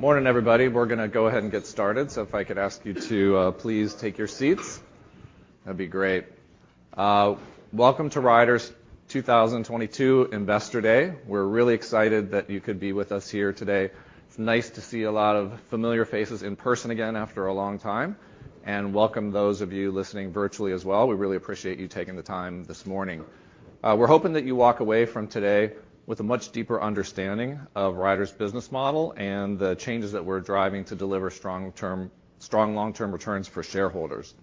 Morning, everybody. We're gonna go ahead and get started, so if I could ask you to please take your seats, that'd be great. Welcome to Ryder's 2022 Investor Day. We're really excited that you could be with us here today. It's nice to see a lot of familiar faces in person again after a long time, and welcome those of you listening virtually as well. We really appreciate you taking the time this morning. We're hoping that you walk away from today with a much deeper understanding of Ryder's business model and the changes that we're driving to deliver strong long-term returns for shareholders.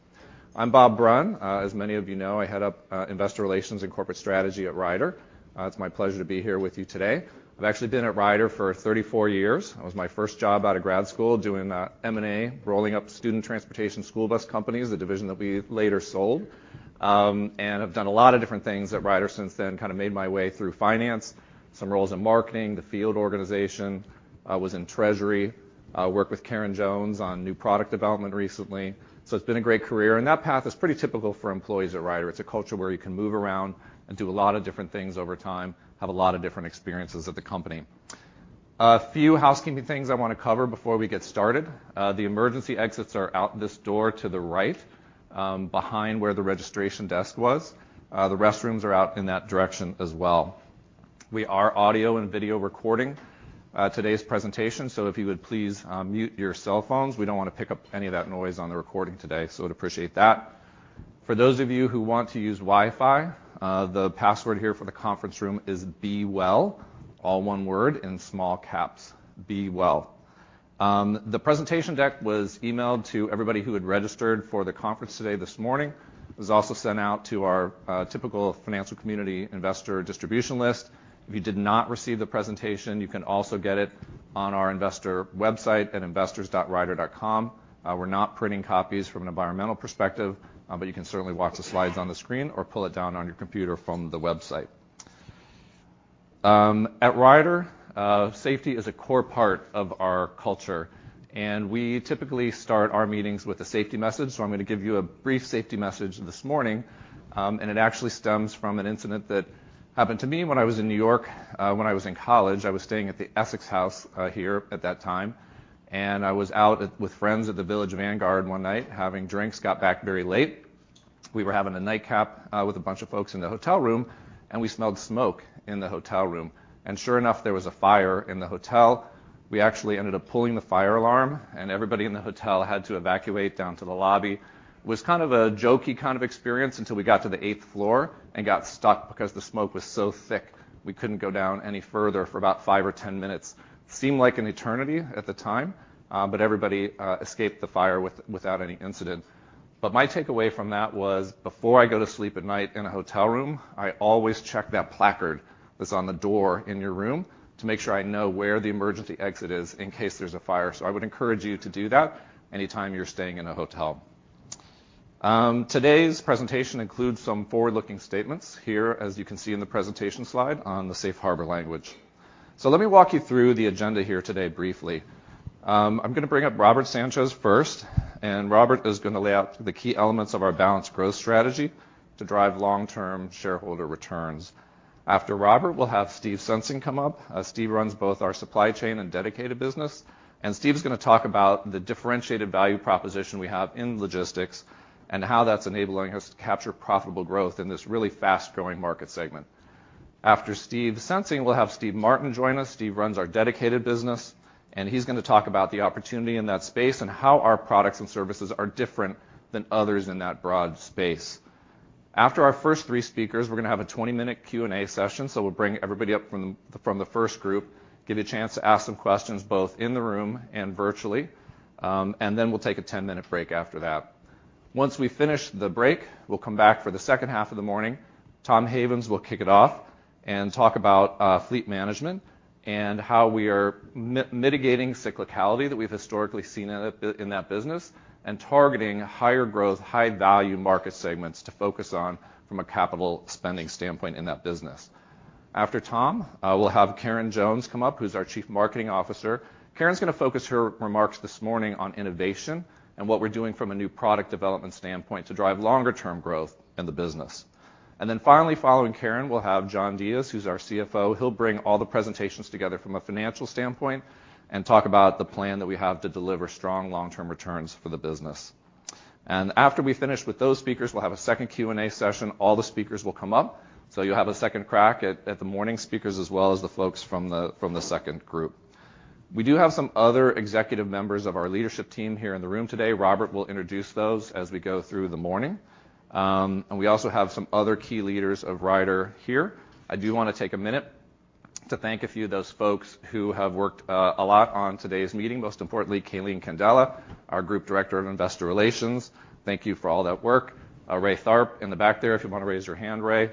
I'm Bob Brunn. As many of you know, I head up investor relations and corporate strategy at Ryder. It's my pleasure to be here with you today. I've actually been at Ryder for 34 years. That was my first job out of grad school, doing M&A, rolling up student transportation school bus companies, a division that we later sold. I've done a lot of different things at Ryder since then, kind of made my way through finance, some roles in marketing, the field organization. I was in treasury. I worked with Karen Jones on new product development recently. It's been a great career, and that path is pretty typical for employees at Ryder. It's a culture where you can move around and do a lot of different things over time, have a lot of different experiences at the company. A few housekeeping things I wanna cover before we get started. The emergency exits are out this door to the right, behind where the registration desk was. The restrooms are out in that direction as well. We are audio and video recording today's presentation, so if you would please mute your cell phones. We don't wanna pick up any of that noise on the recording today, so I'd appreciate that. For those of you who want to use Wi-Fi, the password here for the conference room is "bewell'', all one word, in small caps, "bewell". The presentation deck was emailed to everybody who had registered for the conference today this morning. It was also sent out to our typical financial community investor distribution list. If you did not receive the presentation, you can also get it on our investor website at investors.ryder.com. We're not printing copies from an environmental perspective, but you can certainly watch the slides on the screen or pull it down on your computer from the website. At Ryder, safety is a core part of our culture, and we typically start our meetings with a safety message, so I'm gonna give you a brief safety message this morning, and it actually stems from an incident that happened to me when I was in New York, when I was in college. I was staying at the Essex House here at that time, and I was out with friends at the Village Vanguard one night having drinks. Got back very late. We were having a nightcap with a bunch of folks in the hotel room, and we smelled smoke in the hotel room. Sure enough, there was a fire in the hotel. We actually ended up pulling the fire alarm, and everybody in the hotel had to evacuate down to the lobby. It was kind of a jokey kind of experience until we got to the eighth floor and got stuck because the smoke was so thick we couldn't go down any further for about five or 10 minutes. Seemed like an eternity at the time, but everybody escaped the fire without any incident. My takeaway from that was before I go to sleep at night in a hotel room, I always check that placard that's on the door in your room to make sure I know where the emergency exit is in case there's a fire. I would encourage you to do that anytime you're staying in a hotel. Today's presentation includes some forward-looking statements here, as you can see in the presentation slide on the safe harbor language. Let me walk you through the agenda here today briefly. I'm gonna bring up Robert Sanchez first and Robert is gonna lay out the key elements of our balanced growth strategy to drive long-term shareholder returns. After Robert, we'll have Steve Sensing come up. Steve runs both our supply chain and dedicated business, and Steve's gonna talk about the differentiated value proposition we have in logistics and how that's enabling us to capture profitable growth in this really fast-growing market segment. After Steve Sensing, we'll have Steve Martin join us. Steve runs our dedicated business, and he's gonna talk about the opportunity in that space and how our products and services are different than others in that broad space. After our first three speakers, we're gonna have a 20-minute Q&A session, so we'll bring everybody up from the first group, give you a chance to ask some questions both in the room and virtually, and then we'll take a 10-minute break after that. Once we finish the break, we'll come back for the second half of the morning. Tom Havens will kick it off and talk about fleet management and how we are mitigating cyclicality that we've historically seen in that business and targeting higher growth, high value market segments to focus on from a capital spending standpoint in that business. After Tom, we'll have Karen Jones come up, who's our Chief Marketing Officer. Karen's gonna focus her remarks this morning on innovation and what we're doing from a new product development standpoint to drive longer-term growth in the business. Then finally, following Karen, we'll have John Diez, who's our CFO. He'll bring all the presentations together from a financial standpoint and talk about the plan that we have to deliver strong long-term returns for the business. After we finish with those speakers, we'll have a second Q&A session. All the speakers will come up, so you'll have a second crack at the morning speakers as well as the folks from the second group. We do have some other executive members of our leadership team here in the room today. Robert will introduce those as we go through the morning. We also have some other key leaders of Ryder here. I do wanna take a minute to thank a few of those folks who have worked a lot on today's meeting, most importantly, Calene Candela, our Group Director of Investor Relations. Thank you for all that work. Ray Tharpe in the back there, if you wanna raise your hand, Ray,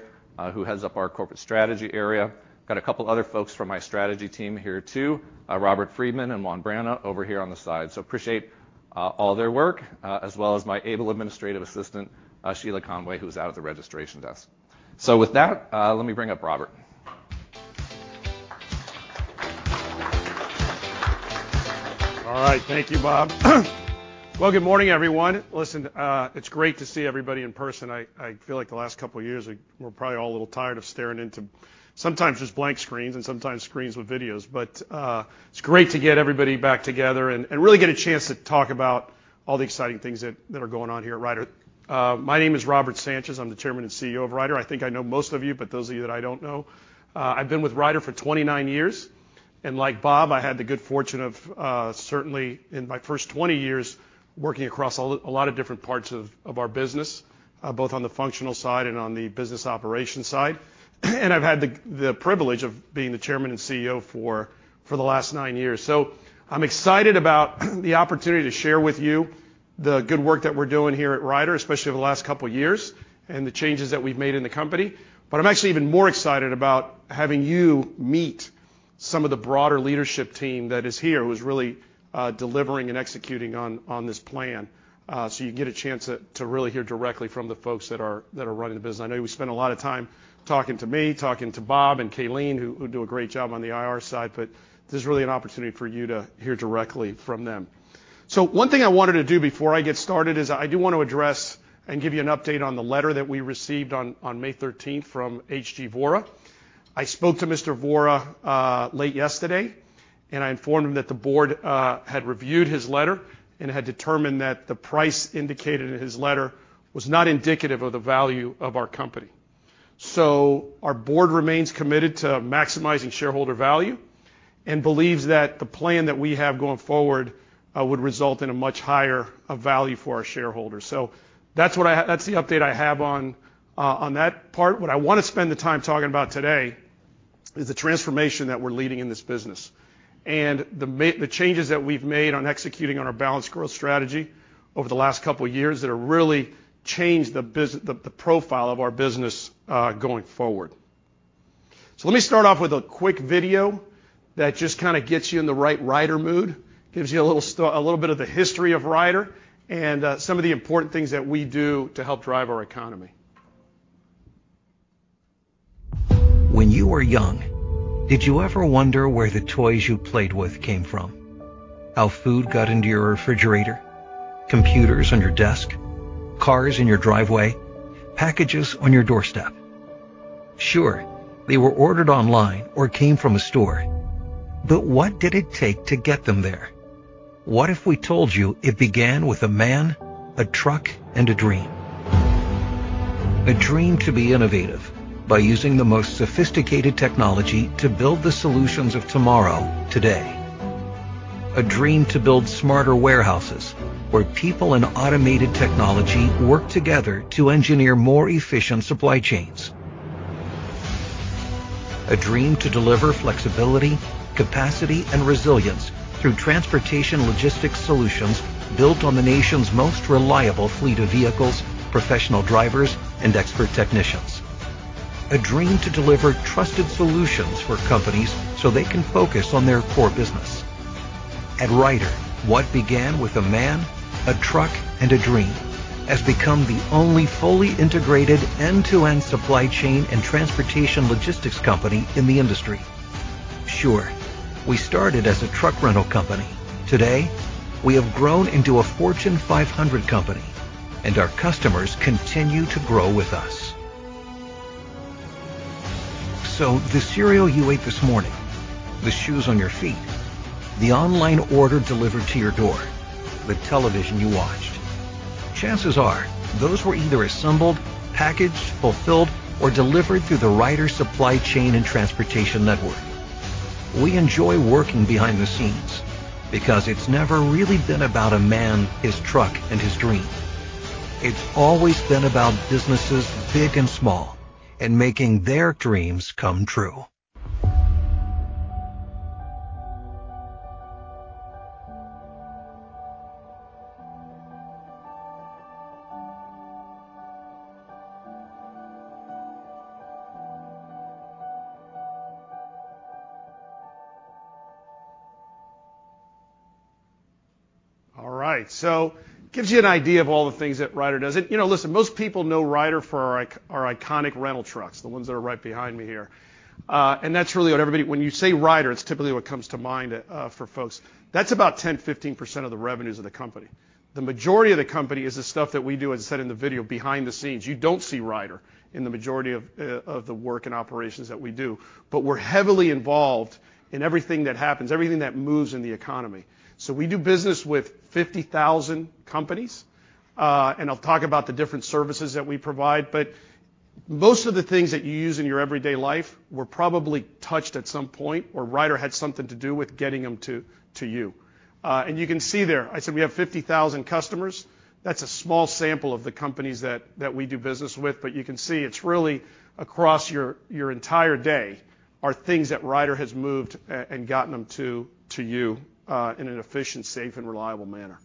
who heads up our corporate strategy area. Got a couple other folks from my strategy team here too, Robert Friedman and Juan Brana over here on the side. Appreciate all their work, as well as my able administrative assistant, Sheila Conway, who's out at the registration desk. With that, let me bring up Robert. All right. Thank you, Bob. Well, good morning everyone. Listen, it's great to see everybody in person. I feel like the last couple years, we're probably all a little tired of staring into sometimes just blank screens and sometimes screens with videos. It's great to get everybody back together and really get a chance to talk about all the exciting things that are going on here at Ryder. My name is Robert Sanchez. I'm the Chairman and CEO of Ryder. I think I know most of you, but those of you that I don't know, I've been with Ryder for 29 years, and like Bob, I had the good fortune of certainly in my first 20 years, working across a lot of different parts of our business, both on the functional side and on the business operations side. I've had the privilege of being the Chairman and CEO for the last nine years. I'm excited about the opportunity to share with you the good work that we're doing here at Ryder, especially over the last couple years, and the changes that we've made in the company. I'm actually even more excited about having you meet some of the broader leadership team that is here, who's really delivering and executing on this plan. You can get a chance to really hear directly from the folks that are running the business. I know you spent a lot of time talking to me, talking to Bob and Calene, who do a great job on the IR side, but this is really an opportunity for you to hear directly from them. One thing I wanted to do before I get started is I do want to address and give you an update on the letter that we received on May 13th from HG Vora. I spoke to Mr. Vora late yesterday, and I informed him that the board had reviewed his letter and had determined that the price indicated in his letter was not indicative of the value of our company. Our board remains committed to maximizing shareholder value and believes that the plan that we have going forward would result in a much higher value for our shareholders. That's the update I have on that part. What I wanna spend the time talking about today is the transformation that we're leading in this business and the changes that we've made on executing on our balanced growth strategy over the last couple years that have really changed the profile of our business, going forward. Let me start off with a quick video that just kind of gets you in the right Ryder mood, gives you a little bit of the history of Ryder and some of the important things that we do to help drive our economy. When you were young, did you ever wonder where the toys you played with came from? How food got into your refrigerator, computers on your desk, cars in your driveway, packages on your doorstep? Sure, they were ordered online or came from a store, but what did it take to get them there? What if we told you it began with a man, a truck, and a dream? A dream to be innovative by using the most sophisticated technology to build the solutions of tomorrow, today. A dream to build smarter warehouses where people and automated technology work together to engineer more efficient supply chains. A dream to deliver flexibility, capacity and resilience through transportation logistics solutions built on the nation's most reliable fleet of vehicles, professional drivers and expert technicians. A dream to deliver trusted solutions for companies so they can focus on their core business. At Ryder, what began with a man, a truck, and a dream has become the only fully integrated end-to-end supply chain and transportation logistics company in the industry. Sure, we started as a truck rental company. Today, we have grown into a Fortune 500 company, and our customers continue to grow with us. The cereal you ate this morning, the shoes on your feet, the online order delivered to your door, the television you watched, chances are those were either assembled, packaged, fulfilled, or delivered through the Ryder supply chain and transportation network. We enjoy working behind the scenes because it's never really been about a man, his truck, and his dream. It's always been about businesses big and small and making their dreams come true. All right. Gives you an idea of all the things that Ryder does. You know, listen, most people know Ryder for our iconic rental trucks, the ones that are right behind me here. And that's really what everybody, when you say Ryder, it's typically what comes to mind, for folks. That's about 10%-15% of the revenues of the company. The majority of the company is the stuff that we do, as I said in the video, behind the scenes. You don't see Ryder in the majority of the work and operations that we do. We're heavily involved in everything that happens, everything that moves in the economy. We do business with 50,000 companies, and I'll talk about the different services that we provide, but most of the things that you use in your everyday life were probably touched at some point, or Ryder had something to do with getting them to you. You can see there, I said we have 50,000 customers. That's a small sample of the companies that we do business with. You can see it's really across your entire day are things that Ryder has moved and gotten them to you in an efficient, safe, and reliable manner.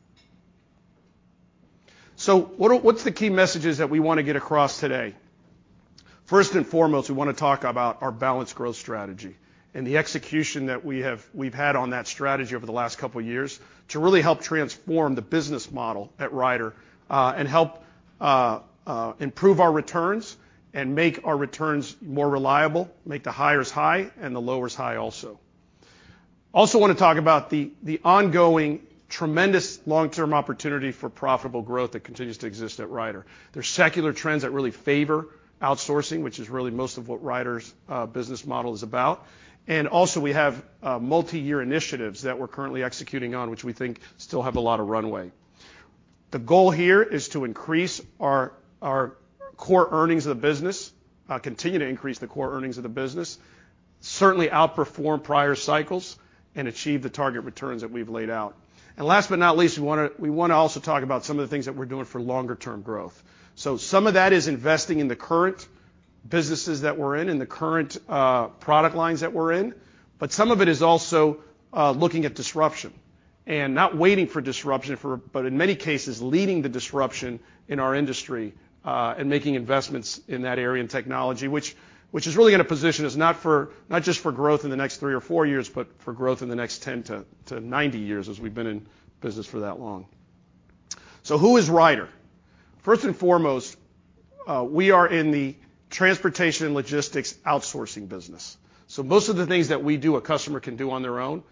What's the key messages that we want to get across today? First and foremost, we want to talk about our balanced growth strategy and the execution that we've had on that strategy over the last couple years to really help transform the business model at Ryder, and help improve our returns and make our returns more reliable, make the highs higher and the lows higher also. Also want to talk about the ongoing tremendous long-term opportunity for profitable growth that continues to exist at Ryder. There's secular trends that really favor outsourcing, which is really most of what Ryder's business model is about. Also, we have multi-year initiatives that we're currently executing on, which we think still have a lot of runway. The goal here is to increase our core earnings of the business, continue to increase the core earnings of the business, certainly outperform prior cycles and achieve the target returns that we've laid out. Last but not least, we wanna also talk about some of the things that we're doing for longer term growth. Some of that is investing in the current businesses that we're in and the current product lines that we're in, but some of it is also looking at disruption and not waiting for disruption but in many cases, leading the disruption in our industry and making investments in that area and technology, which is really gonna position us not for, not just for growth in the next three or four years, but for growth in the next 10 to 90 years as we've been in business for that long. Who is Ryder? First and foremost, we are in the transportation and logistics outsourcing business. Most of the things that we do, a customer can do on their own.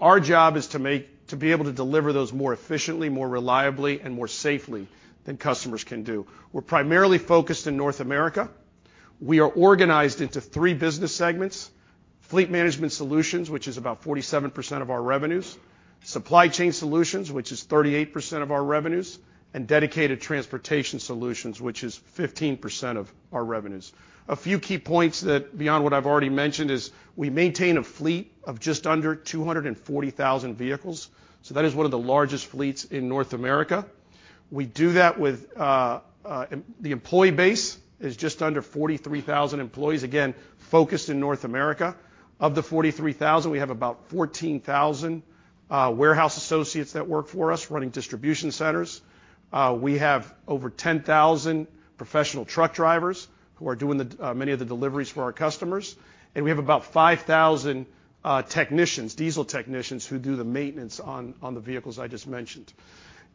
Our job is to make. To be able to deliver those more efficiently, more reliably, and more safely than customers can do. We're primarily focused in North America. We are organized into three business segments: Fleet Management Solutions, which is about 47% of our revenues, Supply Chain Solutions, which is 38% of our revenues, and Dedicated Transportation Solutions, which is 15% of our revenues. A few key points that, beyond what I've already mentioned, is we maintain a fleet of just under 240,000 vehicles, so that is one of the largest fleets in North America. We do that with the employee base is just under 43,000 employees, again, focused in North America. Of the 43,000, we have about 14,000 warehouse associates that work for us, running distribution centers. We have over 10,000 professional truck drivers who are doing the many of the deliveries for our customers. We have about 5,000 technicians, diesel technicians, who do the maintenance on the vehicles I just mentioned.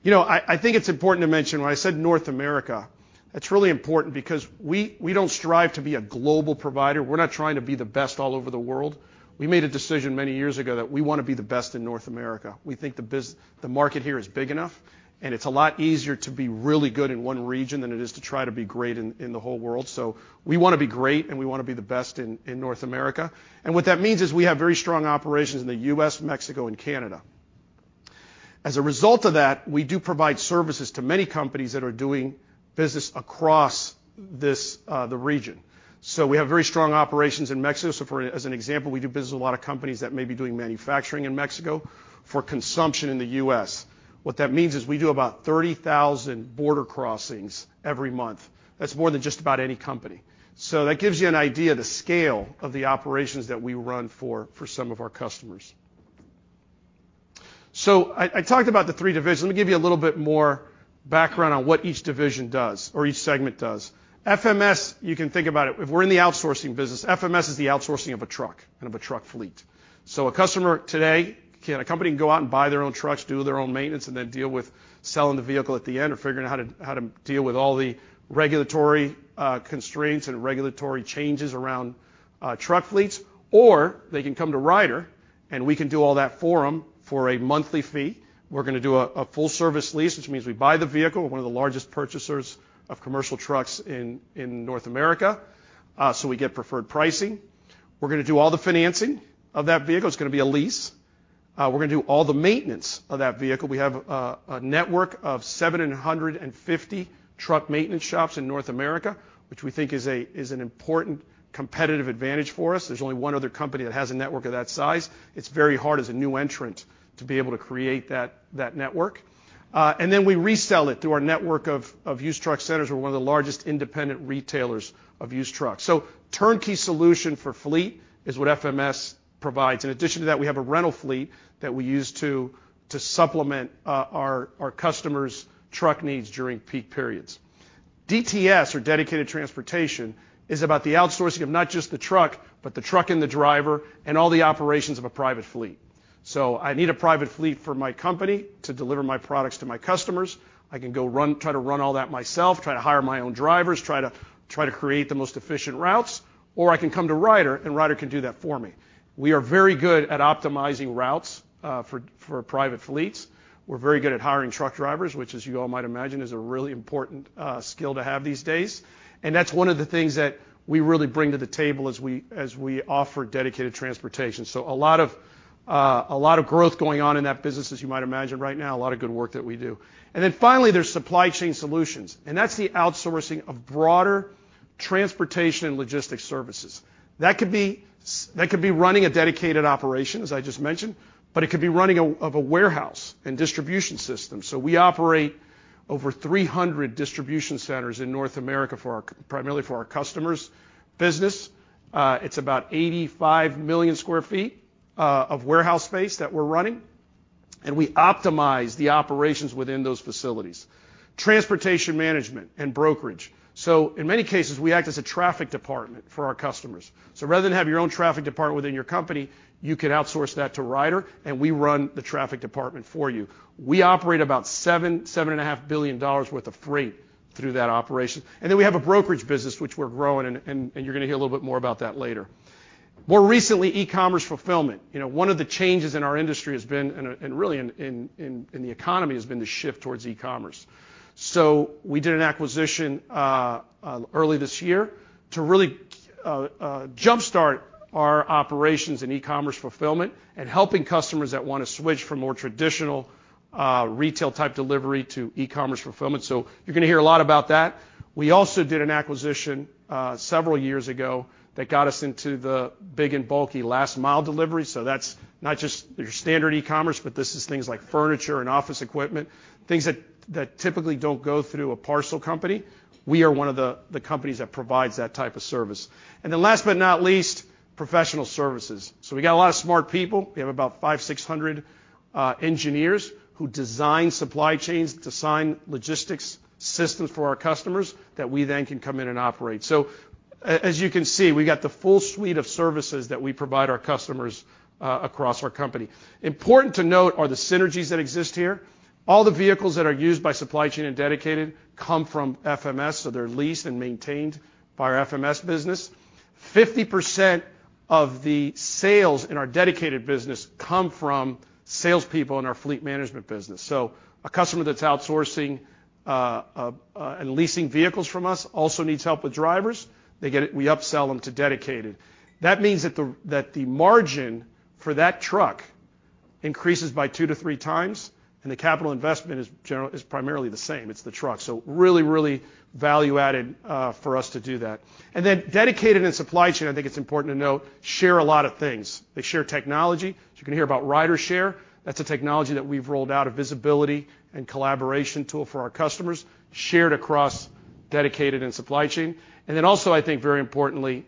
You know, I think it's important to mention, when I said North America, that's really important because we don't strive to be a global provider. We're not trying to be the best all over the world. We made a decision many years ago that we want to be the best in North America. We think the market here is big enough, and it's a lot easier to be really good in one region than it is to try to be great in the whole world. We wanna be great, and we wanna be the best in North America. What that means is we have very strong operations in the U.S., Mexico, and Canada. As a result of that, we do provide services to many companies that are doing business across this, the region. We have very strong operations in Mexico. As an example, we do business with a lot of companies that may be doing manufacturing in Mexico for consumption in the U.S. What that means is we do about 30,000 border crossings every month. That's more than just about any company. That gives you an idea of the scale of the operations that we run for some of our customers. I talked about the three divisions. Let me give you a little bit more background on what each division does or each segment does. FMS, you can think about it. If we're in the outsourcing business, FMS is the outsourcing of a truck and of a truck fleet. A company can go out and buy their own trucks, do their own maintenance, and then deal with selling the vehicle at the end or figuring out how to deal with all the regulatory constraints and regulatory changes around truck fleets, or they can come to Ryder, and we can do all that for them for a monthly fee. We're gonna do a full service lease, which means we buy the vehicle. We're one of the largest purchasers of commercial trucks in North America, so we get preferred pricing. We're gonna do all the financing of that vehicle. It's gonna be a lease. We're gonna do all the maintenance of that vehicle. We have a network of 750 truck maintenance shops in North America, which we think is an important competitive advantage for us. There's only one other company that has a network of that size. It's very hard as a new entrant to be able to create that network. Then we resell it through our network of used truck centers. We're one of the largest independent retailers of used trucks. Turnkey solution for fleet is what FMS provides. In addition to that, we have a rental fleet that we use to supplement our customers' truck needs during peak periods. DTS, or Dedicated Transportation, is about the outsourcing of not just the truck, but the truck and the driver and all the operations of a private fleet. I need a private fleet for my company to deliver my products to my customers. I can try to run all that myself, try to hire my own drivers, try to create the most efficient routes, or I can come to Ryder, and Ryder can do that for me. We are very good at optimizing routes for private fleets. We're very good at hiring truck drivers, which as you all might imagine, is a really important skill to have these days. That's one of the things that we really bring to the table as we offer dedicated transportation. A lot of growth going on in that business, as you might imagine right now, a lot of good work that we do. Finally, there's Supply Chain Solutions, and that's the outsourcing of broader transportation and logistics services. That could be running a dedicated operation, as I just mentioned, but it could be running a warehouse and distribution system. We operate over 300 distribution centers in North America primarily for our customers' business. It's about 85 million sq ft of warehouse space that we're running, and we optimize the operations within those facilities. Transportation management and brokerage. In many cases, we act as a traffic department for our customers. Rather than have your own traffic department within your company, you could outsource that to Ryder, and we run the traffic department for you. We operate about $7.5 billion worth of freight through that operation. Then we have a brokerage business which we're growing, and you're gonna hear a little bit more about that later. More recently, e-commerce fulfillment. You know, one of the changes in our industry has been, and really in the economy, the shift towards e-commerce. So we did an acquisition early this year to really jump-start our operations in e-commerce fulfillment and helping customers that wanna switch from more traditional retail-type delivery to e-commerce fulfillment. So you're gonna hear a lot about that. We also did an acquisition several years ago that got us into the big and bulky last mile delivery. So that's not just your standard e-commerce, but this is things like furniture and office equipment, things that typically don't go through a parcel company. We are one of the companies that provides that type of service. Last but not least, professional services. We got a lot of smart people. We have about 500-600 engineers who design supply chains, design logistics systems for our customers that we then can come in and operate. As you can see, we got the full suite of services that we provide our customers across our company. Important to note are the synergies that exist here. All the vehicles that are used by supply chain and dedicated come from FMS, so they're leased and maintained by our FMS business. 50% of the sales in our dedicated business come from salespeople in our fleet management business. A customer that's outsourcing and leasing vehicles from us also needs help with drivers. They get it. We upsell them to dedicated. That means that the margin for that truck increases by two-three times, and the capital investment is primarily the same. It's the truck. Really value added for us to do that. Dedicated and supply chain, I think it's important to note, share a lot of things. They share technology. You're gonna hear about RyderShare. That's a technology that we've rolled out, a visibility and collaboration tool for our customers, shared across dedicated and supply chain. I think very importantly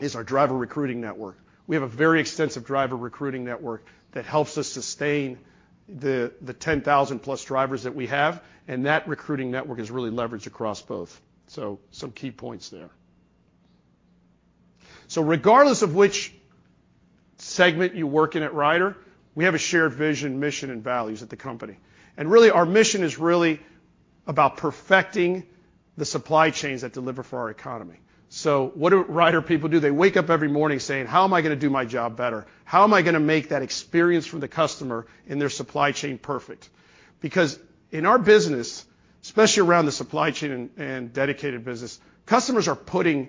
is our driver recruiting network. We have a very extensive driver recruiting network that helps us sustain the 10,000+ drivers that we have, and that recruiting network is really leveraged across both. Some key points there. Regardless of which segment you work in at Ryder, we have a shared vision, mission, and values at the company. Really, our mission is really about perfecting the supply chains that deliver for our economy. What do Ryder people do? They wake up every morning saying, "How am I gonna do my job better? How am I gonna make that experience for the customer and their supply chain perfect?" Because in our business, especially around the supply chain and dedicated business, customers are putting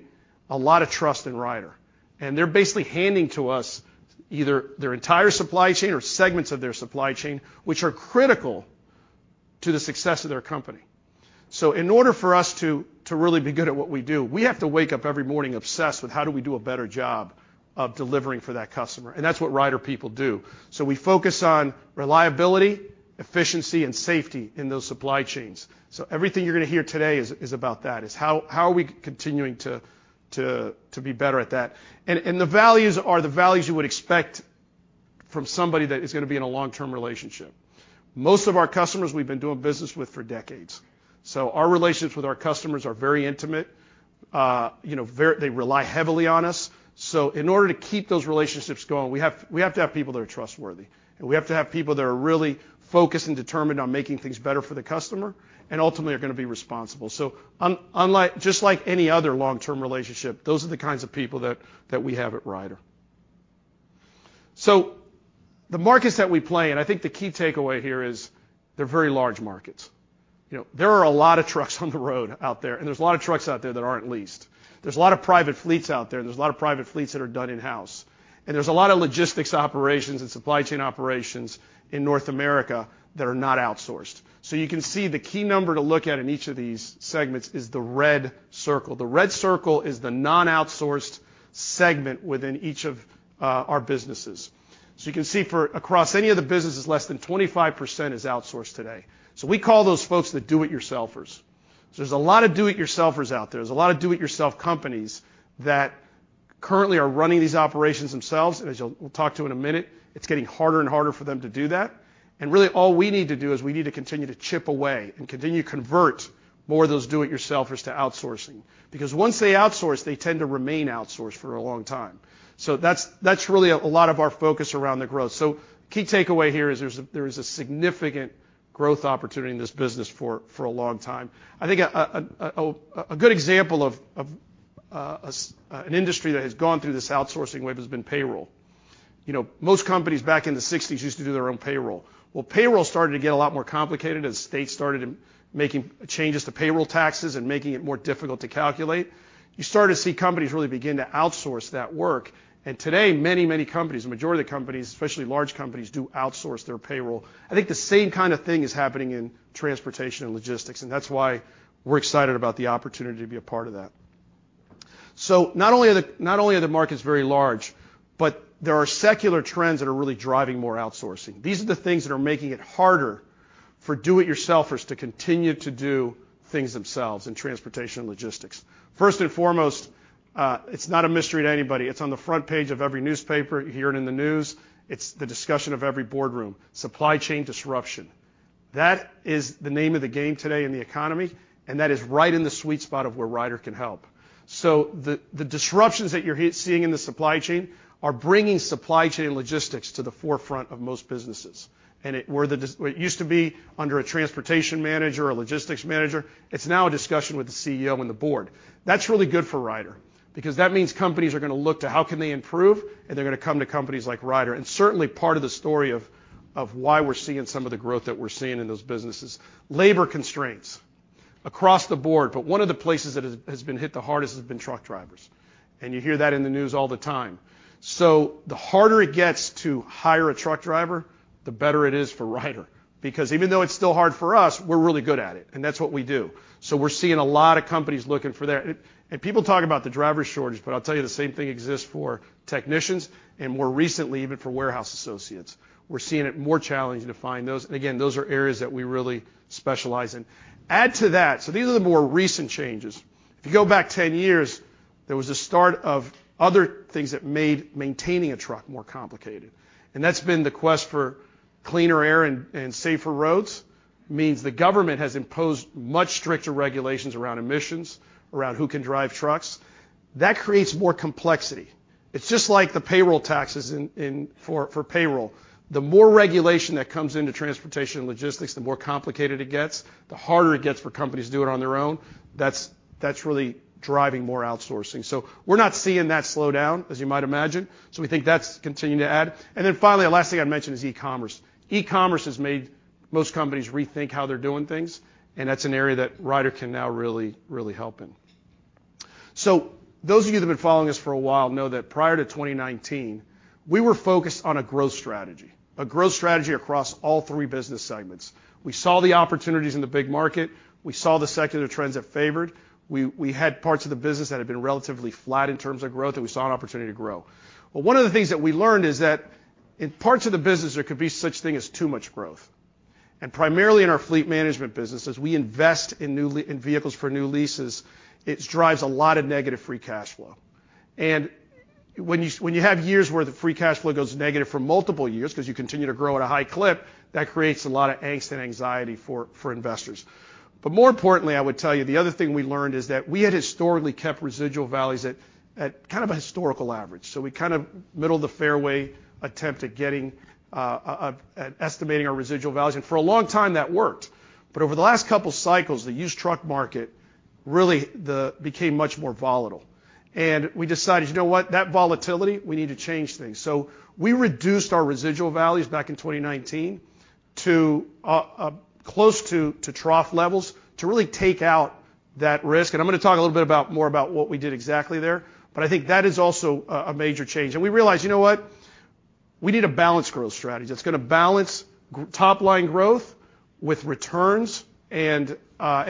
a lot of trust in Ryder, and they're basically handing to us either their entire supply chain or segments of their supply chain, which are critical to the success of their company. In order for us to really be good at what we do, we have to wake up every morning obsessed with how do we do a better job of delivering for that customer, and that's what Ryder people do. We focus on reliability, efficiency and safety in those supply chains. Everything you're gonna hear today is about that, is how are we continuing to be better at that? The values are the values you would expect from somebody that is gonna be in a long-term relationship. Most of our customers we've been doing business with for decades, so our relationships with our customers are very intimate. You know, they rely heavily on us. In order to keep those relationships going, we have to have people that are trustworthy, and we have to have people that are really focused and determined on making things better for the customer and ultimately are gonna be responsible. Just like any other long-term relationship, those are the kinds of people that we have at Ryder. The markets that we play, and I think the key takeaway here, is they're very large markets. You know, there are a lot of trucks on the road out there, and there's a lot of trucks out there that aren't leased. There's a lot of private fleets out there, and there's a lot of private fleets that are done in-house. There's a lot of logistics operations and supply chain operations in North America that are not outsourced. You can see the key number to look at in each of these segments is the red circle. The red circle is the non-outsourced segment within each of our businesses. You can see across any of the businesses, less than 25% is outsourced today. We call those folks the do-it-yourselfers. There's a lot of do-it-yourselfers out there. There's a lot of do-it-yourself companies that currently are running these operations themselves, and as we'll talk to in a minute, it's getting harder and harder for them to do that. Really all we need to do is we need to continue to chip away and continue to convert more of those do-it-yourselfers to outsourcing. Because once they outsource, they tend to remain outsourced for a long time. That's really a lot of our focus around the growth. Key takeaway here is there is a significant growth opportunity in this business for a long time. I think a good example of an industry that has gone through this outsourcing wave has been payroll. You know, most companies back in the 1960s used to do their own payroll. Well, payroll started to get a lot more complicated as states started making changes to payroll taxes and making it more difficult to calculate. You started to see companies really begin to outsource that work, and today many, many companies, the majority of the companies, especially large companies, do outsource their payroll. I think the same kind of thing is happening in transportation and logistics, and that's why we're excited about the opportunity to be a part of that. Not only are the markets very large, but there are secular trends that are really driving more outsourcing. These are the things that are making it harder for do-it-yourselfers to continue to do things themselves in transportation and logistics. First and foremost, it's not a mystery to anybody. It's on the front page of every newspaper. You hear it in the news. It's the discussion of every boardroom: supply chain disruption. That is the name of the game today in the economy, and that is right in the sweet spot of where Ryder can help. The disruptions that you're seeing in the supply chain are bringing supply chain logistics to the forefront of most businesses. It, where it used to be under a transportation manager or logistics manager, it's now a discussion with the CEO and the board. That's really good for Ryder because that means companies are going to look to how can they improve, and they're going to come to companies like Ryder, and certainly part of the story of why we're seeing some of the growth that we're seeing in those businesses. Labor constraints across the board, but one of the places that has been hit the hardest has been truck drivers, and you hear that in the news all the time. The harder it gets to hire a truck driver, the better it is for Ryder. Because even though it's still hard for us, we're really good at it, and that's what we do. We're seeing a lot of companies looking for. People talk about the driver shortage, but I'll tell you the same thing exists for technicians and more recently, even for warehouse associates. We're seeing it more challenging to find those. Again, those are areas that we really specialize in. Add to that, these are the more recent changes. If you go back 10 years, there was the start of other things that made maintaining a truck more complicated, and that's been the quest for cleaner air and safer roads. Means the government has imposed much stricter regulations around emissions, around who can drive trucks. That creates more complexity. It's just like the payroll taxes in for payroll. The more regulation that comes into transportation and logistics, the more complicated it gets, the harder it gets for companies to do it on their own. That's really driving more outsourcing. We're not seeing that slow down as you might imagine. We think that's continuing to add. Finally, the last thing I'd mention is e-commerce. E-commerce has made most companies rethink how they're doing things, and that's an area that Ryder can now really, really help in. Those of you that have been following us for a while know that prior to 2019, we were focused on a growth strategy across all three business segments. We saw the opportunities in the big market. We saw the secular trends that favored. We had parts of the business that had been relatively flat in terms of growth, and we saw an opportunity to grow. One of the things that we learned is that in parts of the business, there could be such thing as too much growth. Primarily in our fleet management business, as we invest in new in vehicles for new leases, it drives a lot of negative free cash flow. When you have years where the free cash flow goes negative for multiple years because you continue to grow at a high clip, that creates a lot of angst and anxiety for investors. More importantly, I would tell you the other thing we learned is that we had historically kept residual values at kind of a historical average. We kind of middle the fairway attempt at estimating our residual values, and for a long time that worked. Over the last couple cycles, the used truck market became much more volatile. We decided, you know what? That volatility, we need to change things. We reduced our residual values back in 2019 to close to trough levels to really take out that risk, and I'm going to talk a little bit about more about what we did exactly there. I think that is also a major change. We realized, you know what? We need a balanced growth strategy that's going to balance top-line growth with returns and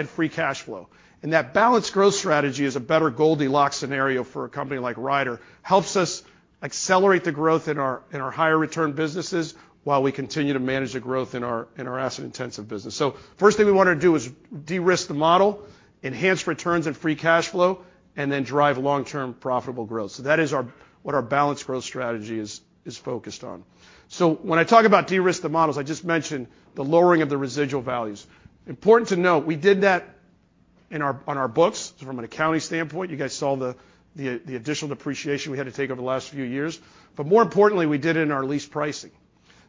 free cash flow. That balanced growth strategy is a better Goldilocks scenario for a company like Ryder. It helps us accelerate the growth in our higher return businesses while we continue to manage the growth in our asset-intensive business. First thing we wanted to do is de-risk the model, enhance returns and free cash flow, and then drive long-term profitable growth. That is what our balanced growth strategy is focused on. When I talk about de-risk the models, I just mentioned the lowering of the residual values. Important to note, we did that on our books from an accounting standpoint. You guys saw the additional depreciation we had to take over the last few years. More importantly, we did it in our lease pricing.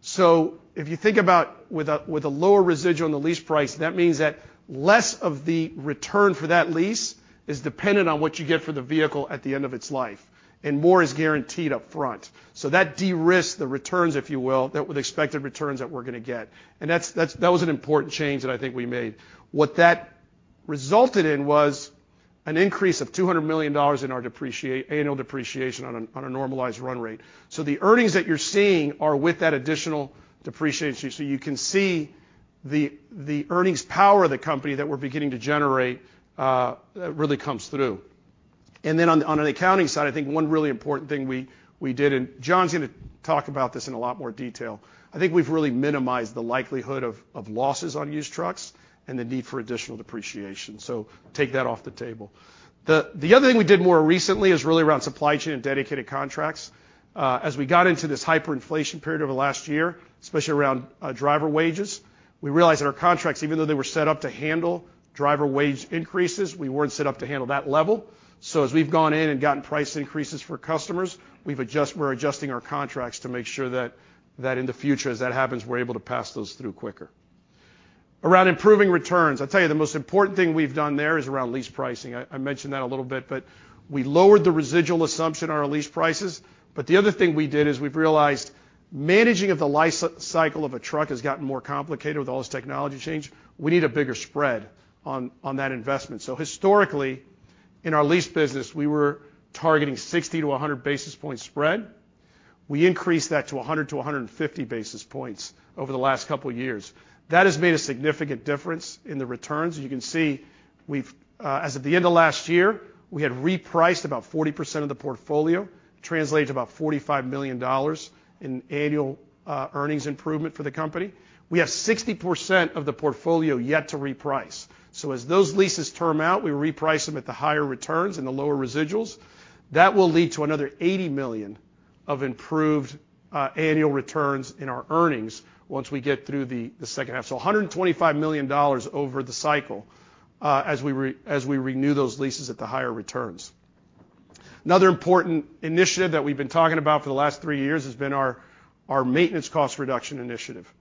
If you think about with a lower residual on the lease price, that means that less of the return for that lease is dependent on what you get for the vehicle at the end of its life, and more is guaranteed up front. That de-risks the returns, if you will, with expected returns that we're going to get. That was an important change that I think we made. What that resulted in was an increase of $200 million in our annual depreciation on a normalized run rate. The earnings that you're seeing are with that additional depreciation. You can see the earnings power of the company that we're beginning to generate really comes through. On an accounting side, I think one really important thing we did, and John's going to talk about this in a lot more detail. I think we've really minimized the likelihood of losses on used trucks and the need for additional depreciation. Take that off the table. The other thing we did more recently is really around supply chain and dedicated contracts. As we got into this hyperinflation period over the last year, especially around driver wages, we realized that our contracts, even though they were set up to handle driver wage increases, we weren't set up to handle that level. As we've gone in and gotten price increases for customers, we're adjusting our contracts to make sure that in the future, as that happens, we're able to pass those through quicker. Around improving returns, I'll tell you the most important thing we've done there is around lease pricing. I mentioned that a little bit, but we lowered the residual assumption on our lease prices. The other thing we did is we've realized managing of the life-cycle of a truck has gotten more complicated with all this technology change. We need a bigger spread on that investment. Historically, in our lease business, we were targeting 60-100 basis point spread. We increased that to 100-150 basis points over the last couple years. That has made a significant difference in the returns. You can see we've, as of the end of last year, we had repriced about 40% of the portfolio, translated to about $45 million in annual earnings improvement for the company. We have 60% of the portfolio yet to reprice. As those leases term out, we reprice them at the higher returns and the lower residuals. That will lead to another $80 million of improved annual returns in our earnings once we get through the second half. $125 million over the cycle. As we renew those leases at the higher returns. Another important initiative that we've been talking about for the last three years has been our maintenance cost reduction initiative.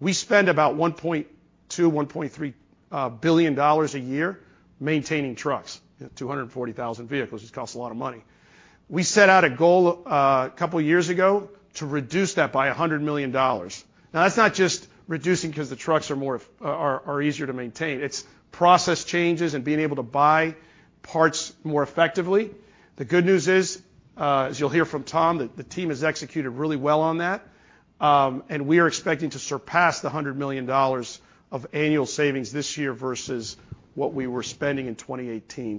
We spend about $1.2 billion-$1.3 billion a year maintaining trucks. 240,000 vehicles. This costs a lot of money. We set out a goal couple of years ago to reduce that by $100 million. Now, that's not just reducing because the trucks are easier to maintain. It's process changes and being able to buy parts more effectively. The good news is, as you'll hear from Tom, the team has executed really well on that, and we are expecting to surpass the $100 million of annual savings this year versus what we were spending in 2018.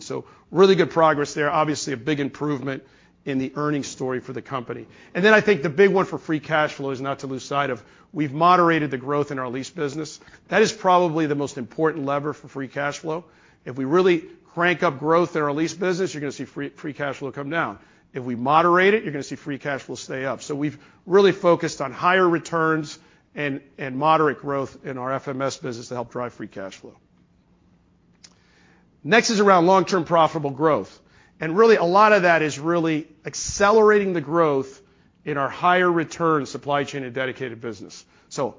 Really good progress there. Obviously, a big improvement in the earnings story for the company. Then I think the big one for free cash flow is not to lose sight of. We've moderated the growth in our lease business. That is probably the most important lever for free cash flow. If we really crank up growth in our lease business, you're going to see free cash flow come down. If we moderate it, you're going to see free cash flow stay up. We've really focused on higher returns and moderate growth in our FMS business to help drive free cash flow. Next is around long-term profitable growth. Really a lot of that is really accelerating the growth in our higher return supply chain and dedicated business.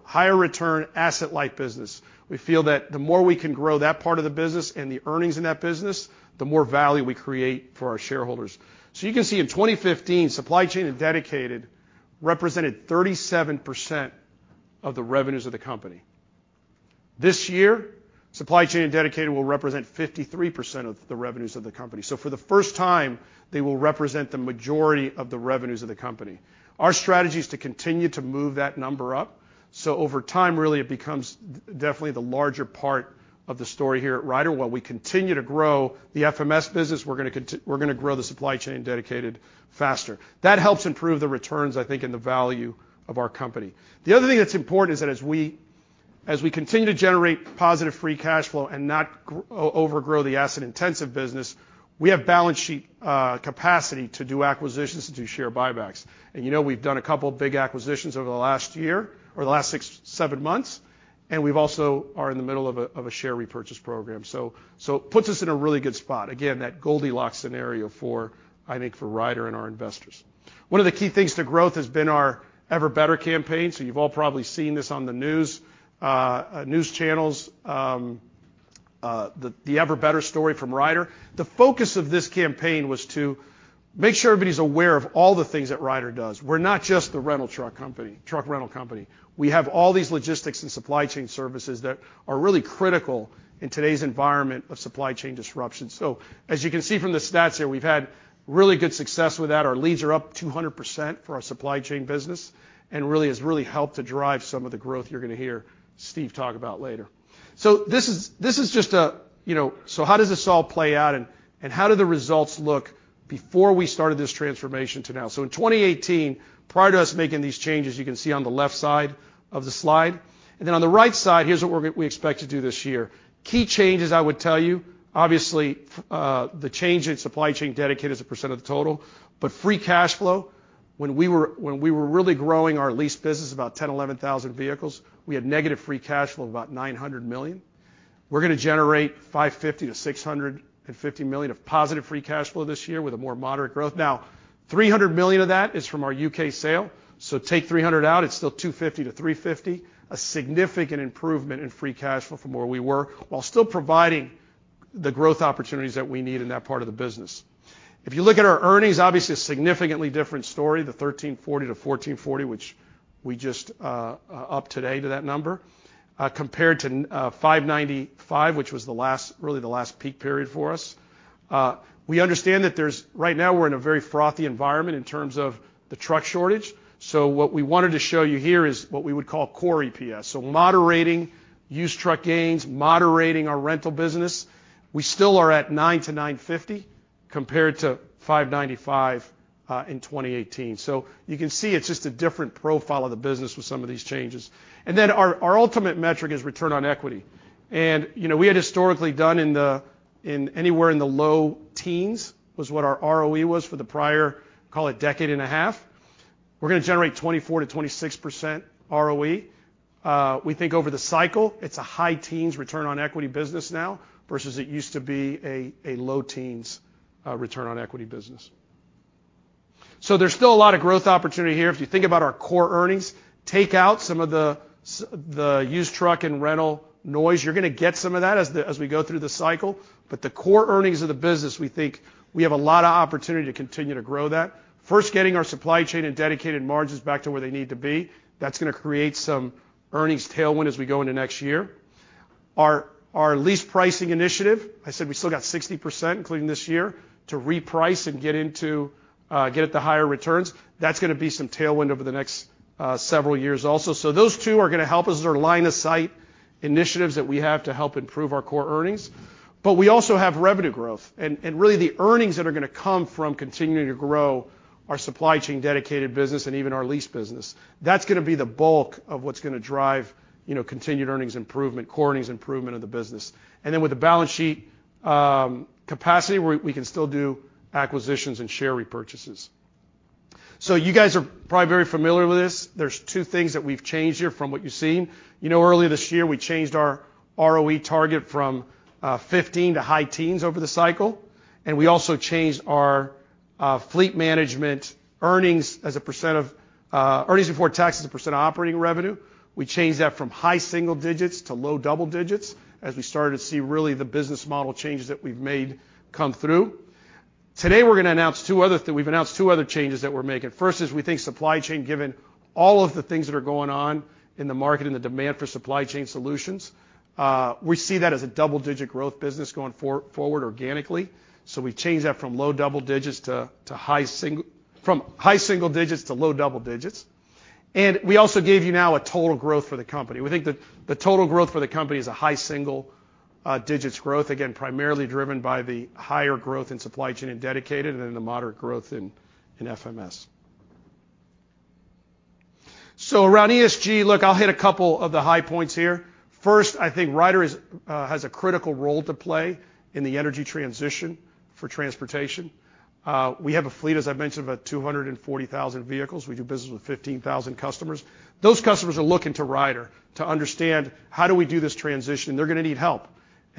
Higher return asset light business. We feel that the more we can grow that part of the business and the earnings in that business, the more value we create for our shareholders. You can see in 2015, supply chain and dedicated represented 37% of the revenues of the company. This year, supply chain and dedicated will represent 53% of the revenues of the company. For the first time, they will represent the majority of the revenues of the company. Our strategy is to continue to move that number up. Over time, really, it becomes definitely the larger part of the story here at Ryder. While we continue to grow the FMS business, we're going to grow the supply chain dedicated faster. That helps improve the returns, I think, and the value of our company. The other thing that's important is that as we continue to generate positive free cash flow and not overgrow the asset-intensive business, we have balance sheet capacity to do acquisitions, to do share buybacks. You know, we've done a couple of big acquisitions over the last year or the last six, seven months, and we've also are in the middle of a share repurchase program. It puts us in a really good spot. Again, that Goldilocks scenario for, I think, for Ryder and our investors. One of the key things to growth has been our Ever Better campaign. You've all probably seen this on the news channels, the Ever Better story from Ryder. The focus of this campaign was to make sure everybody's aware of all the things that Ryder does. We're not just the rental truck company, truck rental company. We have all these logistics and supply chain services that are really critical in today's environment of supply chain disruption. As you can see from the stats here, we've had really good success with that. Our leads are up 200% for our supply chain business and really helped to drive some of the growth you're going to hear Steve talk about later. This is just a, you know, how does this all play out and how do the results look before we started this transformation to now? In 2018, prior to us making these changes, you can see on the left side of the slide. Then on the right side, here's what we expect to do this year. Key changes I would tell you, obviously, the change in supply chain dedicated as a percent of the total, but free cash flow, when we were really growing our lease business, about 10,000-11,000 vehicles, we had negative free cash flow of about $900 million. We're going to generate $550 million-$650 million of positive free cash flow this year with a more moderate growth. Now, $300 million of that is from our U.K. sale. So take $300 million out, it's still $250 million-$350 million, a significant improvement in free cash flow from where we were while still providing the growth opportunities that we need in that part of the business. If you look at our earnings, obviously a significantly different story, the $13.40-$14.40, which we just upped today to that number, compared to five ninety-five, which was the last, really the last peak period for us. We understand that there's, right now we're in a very frothy environment in terms of the truck shortage. What we wanted to show you here is what we would call core EPS. Moderating used truck gains, moderating our rental business. We still are at $9-$9.50 compared to $5.95 in 2018. You can see it's just a different profile of the business with some of these changes. Our ultimate metric is return on equity. You know, we had historically done anywhere in the low teens was what our ROE was for the prior, call it decade and a half. We're going to generate 24%-26% ROE. We think over the cycle, it's a high teens return on equity business now versus it used to be a low teens return on equity business. There's still a lot of growth opportunity here. If you think about our core earnings, take out some of the used truck and rental noise. You're going to get some of that as we go through the cycle. The core earnings of the business, we think we have a lot of opportunity to continue to grow that. First, getting our supply chain and dedicated margins back to where they need to be. That's going to create some earnings tailwind as we go into next year. Our lease pricing initiative, I said we still got 60%, including this year, to reprice and get into get at the higher returns. That's going to be some tailwind over the next several years also. Those two are going to help us. They're line of sight initiatives that we have to help improve our core earnings. We also have revenue growth, and really the earnings that are going to come from continuing to grow our supply chain dedicated business and even our lease business. That's going to be the bulk of what's going to drive, you know, continued earnings improvement, core earnings improvement of the business. With the balance sheet, capacity, we can still do acquisitions and share repurchases. You guys are probably very familiar with this. There's two things that we've changed here from what you've seen. You know, earlier this year, we changed our ROE target from 15 to high teens over the cycle, and we also changed our fleet management earnings as a percent of earnings before tax as a percent of operating revenue. We changed that from high single digits to low double digits as we started to see really the business model changes that we've made come through. Today, we've announced two other changes that we're making. First, we think supply chain, given all of the things that are going on in the market and the demand for supply chain solutions, we see that as a double-digit growth business going forward organically. We've changed that from high single digits to low double digits. We also gave you now a total growth for the company. We think the total growth for the company is high single digits growth, again, primarily driven by the higher growth in supply chain and dedicated and then the moderate growth in FMS. Around ESG, look, I'll hit a couple of the high points here. First, I think Ryder has a critical role to play in the energy transition for transportation. We have a fleet, as I've mentioned, of about 240,000 vehicles. We do business with 15,000 customers. Those customers are looking to Ryder to understand, how do we do this transition? They're gonna need help.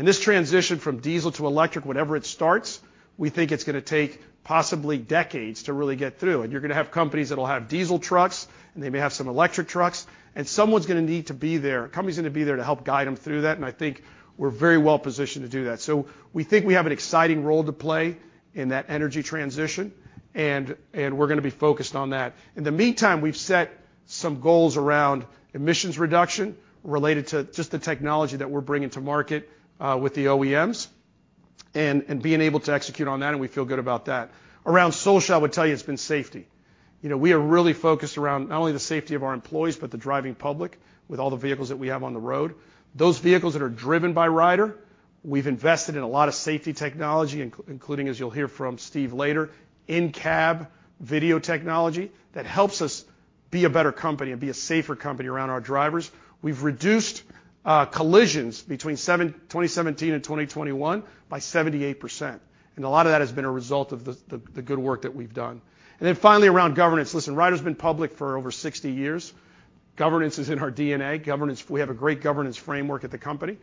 This transition from diesel to electric, whenever it starts, we think it's gonna take possibly decades to really get through. You're gonna have companies that'll have diesel trucks, and they may have some electric trucks, and someone's gonna need to be there. A company's gonna be there to help guide them through that, and I think we're very well positioned to do that. We think we have an exciting role to play in that energy transition, and we're gonna be focused on that. In the meantime, we've set some goals around emissions reduction related to just the technology that we're bringing to market with the OEMs and being able to execute on that, and we feel good about that. Around social, I would tell you it's been safety. You know, we are really focused around not only the safety of our employees but the driving public with all the vehicles that we have on the road. Those vehicles that are driven by Ryder, we've invested in a lot of safety technology, including, as you'll hear from Steve later, in-cab video technology that helps us be a better company and be a safer company around our drivers. We've reduced collisions between 2017 and 2021 by 78%, and a lot of that has been a result of the good work that we've done. Finally, around governance. Listen, Ryder's been public for over 60 years. Governance is in our DNA. Governance, we have a great governance framework at the company,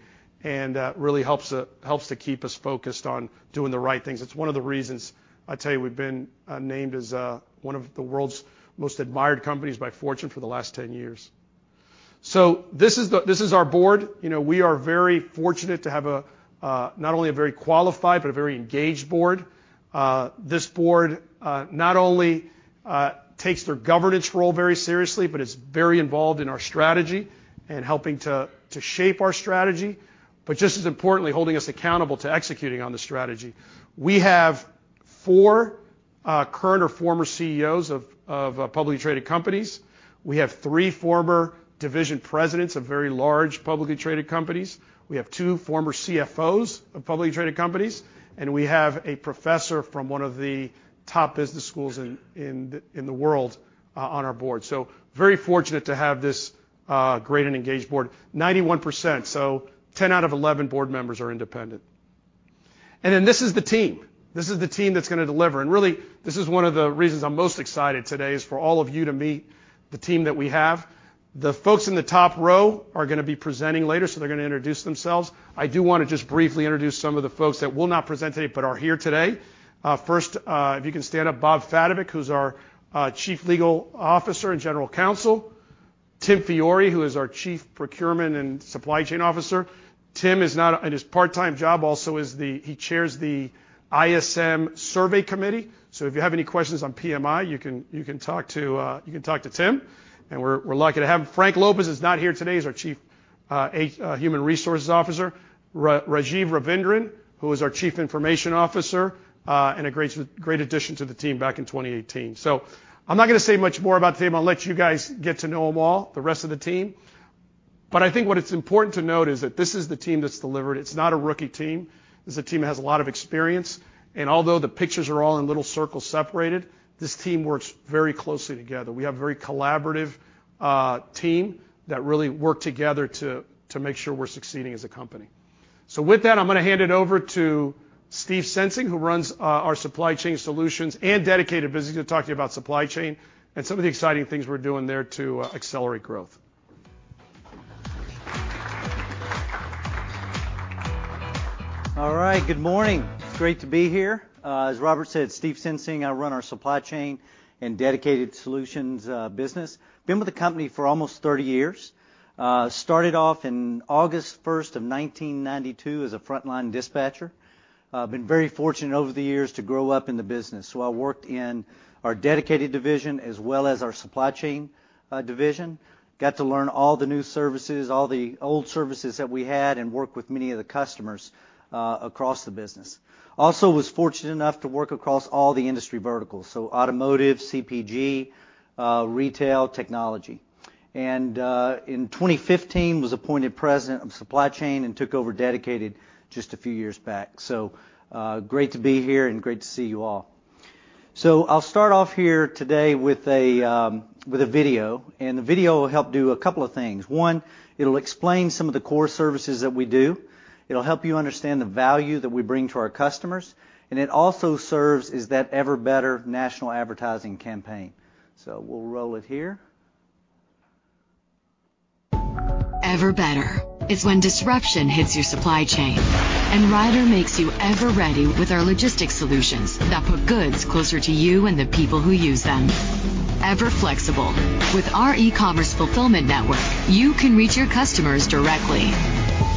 and it really helps to keep us focused on doing the right things. It's one of the reasons, I tell you, we've been named as one of the world's most admired companies by Fortune for the last 10 years. This is our board. You know, we are very fortunate to have a not only a very qualified but a very engaged board. This board not only takes their governance role very seriously but is very involved in our strategy and helping to shape our strategy, but just as importantly, holding us accountable to executing on the strategy. We have four current or former CEOs of publicly traded companies. We have three former division presidents of very large publicly traded companies. We have two former CFOs of publicly traded companies, and we have a professor from one of the top business schools in the world on our board. Very fortunate to have this great and engaged board. 91%, so 10 out of 11 board members are independent. Then this is the team. This is the team that's gonna deliver. Really, this is one of the reasons I'm most excited today is for all of you to meet the team that we have. The folks in the top row are gonna be presenting later, so they're gonna introduce themselves. I do wanna just briefly introduce some of the folks that will not present today but are here today. First, if you can stand up, Bob Fatovic, who's our Chief Legal Officer and General Counsel. Tim Fiore, who is our Chief Procurement and Supply Chain Officer. Tim is and his part-time job also is he chairs the ISM Survey Committee. If you have any questions on PMI, you can talk to Tim, and we're lucky to have him. Frank Lopez is not here today. He's our Chief Human Resources Officer. Rajeev Ravindran, who is our Chief Information Officer, and a great addition to the team back in 2018. I'm not gonna say much more about the team. I'll let you guys get to know them all, the rest of the team. I think what it's important to note is that this is the team that's delivered. It's not a rookie team. This is a team that has a lot of experience. Although the pictures are all in little circles separated, this team works very closely together. We have a very collaborative team that really works together to make sure we're succeeding as a company. With that, I'm gonna hand it over to Steve Sensing, who runs our Supply Chain Solutions and dedicated business. He's gonna talk to you about supply chain and some of the exciting things we're doing there to accelerate growth. All right. Good morning. It's great to be here. As Robert said, Steve Sensing. I run our Supply Chain Solutions and dedicated solutions business. Been with the company for almost 30 years. Started off in August 1st, 1992 as a frontline dispatcher. I've been very fortunate over the years to grow up in the business. I worked in our dedicated division as well as our supply chain division. Got to learn all the new services, all the old services that we had and worked with many of the customers across the business. Also was fortunate enough to work across all the industry verticals, so automotive, CPG, retail, technology. In 2015, was appointed president of supply chain and took over dedicated just a few years back. Great to be here and great to see you all. I'll start off here today with a video, and the video will help do a couple of things. One, it'll explain some of the core services that we do. It'll help you understand the value that we bring to our customers, and it also serves as that Ever Better national advertising campaign. We'll roll it here. Ever Better. It's when disruption hits your supply chain, and Ryder makes you ever ready with our logistics solutions that put goods closer to you and the people who use them. Ever Flexible. With our e-commerce fulfillment network, you can reach your customers directly.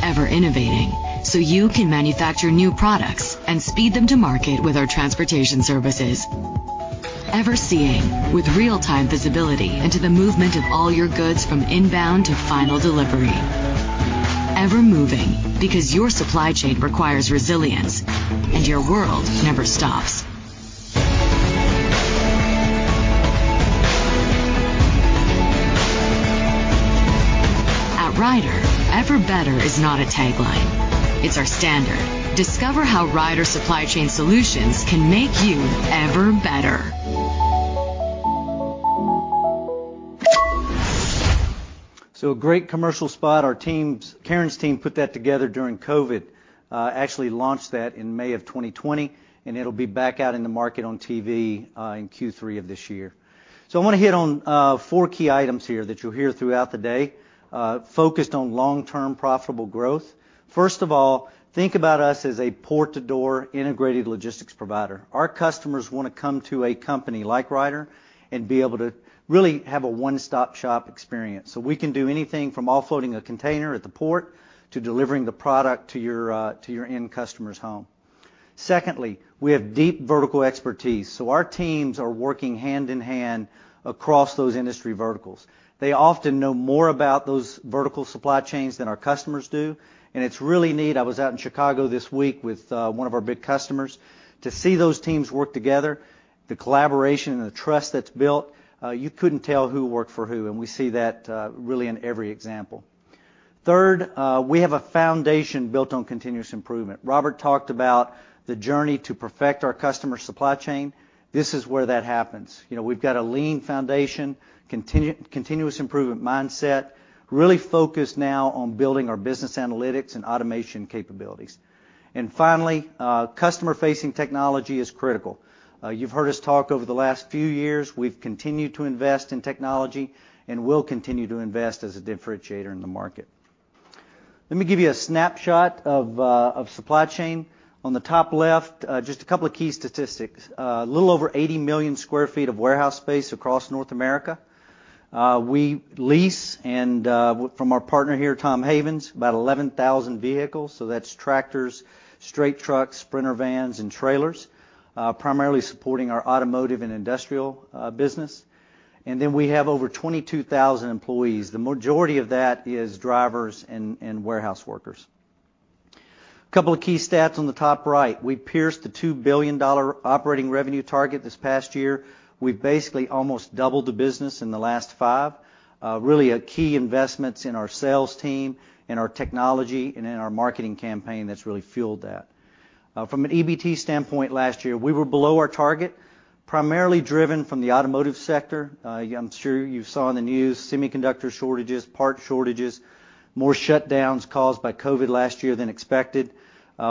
Ever Innovating, so you can manufacture new products and speed them to market with our transportation services. Ever Seeing, with real-time visibility into the movement of all your goods from inbound to final delivery. Ever Moving, because your supply chain requires resilience, and your world never stops. At Ryder, Ever Better is not a tagline. It's our standard. Discover how Ryder's supply chain solutions can make you ever better. A great commercial spot. Our teams, Karen's team, put that together during COVID. Actually launched that in May of 2020, and it'll be back out in the market on TV in Q3 of this year. I wanna hit on four key items here that you'll hear throughout the day, focused on long-term profitable growth. First of all, think about us as a port-to-door integrated logistics provider. Our customers wanna come to a company like Ryder and be able to really have a one-stop shop experience. We can do anything from offloading a container at the port to delivering the product to your end customer's home. Secondly, we have deep vertical expertise, so our teams are working hand-in-hand across those industry verticals. They often know more about those vertical supply chains than our customers do, and it's really neat. I was out in Chicago this week with one of our big customers. To see those teams work together, the collaboration and the trust that's built, you couldn't tell who worked for who and we see that really in every example. Third, we have a foundation built on continuous improvement. Robert talked about the journey to perfect our customer supply chain. This is where that happens. You know, we've got a lean foundation, continuous improvement mindset, really focused now on building our business analytics and automation capabilities. Finally, customer-facing technology is critical. You've heard us talk over the last few years. We've continued to invest in technology and will continue to invest as a differentiator in the market. Let me give you a snapshot of supply chain. On the top left, just a couple of key statistics. A little over 80 million sq ft of warehouse space across North America. We lease and from our partner here, Tom Havens, about 11,000 vehicles, so that's tractors, straight trucks, sprinter vans and trailers, primarily supporting our automotive and industrial business. We have over 22,000 employees. The majority of that is drivers and warehouse workers. A couple of key stats on the top right. We pierced the $2 billion operating revenue target this past year. We've basically almost doubled the business in the last five. Really key investments in our sales team, in our technology, and in our marketing campaign that's really fueled that. From an EBT standpoint, last year, we were below our target, primarily driven from the automotive sector. I'm sure you saw in the news semiconductor shortages, part shortages, more shutdowns caused by COVID last year than expected.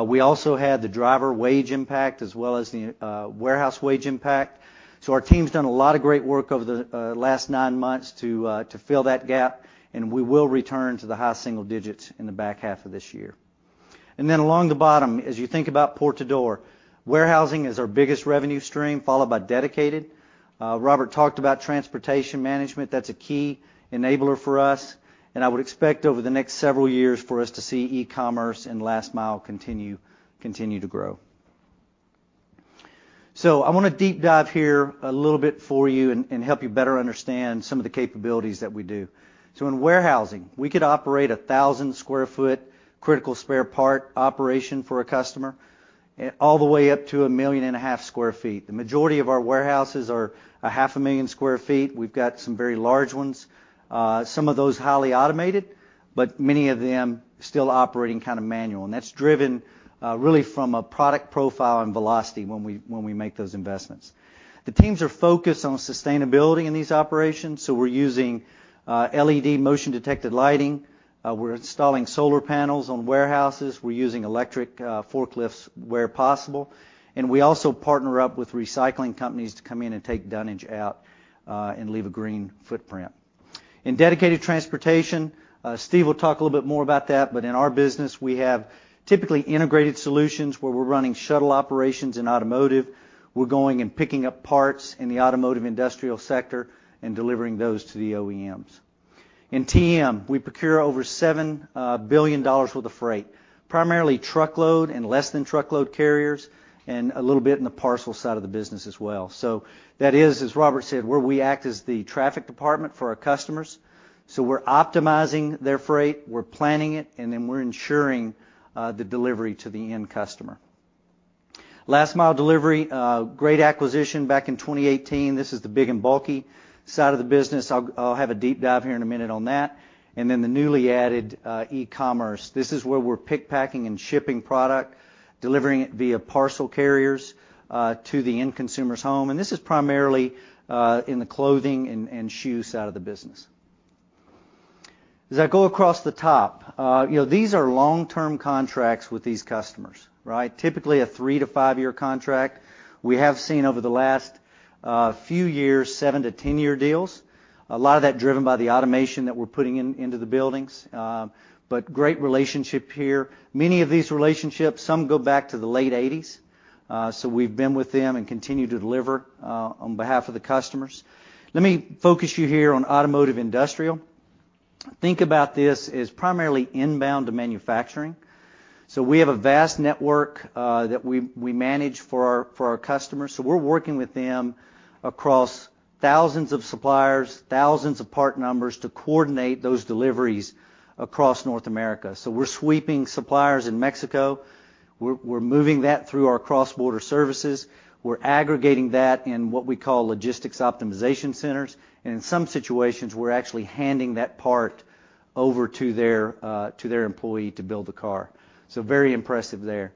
We also had the driver wage impact as well as the warehouse wage impact. Our team's done a lot of great work over the last nine months to fill that gap, and we will return to the high single digits in the back half of this year. Then along the bottom, as you think about port-to-door, warehousing is our biggest revenue stream, followed by dedicated. Robert talked about transportation management. That's a key enabler for us, and I would expect over the next several years for us to see e-commerce and last mile continue to grow. I wanna deep dive here a little bit for you and help you better understand some of the capabilities that we do. In warehousing, we could operate a 1,000 sq ft critical spare part operation for a customer all the way up to 1.5 million sq ft. The majority of our warehouses are 500,000 sq ft. We've got some very large ones. Some of those highly automated, but many of them still operating kind of manual, and that's driven really from a product profile and velocity when we make those investments. The teams are focused on sustainability in these operations, so we're using LED motion-detected lighting. We're installing solar panels on warehouses. We're using electric forklifts where possible, and we also partner up with recycling companies to come in and take dunnage out and leave a green footprint. In dedicated transportation, Steve will talk a little bit more about that, but in our business, we have typically integrated solutions where we're running shuttle operations in automotive. We're going and picking up parts in the automotive industrial sector and delivering those to the OEMs. In TM, we procure over $7 billion worth of freight, primarily truckload and less than truckload carriers and a little bit in the parcel side of the business as well. That is, as Robert said, where we act as the traffic department for our customers. We're optimizing their freight, we're planning it, and then we're ensuring the delivery to the end customer. Last mile delivery, great acquisition back in 2018. This is the big and bulky side of the business. I'll have a deep dive here in a minute on that. The newly added e-commerce. This is where we're picking, packing, and shipping product, delivering it via parcel carriers to the end consumer's home, and this is primarily in the clothing and shoes side of the business. As I go across the top, you know, these are long-term contracts with these customers, right? Typically, a three-five year contract. We have seen over the last few years, seven-10 year deals. A lot of that driven by the automation that we're putting into the buildings. But great relationship here. Many of these relationships, some go back to the late 1980s. So we've been with them and continue to deliver on behalf of the customers. Let me focus you here on automotive industrial. Think about this as primarily inbound to manufacturing. We have a vast network that we manage for our customers. We're working with them across thousands of suppliers, thousands of part numbers to coordinate those deliveries across North America. We're sweeping suppliers in Mexico. We're moving that through our cross-border services. We're aggregating that in what we call logistics optimization centers. In some situations, we're actually handing that part over to their employee to build the car. Very impressive there.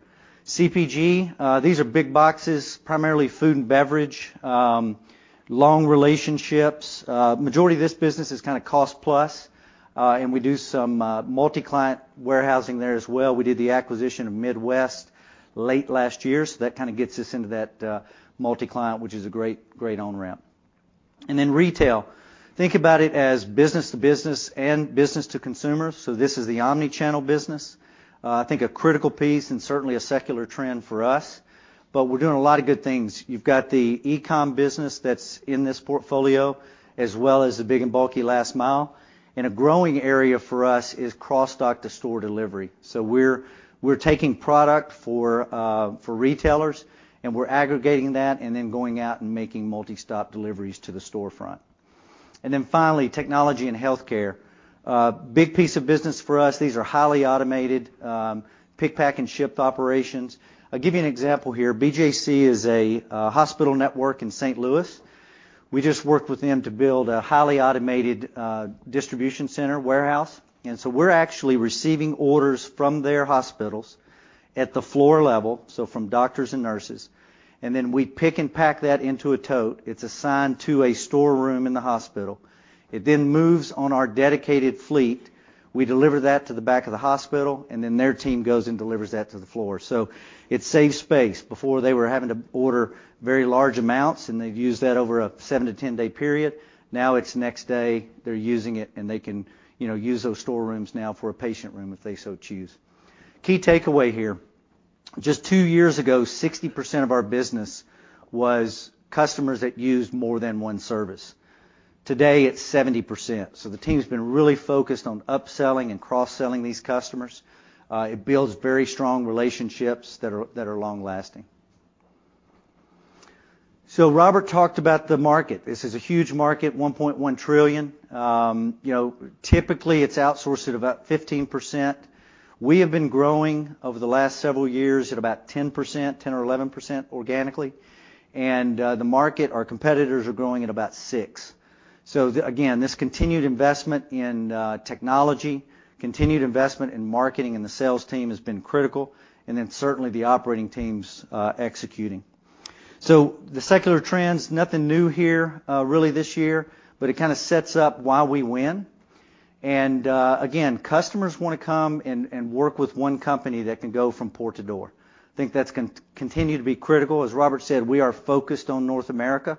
CPG, these are big boxes, primarily food and beverage. Long relationships. Majority of this business is kinda cost plus, and we do some multi-client warehousing there as well. We did the acquisition of Midwest late last year, so that kinda gets us into that multi-client, which is a great on-ramp. Then retail. Think about it as business-to-business and business-to-consumer. This is the omni-channel business. I think a critical piece and certainly a secular trend for us, but we're doing a lot of good things. You've got the e-com business that's in this portfolio, as well as the big and bulky last mile. A growing area for us is cross-dock to store delivery. We're taking product for retailers, and we're aggregating that and then going out and making multi-stop deliveries to the storefront. Then finally, technology and healthcare. Big piece of business for us. These are highly automated pick, pack, and ship operations. I'll give you an example here. BJC HealthCare is a hospital network in St. Louis. We just worked with them to build a highly automated distribution center warehouse. We're actually receiving orders from their hospitals at the floor level, so from doctors and nurses, and then we pick and pack that into a tote. It's assigned to a storeroom in the hospital. It then moves on our dedicated fleet. We deliver that to the back of the hospital, and then their team goes and delivers that to the floor. It saves space. Before, they were having to order very large amounts, and they'd use that over a seven to 10 day period. Now, it's next day, they're using it, and they can, you know, use those storerooms now for a patient room if they so choose. Key takeaway here, just two years ago, 60% of our business was customers that used more than one service. Today, it's 70%. The team's been really focused on upselling and cross-selling these customers. It builds very strong relationships that are long-lasting. Robert talked about the market. This is a huge market, $1.1 trillion. You know, typically, it's outsourced at about 15%. We have been growing over the last several years at about 10%, 10%-11% organically. The market, our competitors are growing at about 6%. Again, this continued investment in technology, continued investment in marketing and the sales team has been critical, and then certainly the operating teams executing. The secular trends, nothing new here, really this year, but it kinda sets up why we win. Again, customers wanna come and work with one company that can go from port to door. I think that's continue to be critical. As Robert said, we are focused on North America,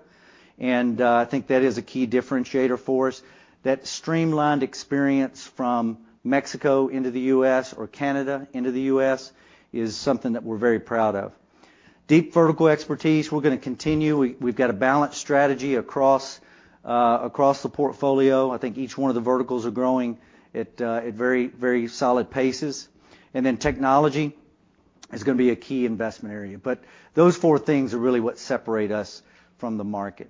and I think that is a key differentiator for us. That streamlined experience from Mexico into the U.S., Or Canada into the U.S., is something that we're very proud of. Deep vertical expertise, we're gonna continue. We've got a balanced strategy across the portfolio. I think each one of the verticals are growing at very, very solid paces. Technology is gonna be a key investment area. Those four things are really what separate us from the market.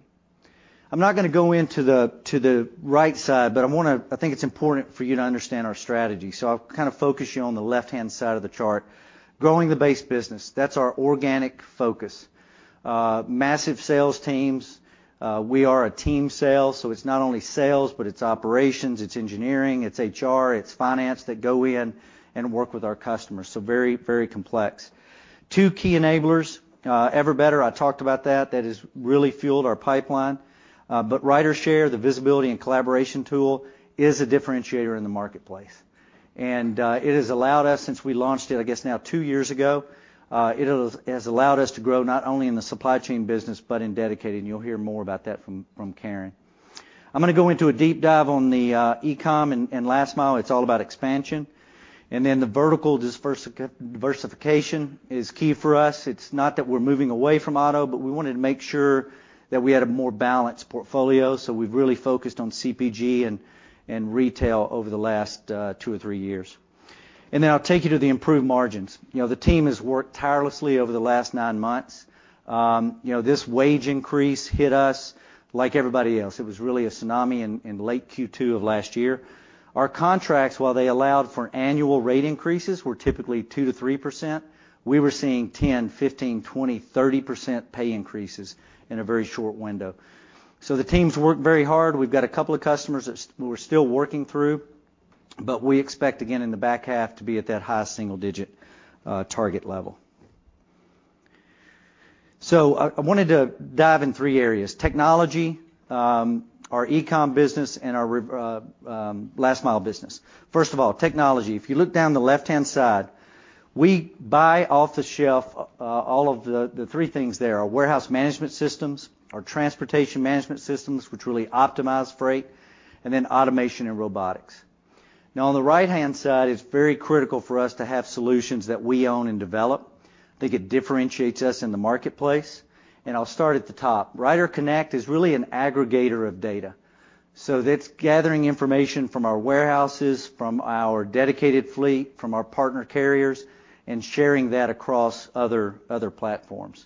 I'm not gonna go into the right side, but I wanna. I think it's important for you to understand our strategy, so I'll kind of focus you on the left-hand side of the chart. Growing the base business, that's our organic focus. Massive sales teams. We are a team sale, so it's not only sales, but it's operations, it's engineering, it's HR, it's finance that go in and work with our customers. Very, very complex. Two key enablers, Ever better, I talked about that. That has really fueled our pipeline. But RyderShare, the visibility and collaboration tool, is a differentiator in the marketplace. It has allowed us since we launched it, I guess now two years ago, it has allowed us to grow not only in the supply chain business, but in dedicated, and you'll hear more about that from Karen. I'm gonna go into a deep dive on the e-com and last mile. It's all about expansion. Then the vertical diversification is key for us. It's not that we're moving away from auto, but we wanted to make sure that we had a more balanced portfolio, so we've really focused on CPG and retail over the last two or three years. Then I'll take you to the improved margins. You know, the team has worked tirelessly over the last nine months. You know, this wage increase hit us like everybody else. It was really a tsunami in late Q2 of last year. Our contracts, while they allowed for annual rate increases, were typically 2%-3%. We were seeing 10%, 15%, 20%, 30% pay increases in a very short window. The team's worked very hard. We've got a couple of customers that we're still working through, but we expect again in the back half to be at that high single-digit target level. I wanted to dive in three areas: technology, our e-com business, and our last mile business. First of all, technology. If you look down the left-hand side, we buy off the shelf all of the three things there. Our warehouse management systems, our transportation management systems, which really optimize freight, and then automation and robotics. Now, on the right-hand side, it's very critical for us to have solutions that we own and develop. I think it differentiates us in the marketplace, and I'll start at the top. RyderConnect is really an aggregator of data, so that's gathering information from our warehouses, from our dedicated fleet, from our partner carriers, and sharing that across other platforms.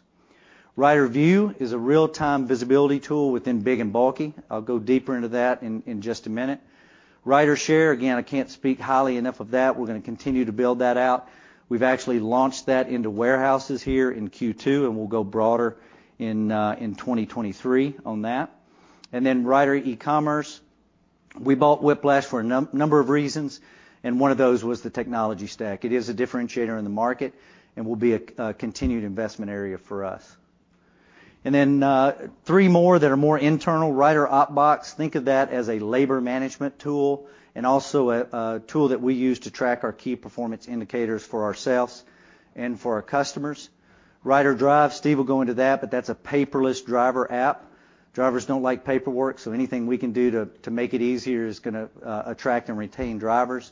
RyderView is a real-time visibility tool within big and bulky. I'll go deeper into that in just a minute. RyderShare, again, I can't speak highly enough of that. We're gonna continue to build that out. We've actually launched that into warehouses here in Q2, and we'll go broader in 2023 on that. Ryder e-commerce, we bought Whiplash for a number of reasons, and one of those was the technology stack. It is a differentiator in the market and will be a continued investment area for us. Three more that are more internal. Ryder OpBox, think of that as a labor management tool and also a tool that we use to track our key performance indicators for ourselves and for our customers. RyderDrive, Steve will go into that, but that's a paperless driver app. Drivers don't like paperwork, so anything we can do to make it easier is gonna attract and retain drivers.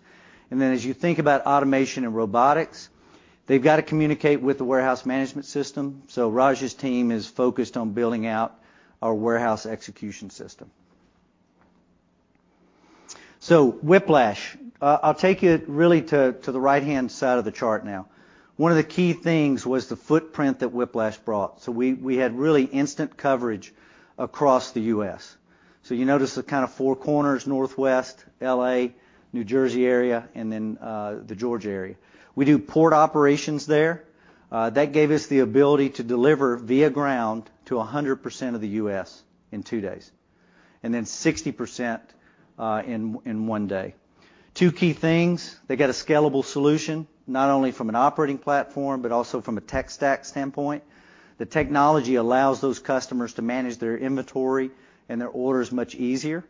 As you think about automation and robotics, they've got to communicate with the warehouse management system. Raj's team is focused on building out our warehouse execution system. Whiplash. I'll take you really to the right-hand side of the chart now. One of the key things was the footprint that Whiplash brought. We had really instant coverage across the U.S. You notice the kind of four corners, Northwest, L.A., New Jersey area, and then the Georgia area. We do port operations there. That gave us the ability to deliver via ground to 100% of the U.S., in two days, and then 60% in one day. Two key things, they get a scalable solution, not only from an operating platform, but also from a tech stack standpoint. The technology allows those customers to manage their inventory and their orders much easier,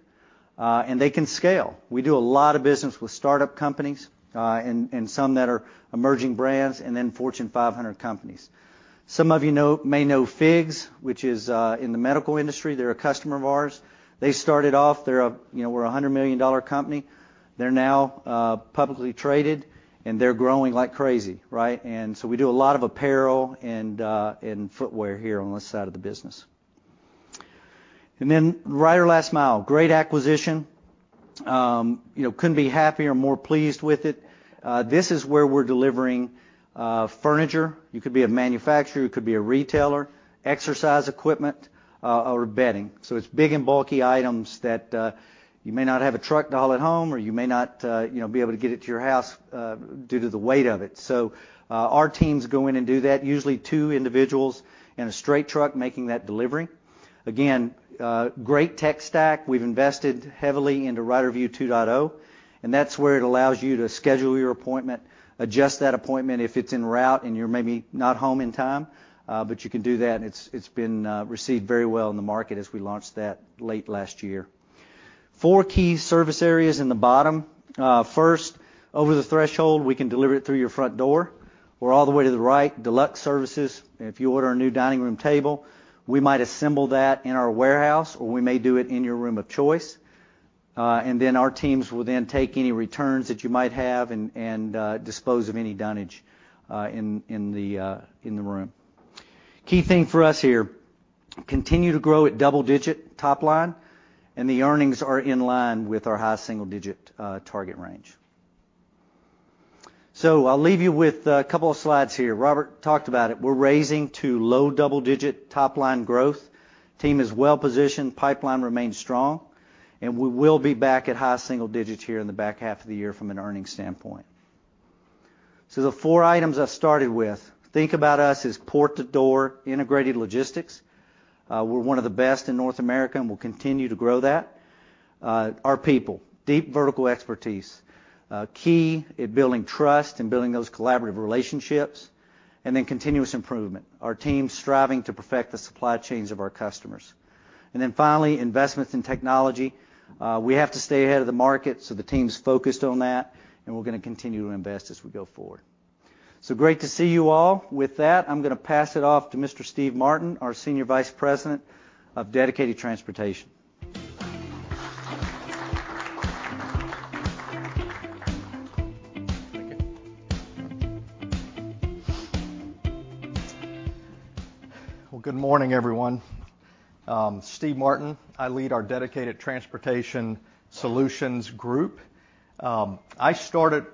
and they can scale. We do a lot of business with startup companies, and some that are emerging brands and then Fortune 500 companies. Some of you may know FIGS, which is in the medical industry. They're a customer of ours. They started off, you know, were a $100 million company. They're now publicly traded, and they're growing like crazy, right? We do a lot of apparel and footwear here on this side of the business. Ryder Last Mile, great acquisition. You know, couldn't be happier or more pleased with it. This is where we're delivering furniture. You could be a manufacturer, you could be a retailer, exercise equipment, or bedding. It's big and bulky items that you may not have a truck to haul it home, or you may not, you know, be able to get it to your house due to the weight of it. Our teams go in and do that, usually two individuals in a straight truck making that delivery. Again, great tech stack. We've invested heavily into RyderView 2.0, and that's where it allows you to schedule your appointment, adjust that appointment if it's en route, and you're maybe not home in time. You can do that, and it's been received very well in the market as we launched that late last year. Four key service areas in the bottom. First, over the threshold, we can deliver it through your front door or all the way to the right, deluxe services. If you order a new dining room table, we might assemble that in our warehouse, or we may do it in your room of choice. Our teams will then take any returns that you might have and dispose of any damage in the room. Key thing for us here, continue to grow at double-digit top line, and the earnings are in line with our high single-digit target range. I'll leave you with a couple of slides here. Robert talked about it. We're raising to low double-digit top-line growth. Team is well-positioned. Pipeline remains strong, and we will be back at high single digits here in the back half of the year from an earnings standpoint. The four items I started with, think about us as port-to-door integrated logistics. We're one of the best in North America and we'll continue to grow that. Our people, deep vertical expertise. Key at building trust and building those collaborative relationships, and then continuous improvement. Our team's striving to perfect the supply chains of our customers. Finally, investments in technology. We have to stay ahead of the market, so the team's focused on that, and we're gonna continue to invest as we go forward. Great to see you all. With that, I'm gonna pass it off to Mr. Steve Martin, our Senior Vice President of Dedicated Transportation. Thank you. Well, good morning, everyone. Steve Martin. I lead our Dedicated Transportation Solutions group. I started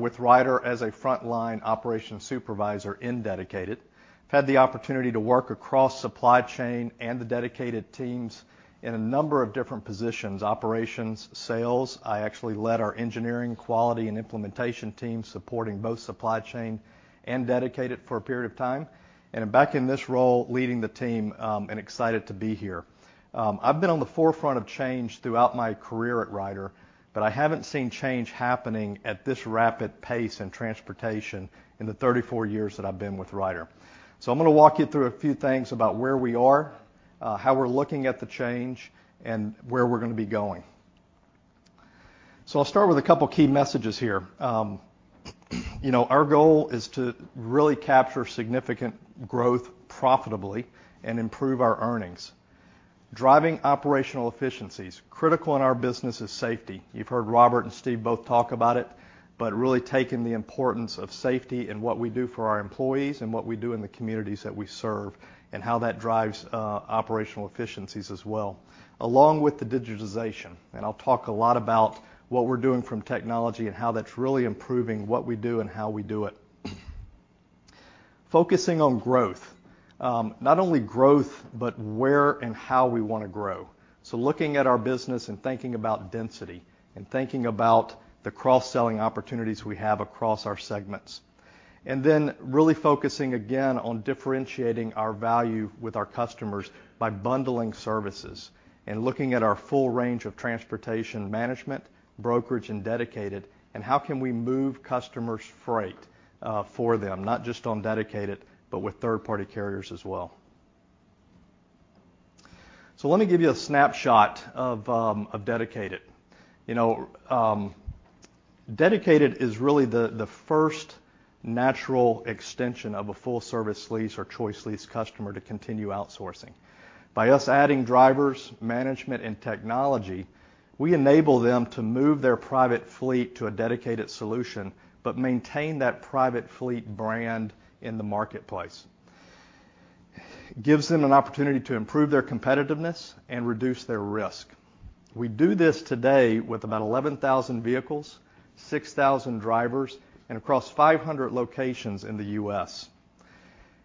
with Ryder as a frontline operations supervisor in Dedicated. I've had the opportunity to work across supply chain and the dedicated teams in a number of different positions, operations, sales. I actually led our engineering, quality, and implementation team, supporting both supply chain and Dedicated for a period of time. I'm back in this role, leading the team, and excited to be here. I've been on the forefront of change throughout my career at Ryder, but I haven't seen change happening at this rapid pace in transportation in the 34 years that I've been with Ryder. I'm gonna walk you through a few things about where we are. How we're looking at the change and where we're gonna be going. I'll start with a couple key messages here. You know, our goal is to really capture significant growth profitably and improve our earnings. Driving operational efficiencies. Critical in our business is safety. You've heard Robert and Steve both talk about it, but really taking the importance of safety in what we do for our employees, and what we do in the communities that we serve, and how that drives operational efficiencies as well, along with the digitization, and I'll talk a lot about what we're doing from technology and how that's really improving what we do and how we do it. Focusing on growth. Not only growth, but where and how we want to grow. Looking at our business and thinking about density and thinking about the cross-selling opportunities we have across our segments. Then really focusing again on differentiating our value with our customers by bundling services and looking at our full range of transportation management, brokerage, and dedicated, and how can we move customers' freight for them, not just on dedicated, but with third-party carriers as well. Let me give you a snapshot of dedicated. You know, dedicated is really the first natural extension of a full-service lease or choice lease customer to continue outsourcing. By us adding drivers, management, and technology, we enable them to move their private fleet to a dedicated solution but maintain that private fleet brand in the marketplace. Gives them an opportunity to improve their competitiveness and reduce their risk. We do this today with about 11,000 vehicles, 6,000 drivers, and across 500 locations in the U.S.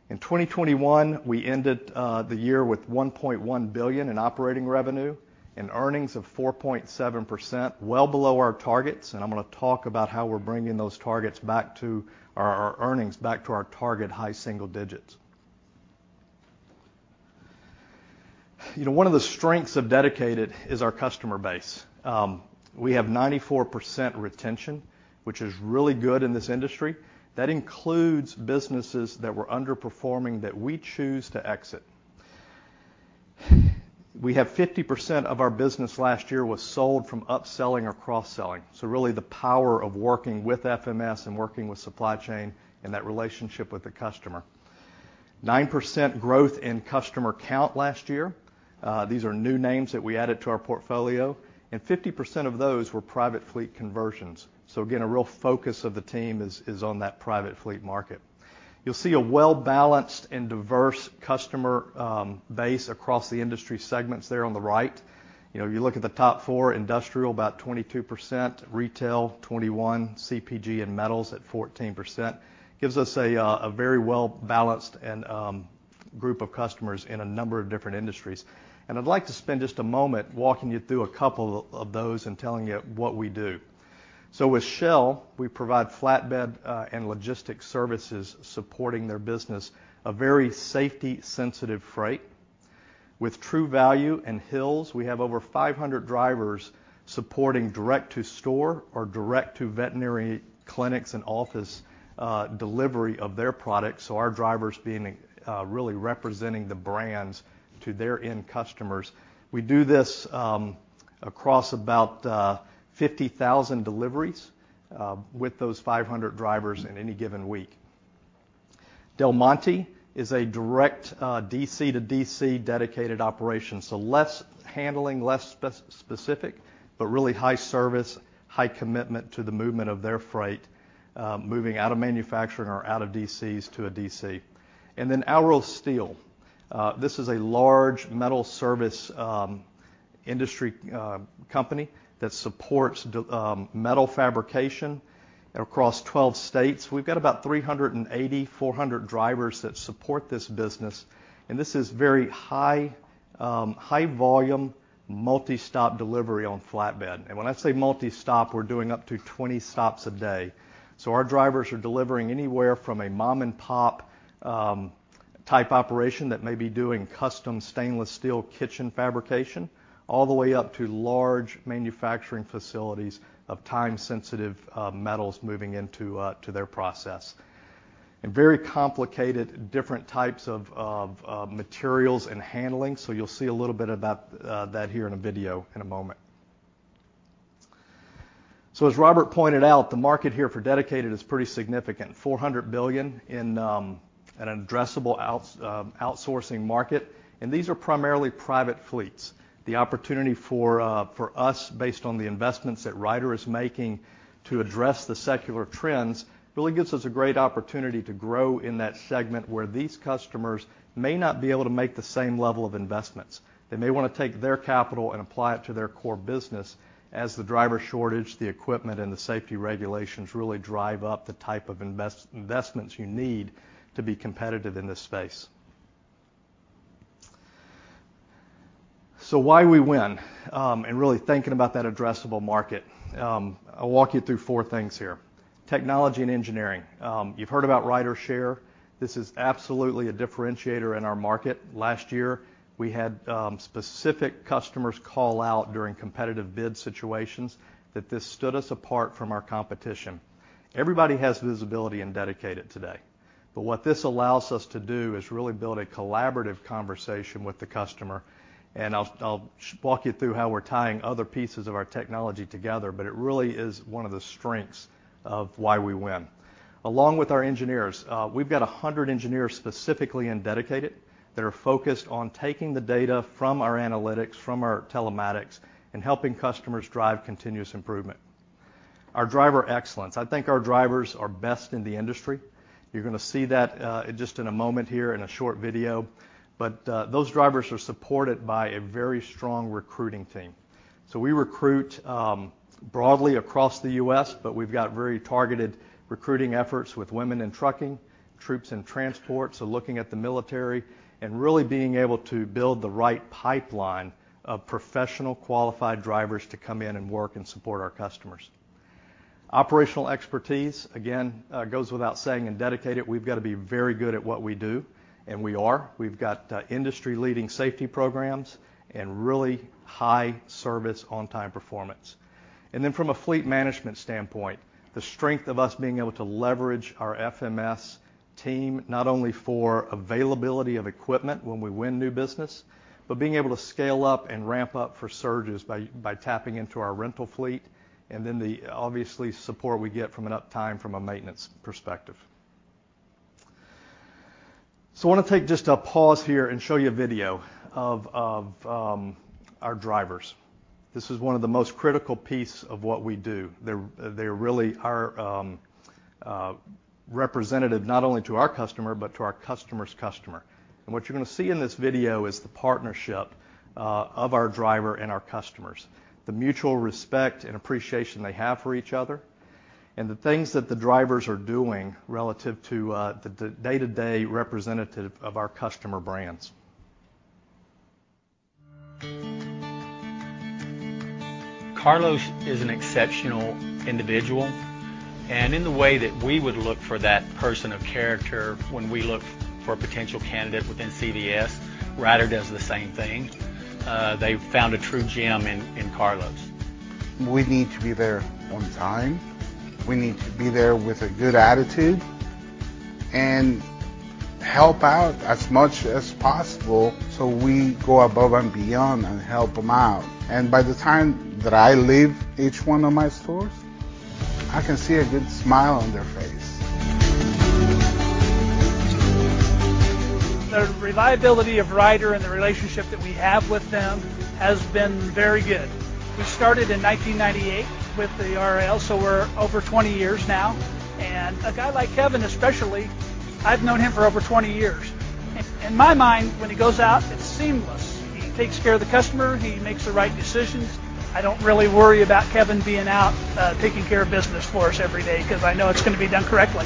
In 2021, we ended the year with $1.1 billion in operating revenue and earnings of 4.7%, well below our targets, and I'm gonna talk about how we're bringing those targets back to or our earnings back to our target high single digits. You know, one of the strengths of dedicated is our customer base. We have 94% retention, which is really good in this industry. That includes businesses that were underperforming that we choose to exit. We have 50% of our business last year was sold from upselling or cross-selling, so really the power of working with FMS and working with supply chain and that relationship with the customer. 9% growth in customer count last year. These are new names that we added to our portfolio, and 50% of those were private fleet conversions. Again, a real focus of the team is on that private fleet market. You'll see a well-balanced and diverse customer base across the industry segments there on the right. You know, if you look at the top four, industrial about 22%, retail 21%, CPG and metals at 14%. Gives us a very well-balanced group of customers in a number of different industries. I'd like to spend just a moment walking you through a couple of those and telling you what we do. With Shell, we provide flatbed and logistics services supporting their business of very safety-sensitive freight. With True Value and Hill's, we have over 500 drivers supporting direct-to-store or direct-to-veterinary clinics and office delivery of their products, so our drivers being really representing the brands to their end customers. We do this across about 50,000 deliveries with those 500 drivers in any given week. Del Monte is a direct DC-to-DC dedicated operation, so less handling, less specific, but really high service, high commitment to the movement of their freight moving out of manufacturing or out of DCs to a DC. Alro Steel, this is a large metal service industry company that supports metal fabrication across 12 states. We've got about 380-400 drivers that support this business, and this is very high high-volume, multi-stop delivery on flatbed. When I say multi-stop, we're doing up to 20 stops a day. Our drivers are delivering anywhere from a mom-and-pop type operation that may be doing custom stainless steel kitchen fabrication, all the way up to large manufacturing facilities of time-sensitive metals moving into to their process. Very complicated, different types of materials and handling. You'll see a little bit of that here in a video in a moment. As Robert pointed out, the market here for dedicated is pretty significant. $400 billion in an addressable outsourcing market, and these are primarily private fleets. The opportunity for us based on the investments that Ryder is making to address the secular trends really gives us a great opportunity to grow in that segment where these customers may not be able to make the same level of investments. They may wanna take their capital and apply it to their core business as the driver shortage, the equipment, and the safety regulations really drive up the type of investments you need to be competitive in this space. Why we win, and really thinking about that addressable market. I'll walk you through four things here. Technology and engineering. You've heard about RyderShare. This is absolutely a differentiator in our market. Last year, we had specific customers call out during competitive bid situations that this stood us apart from our competition. Everybody has visibility in Dedicated today. What this allows us to do is really build a collaborative conversation with the customer, and I'll walk you through how we're tying other pieces of our technology together, but it really is one of the strengths of why we win. Along with our engineers, we've got 100 engineers specifically in Dedicated that are focused on taking the data from our analytics, from our telematics, and helping customers drive continuous improvement. Our driver excellence. I think our drivers are best in the industry. You're gonna see that, just in a moment here in a short video. Those drivers are supported by a very strong recruiting team. We recruit broadly across the U.S., but we've got very targeted recruiting efforts with women in trucking, troops in transport, so looking at the military and really being able to build the right pipeline of professional, qualified drivers to come in and work and support our customers. Operational expertise, again, goes without saying in Dedicated. We've got to be very good at what we do, and we are. We've got industry-leading safety programs and really high service on-time performance. From a fleet management standpoint, the strength of us being able to leverage our FMS team, not only for availability of equipment when we win new business, but being able to scale up and ramp up for surges by tapping into our rental fleet, and then, obviously, the support we get from an uptime from a maintenance perspective. I want to take just a pause here and show you a video of our drivers. This is one of the most critical piece of what we do. They're really our representative not only to our customer, but to our customer's customer. What you're gonna see in this video is the partnership of our driver and our customers, the mutual respect and appreciation they have for each other, and the things that the drivers are doing relative to the day-to-day representative of our customer brands. Carlos is an exceptional individual, and in the way that we would look for that person of character when we look for a potential candidate within CVS, Ryder does the same thing. They found a true gem in Carlos. We need to be there on time. We need to be there with a good attitude and help out as much as possible, so we go above and beyond and help them out. By the time that I leave each one of my stores, I can see a good smile on their face. The reliability of Ryder and the relationship that we have with them has been very good. We started in 1998 with the RRL, so we're over 20 years now. A guy like Kevin, especially, I've known him for over 20 years. In my mind, when he goes out, it's seamless. He takes care of the customer. He makes the right decisions. I don't really worry about Kevin being out, taking care of business for us every day 'cause I know it's gonna be done correctly.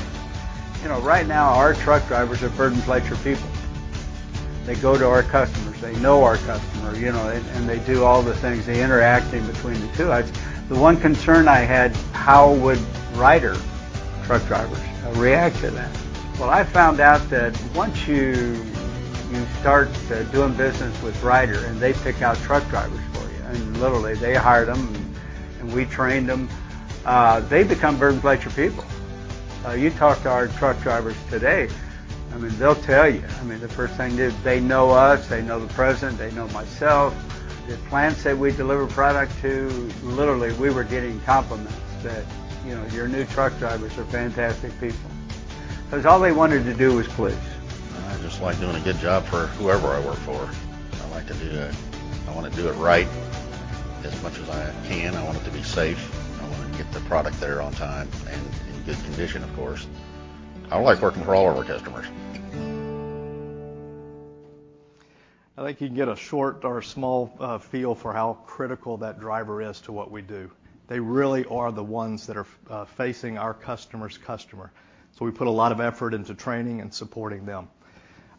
You know, right now, our truck drivers are burdens lighter people. They go to our customers. They know our customer, you know, and they do all the things. They're interacting between the two. The one concern I had, how would Ryder truck drivers react to that? Well, I found out that once you start doing business with Ryder, and they pick out truck drivers for you, and literally they hire them, and we train them, they become burdens lighter people. You talk to our truck drivers today, I mean, they'll tell you. I mean, the first thing is they know us. They know the president. They know myself. The plants that we deliver product to, literally, we were getting compliments that, you know, "Your new truck drivers are fantastic people." Because all they wanted to do was please. I just like doing a good job for whoever I work for. I like to do it. I wanna do it right as much as I can. I want it to be safe. I wanna get the product there on time and in good condition, of course. I like working for all of our customers. I think you can get a short or small feel for how critical that driver is to what we do. They really are the ones that are facing our customer's customer. So we put a lot of effort into training and supporting them.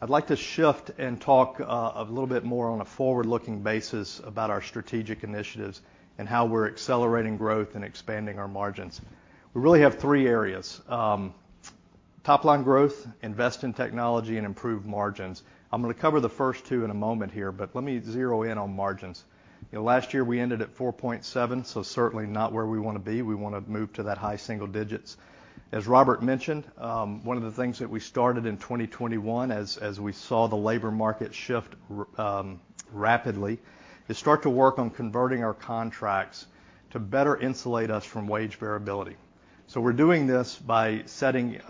I'd like to shift and talk a little bit more on a forward-looking basis about our strategic initiatives and how we're accelerating growth and expanding our margins. We really have three areas. Top-line growth, invest in technology, and improve margins. I'm gonna cover the first two in a moment here, but let me zero in on margins. You know, last year, we ended at 4.7%, so certainly not where we wanna be. We wanna move to that high single digits. As Robert mentioned, one of the things that we started in 2021 as we saw the labor market shift rapidly is start to work on converting our contracts to better insulate us from wage variability. So we're doing this by setting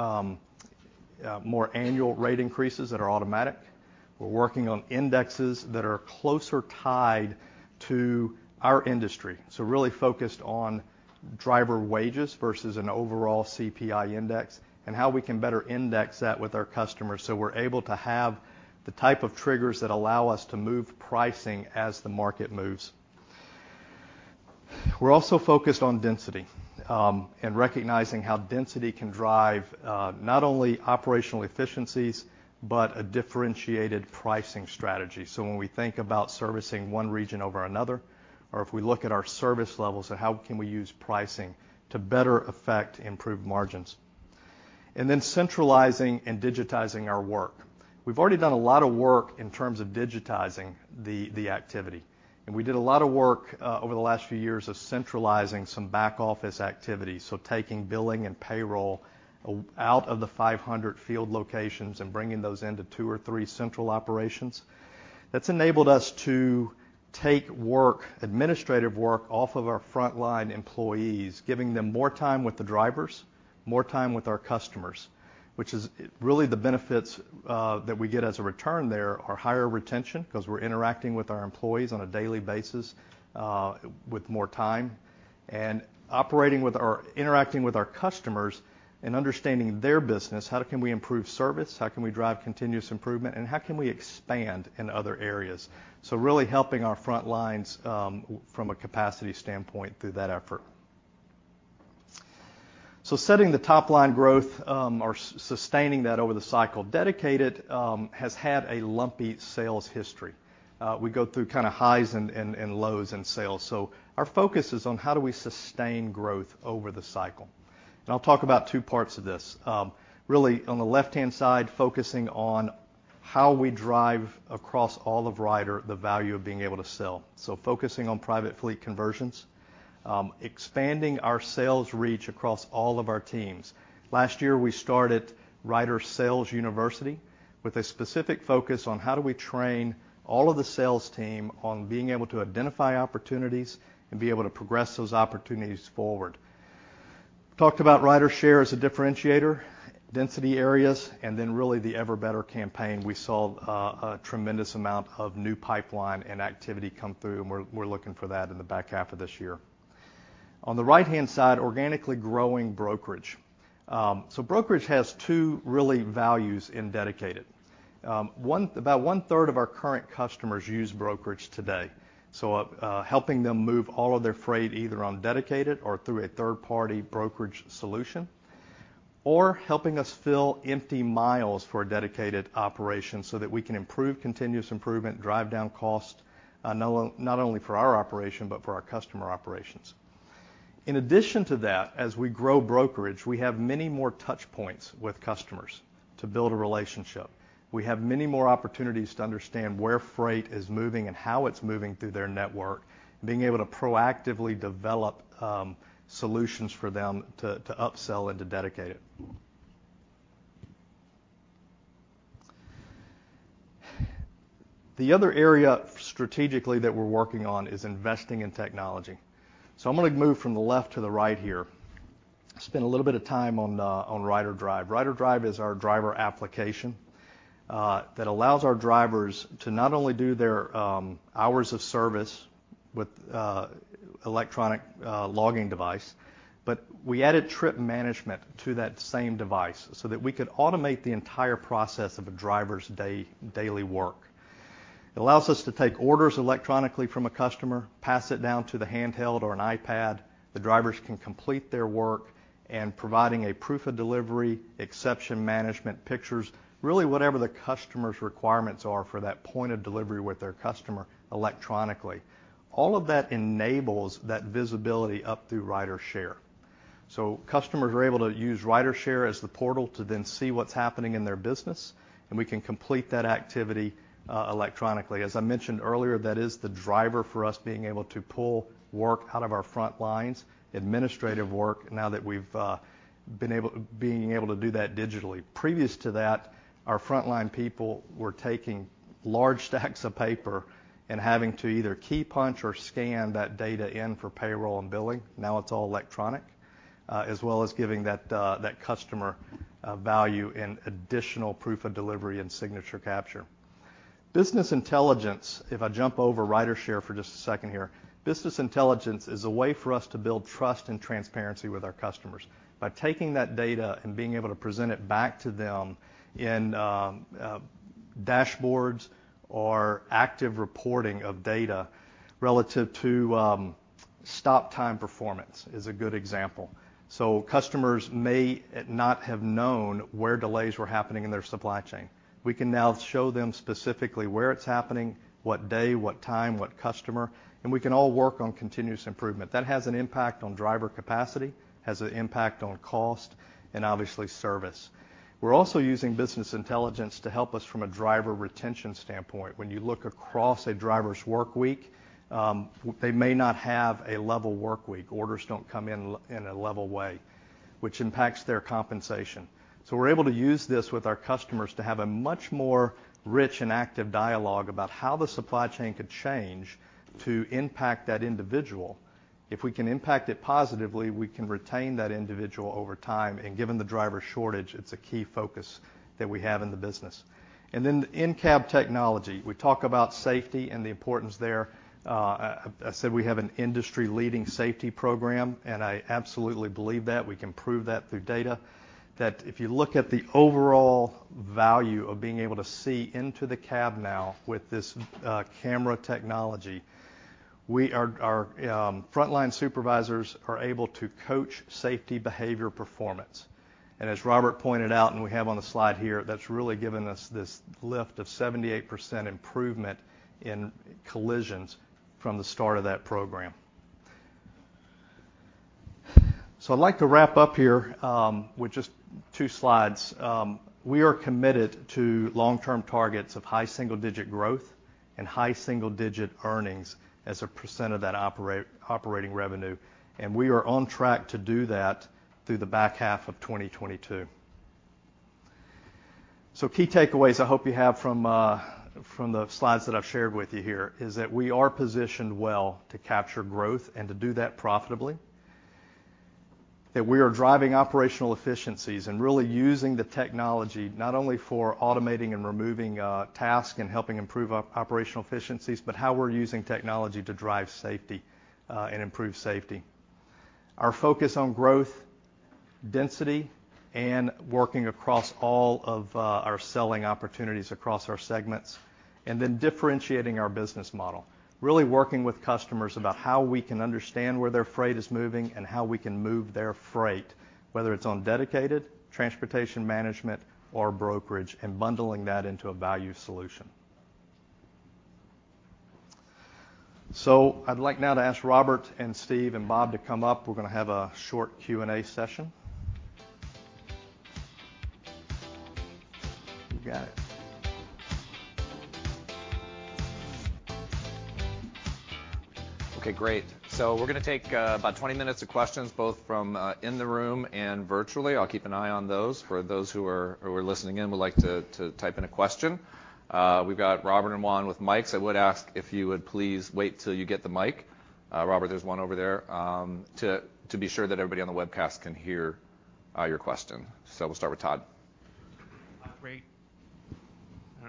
more annual rate increases that are automatic. We're working on indexes that are closer tied to our industry, so really focused on driver wages versus an overall CPI index and how we can better index that with our customers so we're able to have the type of triggers that allow us to move pricing as the market moves. We're also focused on density, and recognizing how density can drive not only operational efficiencies, but a differentiated pricing strategy. When we think about servicing one region over another, or if we look at our service levels and how can we use pricing to better affect improved margins. Centralizing and digitizing our work. We've already done a lot of work in terms of digitizing the activity. We did a lot of work over the last few years of centralizing some back office activity. Taking billing and payroll out of the 500 field locations and bringing those into two or three central operations. That's enabled us to take work, administrative work, off of our frontline employees, giving them more time with the drivers, more time with our customers, which is really the benefits that we get as a return there are higher retention 'cause we're interacting with our employees on a daily basis with more time, and interacting with our customers and understanding their business, how can we improve service, how can we drive continuous improvement, and how can we expand in other areas? Really helping our front lines from a capacity standpoint through that effort. Setting the top-line growth or sustaining that over the cycle. Dedicated has had a lumpy sales history. We go through kind of highs and lows in sales. Our focus is on how do we sustain growth over the cycle. I'll talk about two parts of this. Really on the left-hand side, focusing on how we drive across all of Ryder the value of being able to sell. Focusing on private fleet conversions, expanding our sales reach across all of our teams. Last year, we started Ryder Sales University with a specific focus on how do we train all of the sales team on being able to identify opportunities and be able to progress those opportunities forward. Talked about RyderShare as a differentiator, density areas, and then really the Ever Better campaign. We saw a tremendous amount of new pipeline and activity come through, and we're looking for that in the back half of this year. On the right-hand side, organically growing brokerage. Brokerage has two really values in Dedicated. About one-third of our current customers use brokerage today, so helping them move all of their freight either on dedicated or through a third-party brokerage solution, or helping us fill empty miles for a dedicated operation so that we can improve continuous improvement, drive down cost, not only for our operation, but for our customer operations. In addition to that, as we grow brokerage, we have many more touch points with customers to build a relationship. We have many more opportunities to understand where freight is moving and how it's moving through their network, and being able to proactively develop solutions for them to upsell into Dedicated. The other area strategically that we're working on is investing in technology. I'm gonna move from the left to the right here. Spend a little bit of time on RyderDrive. RyderDrive is our driver application that allows our drivers to not only do their hours of service with electronic logging device, but we added trip management to that same device, so that we could automate the entire process of a driver's daily work. It allows us to take orders electronically from a customer, pass it down to the handheld or an iPad. The drivers can complete their work and providing a proof of delivery, exception management pictures, really whatever the customer's requirements are for that point of delivery with their customer electronically. All of that enables that visibility up through RyderShare. Customers are able to use RyderShare as the portal to then see what's happening in their business, and we can complete that activity electronically. As I mentioned earlier, that is the driver for us being able to pull work out of our front lines, administrative work, now that we've been able to do that digitally. Previous to that, our frontline people were taking large stacks of paper and having to either key punch or scan that data in for payroll and billing. Now it's all electronic, as well as giving that customer value in additional proof of delivery and signature capture. Business intelligence, if I jump over RyderShare for just a second here. Business intelligence is a way for us to build trust and transparency with our customers. By taking that data and being able to present it back to them in dashboards or active reporting of data relative to stop time performance is a good example. Customers may not have known where delays were happening in their supply chain. We can now show them specifically where it's happening, what day, what time, what customer, and we can all work on continuous improvement. That has an impact on driver capacity, has an impact on cost, and obviously service. We're also using business intelligence to help us from a driver retention standpoint. When you look across a driver's work week, they may not have a level work week. Orders don't come in in a level way, which impacts their compensation. We're able to use this with our customers to have a much more rich and active dialogue about how the supply chain could change to impact that individual. If we can impact it positively, we can retain that individual over time, and given the driver shortage, it's a key focus that we have in the business. In-cab technology. We talk about safety and the importance there. I said we have an industry-leading safety program, and I absolutely believe that. We can prove that through data, that if you look at the overall value of being able to see into the cab now with this camera technology, our frontline supervisors are able to coach safety behavior performance. As Robert pointed out, and we have on the slide here, that's really given us this lift of 78% improvement in collisions from the start of that program. I'd like to wrap up here, with just two slides. We are committed to long-term targets of high single-digit growth and high single-digit earnings as a % of that operating revenue, and we are on track to do that through the back half of 2022. Key takeaways I hope you have from the slides that I've shared with you here is that we are positioned well to capture growth and to do that profitably. That we are driving operational efficiencies and really using the technology not only for automating and removing tasks and helping improve operational efficiencies, but how we're using technology to drive safety and improve safety. Our focus on growth, density, and working across all of our selling opportunities across our segments, and then differentiating our business model. Really working with customers about how we can understand where their freight is moving and how we can move their freight, whether it's on dedicated, transportation management, or brokerage, and bundling that into a value solution. I'd like now to ask Robert and Steve and Bob to come up. We're gonna have a short Q&A session. You got it. Okay, great. We're gonna take about 20 minutes of questions both from in the room and virtually. I'll keep an eye on those for those who are listening in would like to type in a question. We've got Robert and Juan with mics. I would ask if you would please wait till you get the mic. Robert, there's one over there to be sure that everybody on the webcast can hear your question. We'll start with Todd.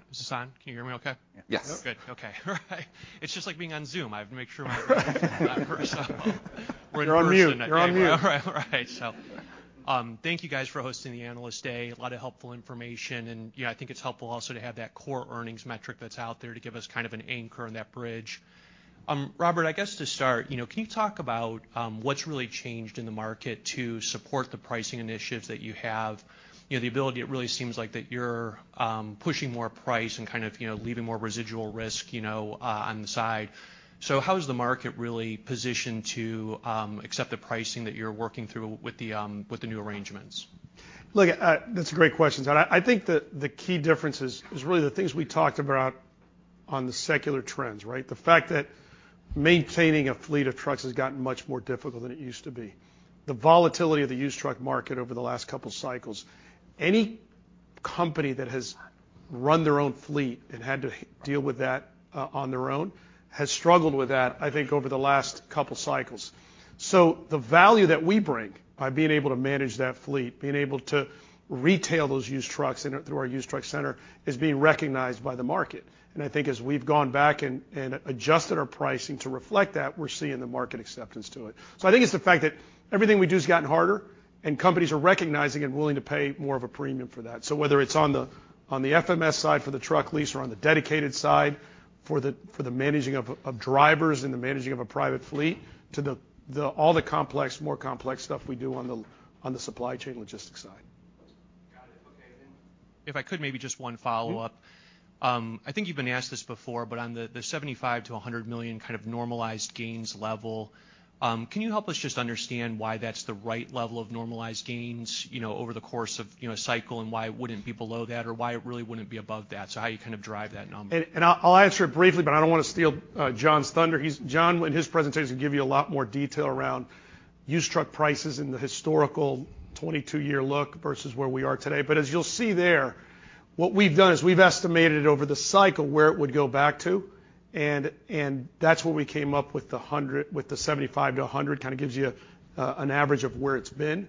Great. Is this on? Can you hear me okay? Yes. Good. Okay. All right. It's just like being on zoom. You're on mute. You're on mute. We're in person. Okay. All right. Thank you guys for hosting the Analyst Day. A lot of helpful information, and you know, I think it's helpful also to have that core earnings metric that's out there to give us kind of an anchor on that bridge. Robert, I guess to start, you know, can you talk about what's really changed in the market to support the pricing initiatives that you have? You know, the ability, it really seems like that you're pushing more price and kind of, you know, leaving more residual risk, you know, on the side. How is the market really positioned to accept the pricing that you're working through with the new arrangements? Look, that's a great question, Todd. I think that the key differences is really the things we talked about on the secular trends, right? The fact that maintaining a fleet of trucks has gotten much more difficult than it used to be. The volatility of the used truck market over the last couple cycles. Any company that has run their own fleet and had to deal with that, on their own has struggled with that, I think, over the last couple cycles. The value that we bring by being able to manage that fleet, being able to retail those used trucks in through our used truck center, is being recognized by the market. I think as we've gone back and adjusted our pricing to reflect that, we're seeing the market acceptance to it. I think it's the fact that everything we do has gotten harder, and companies are recognizing and willing to pay more of a premium for that. Whether it's on the FMS side for the truck lease or on the dedicated side for the managing of drivers and the managing of a private fleet to the more complex stuff we do on the supply chain logistics side. Got it. Okay, if I could, maybe just one follow-up. I think you've been asked this before, but on the $75 million-$100 million kind of normalized gains level, can you help us just understand why that's the right level of normalized gains, you know, over the course of, you know, a cycle, and why it wouldn't be below that or why it really wouldn't be above that? How you kind of drive that number. I'll answer it briefly, but I don't wanna steal John's thunder. John, in his presentation, will give you a lot more detail around used truck prices in the historical 22-year look versus where we are today. But as you'll see there, what we've done is we've estimated over the cycle where it would go back to, and that's what we came up with the 75 to 100, kinda gives you an average of where it's been.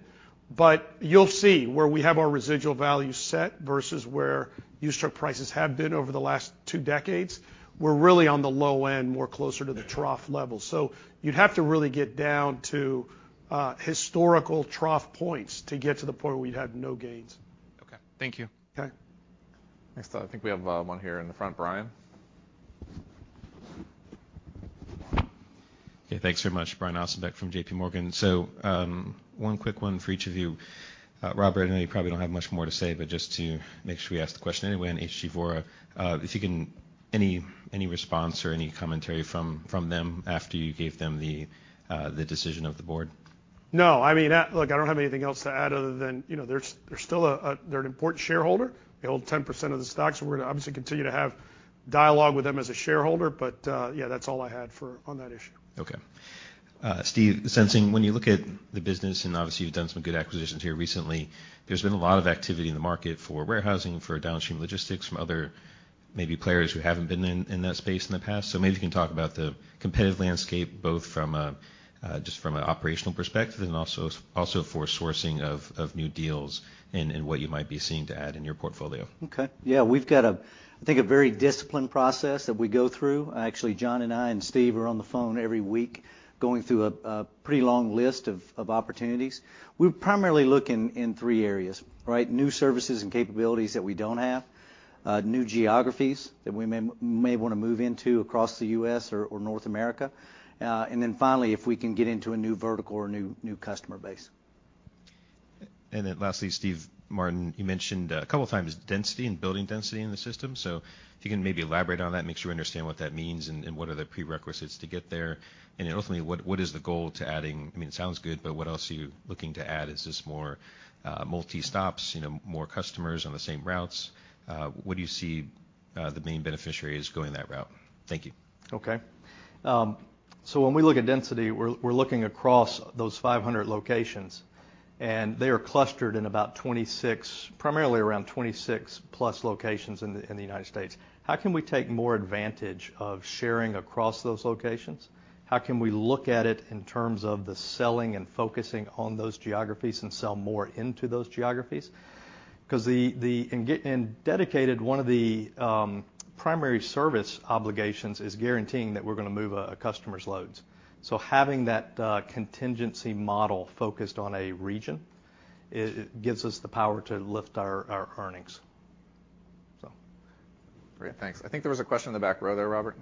But you'll see where we have our residual value set versus where used truck prices have been over the last two decades. We're really on the low end, more closer to the trough level. You'd have to really get down to historical trough points to get to the point where we'd have no gains. Okay. Thank you. Okay. Thanks, Todd. I think we have one here in the front. Brian. Okay. Thanks very much. Brian Ossenbeck from JPMorgan. One quick one for each of you. Robert, I know you probably don't have much more to say, but just to make sure we ask the question anyway, on HG Vora, if you can, any response or any commentary from them after you gave them the decision of the board? No. I mean, look, I don't have anything else to add other than, you know, they're still an important shareholder. They hold 10% of the stock. We're gonna obviously continue to have dialogue with them as a shareholder. Yeah, that's all I had on that issue. Okay. Steve Sensing, when you look at the business, and obviously you've done some good acquisitions here recently, there's been a lot of activity in the market for warehousing, for downstream logistics from other maybe players who haven't been in that space in the past. Maybe you can talk about the competitive landscape, both just from an operational perspective and also for sourcing of new deals and what you might be seeing to add in your portfolio. We've got, I think, a very disciplined process that we go through. Actually, John and I and Steve are on the phone every week going through a pretty long list of opportunities. We're primarily looking in three areas, right? New services and capabilities that we don't have, new geographies that we may wanna move into across the U.S., or North America, and then finally, if we can get into a new vertical or new customer base. Lastly, Steve Martin, you mentioned a couple times density and building density in the system. If you can maybe elaborate on that, make sure we understand what that means and what are the prerequisites to get there. Ultimately, what is the goal to adding. I mean, it sounds good, but what else are you looking to add? Is this more multi-stops, you know, more customers on the same routes? What do you see the main beneficiary as going that route? Thank you. Okay. When we look at density, we're looking across those 500 locations, and they are clustered in about 26, primarily around 26+ locations in the United States. How can we take more advantage of sharing across those locations? How can we look at it in terms of the selling and focusing on those geographies and sell more into those geographies? Because the in dedicated, one of the primary service obligations is guaranteeing that we're gonna move a customer's loads. Having that contingency model focused on a region, it gives us the power to lift our earnings. Great. Thanks. I think there was a question in the back row there, Robert.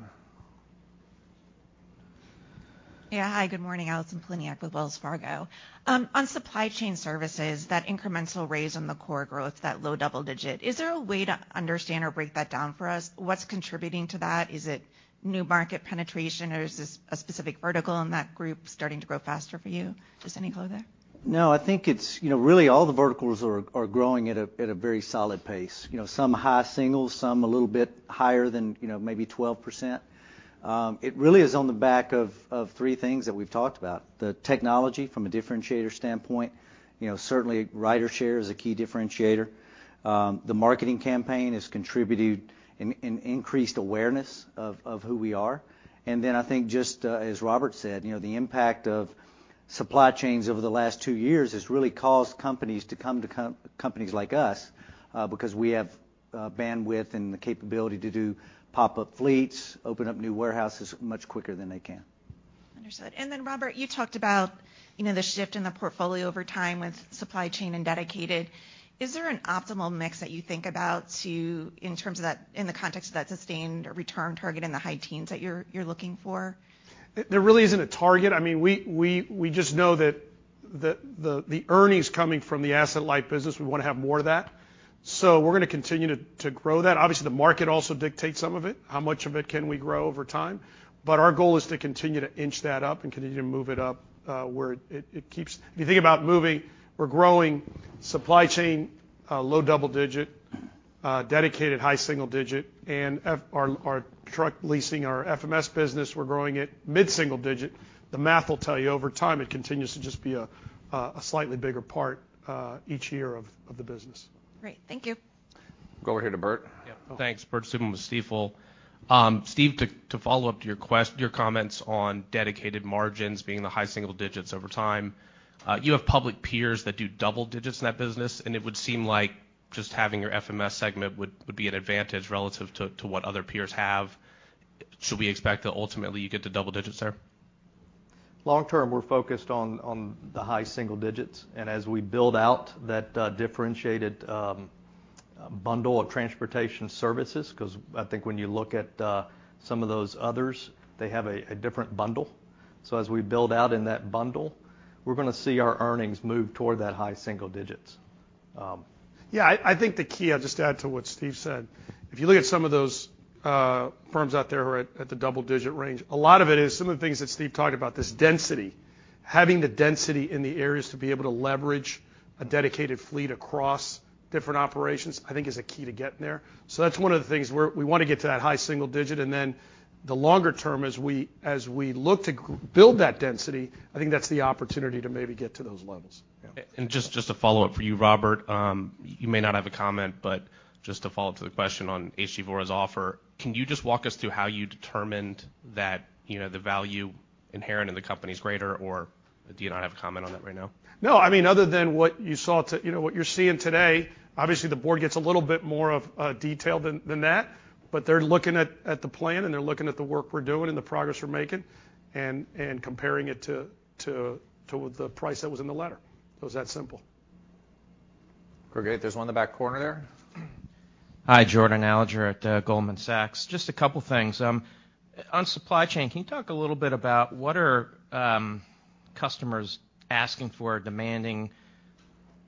Yeah. Hi, good morning. Allison Poliniak with Wells Fargo. On supply chain services, that incremental raise on the core growth, that low double digit, is there a way to understand or break that down for us? What's contributing to that? Is it new market penetration, or is this a specific vertical in that group starting to grow faster for you? Just any clue there? No, I think it's, you know, really all the verticals are growing at a very solid pace. You know, some high single, some a little bit higher than, you know, maybe 12%. It really is on the back of three things that we've talked about. The technology from a differentiator standpoint. You know, certainly RyderShare is a key differentiator. The marketing campaign has contributed an increased awareness of who we are. I think just, as Robert said, you know, the impact of supply chains over the last two years has really caused companies to come to companies like us, because we have bandwidth and the capability to do pop-up fleets, open up new warehouses much quicker than they can. Understood. Robert, you talked about, you know, the shift in the portfolio over time with supply chain and dedicated. Is there an optimal mix that you think about in terms of that, in the context of that sustained return target in the high teens that you're looking for? There really isn't a target. I mean, we just know that the earnings coming from the asset light business, we wanna have more of that. We're gonna continue to grow that. Obviously, the market also dictates some of it, how much of it can we grow over time. Our goal is to continue to inch that up and continue to move it up, where it keeps. If you think about moving or growing supply chain, low double-digit, dedicated high single-digit, and our truck leasing, our FMS business, we're growing at mid-single-digit. The math will tell you over time, it continues to just be a slightly bigger part each year of the business. Great. Thank you. Go over here to Bert. Yeah. Thanks. Bert Subin with Stifel. Steve, to follow up to your comments on dedicated margins being in the high single digits over time, you have public peers that do double digits in that business, and it would seem like just having your FMS segment would be an advantage relative to what other peers have. Should we expect that ultimately you get to double digits there? Long term, we're focused on the high single digits. As we build out that differentiated bundle of transportation services, 'cause I think when you look at some of those others, they have a different bundle. So as we build out in that bundle, we're gonna see our earnings move toward that high single digits. Yeah. I think the key, I'll just add to what Steve said. If you look at some of those firms out there who are at the double-digit range, a lot of it is some of the things that Steve talked about, this density. Having the density in the areas to be able to leverage a dedicated fleet across different operations, I think is a key to getting there. That's one of the things we wanna get to that high single digit, and then the longer term as we look to build that density, I think that's the opportunity to maybe get to those levels. Just a follow-up for you, Robert. You may not have a comment, but just to follow up to the question on HG Vora offer, can you just walk us through how you determined that, you know, the value inherent in the company is greater, or do you not have a comment on that right now? No, I mean, other than what you saw too, you know, what you're seeing today, obviously the board gets a little bit more detail than that, but they're looking at the plan, and they're looking at the work we're doing and the progress we're making, and comparing it to the price that was in the letter. So it's that simple. Great. There's one in the back corner there. Hi, Jordan Alliger at Goldman Sachs. Just a couple things. On supply chain, can you talk a little bit about what are customers asking for demanding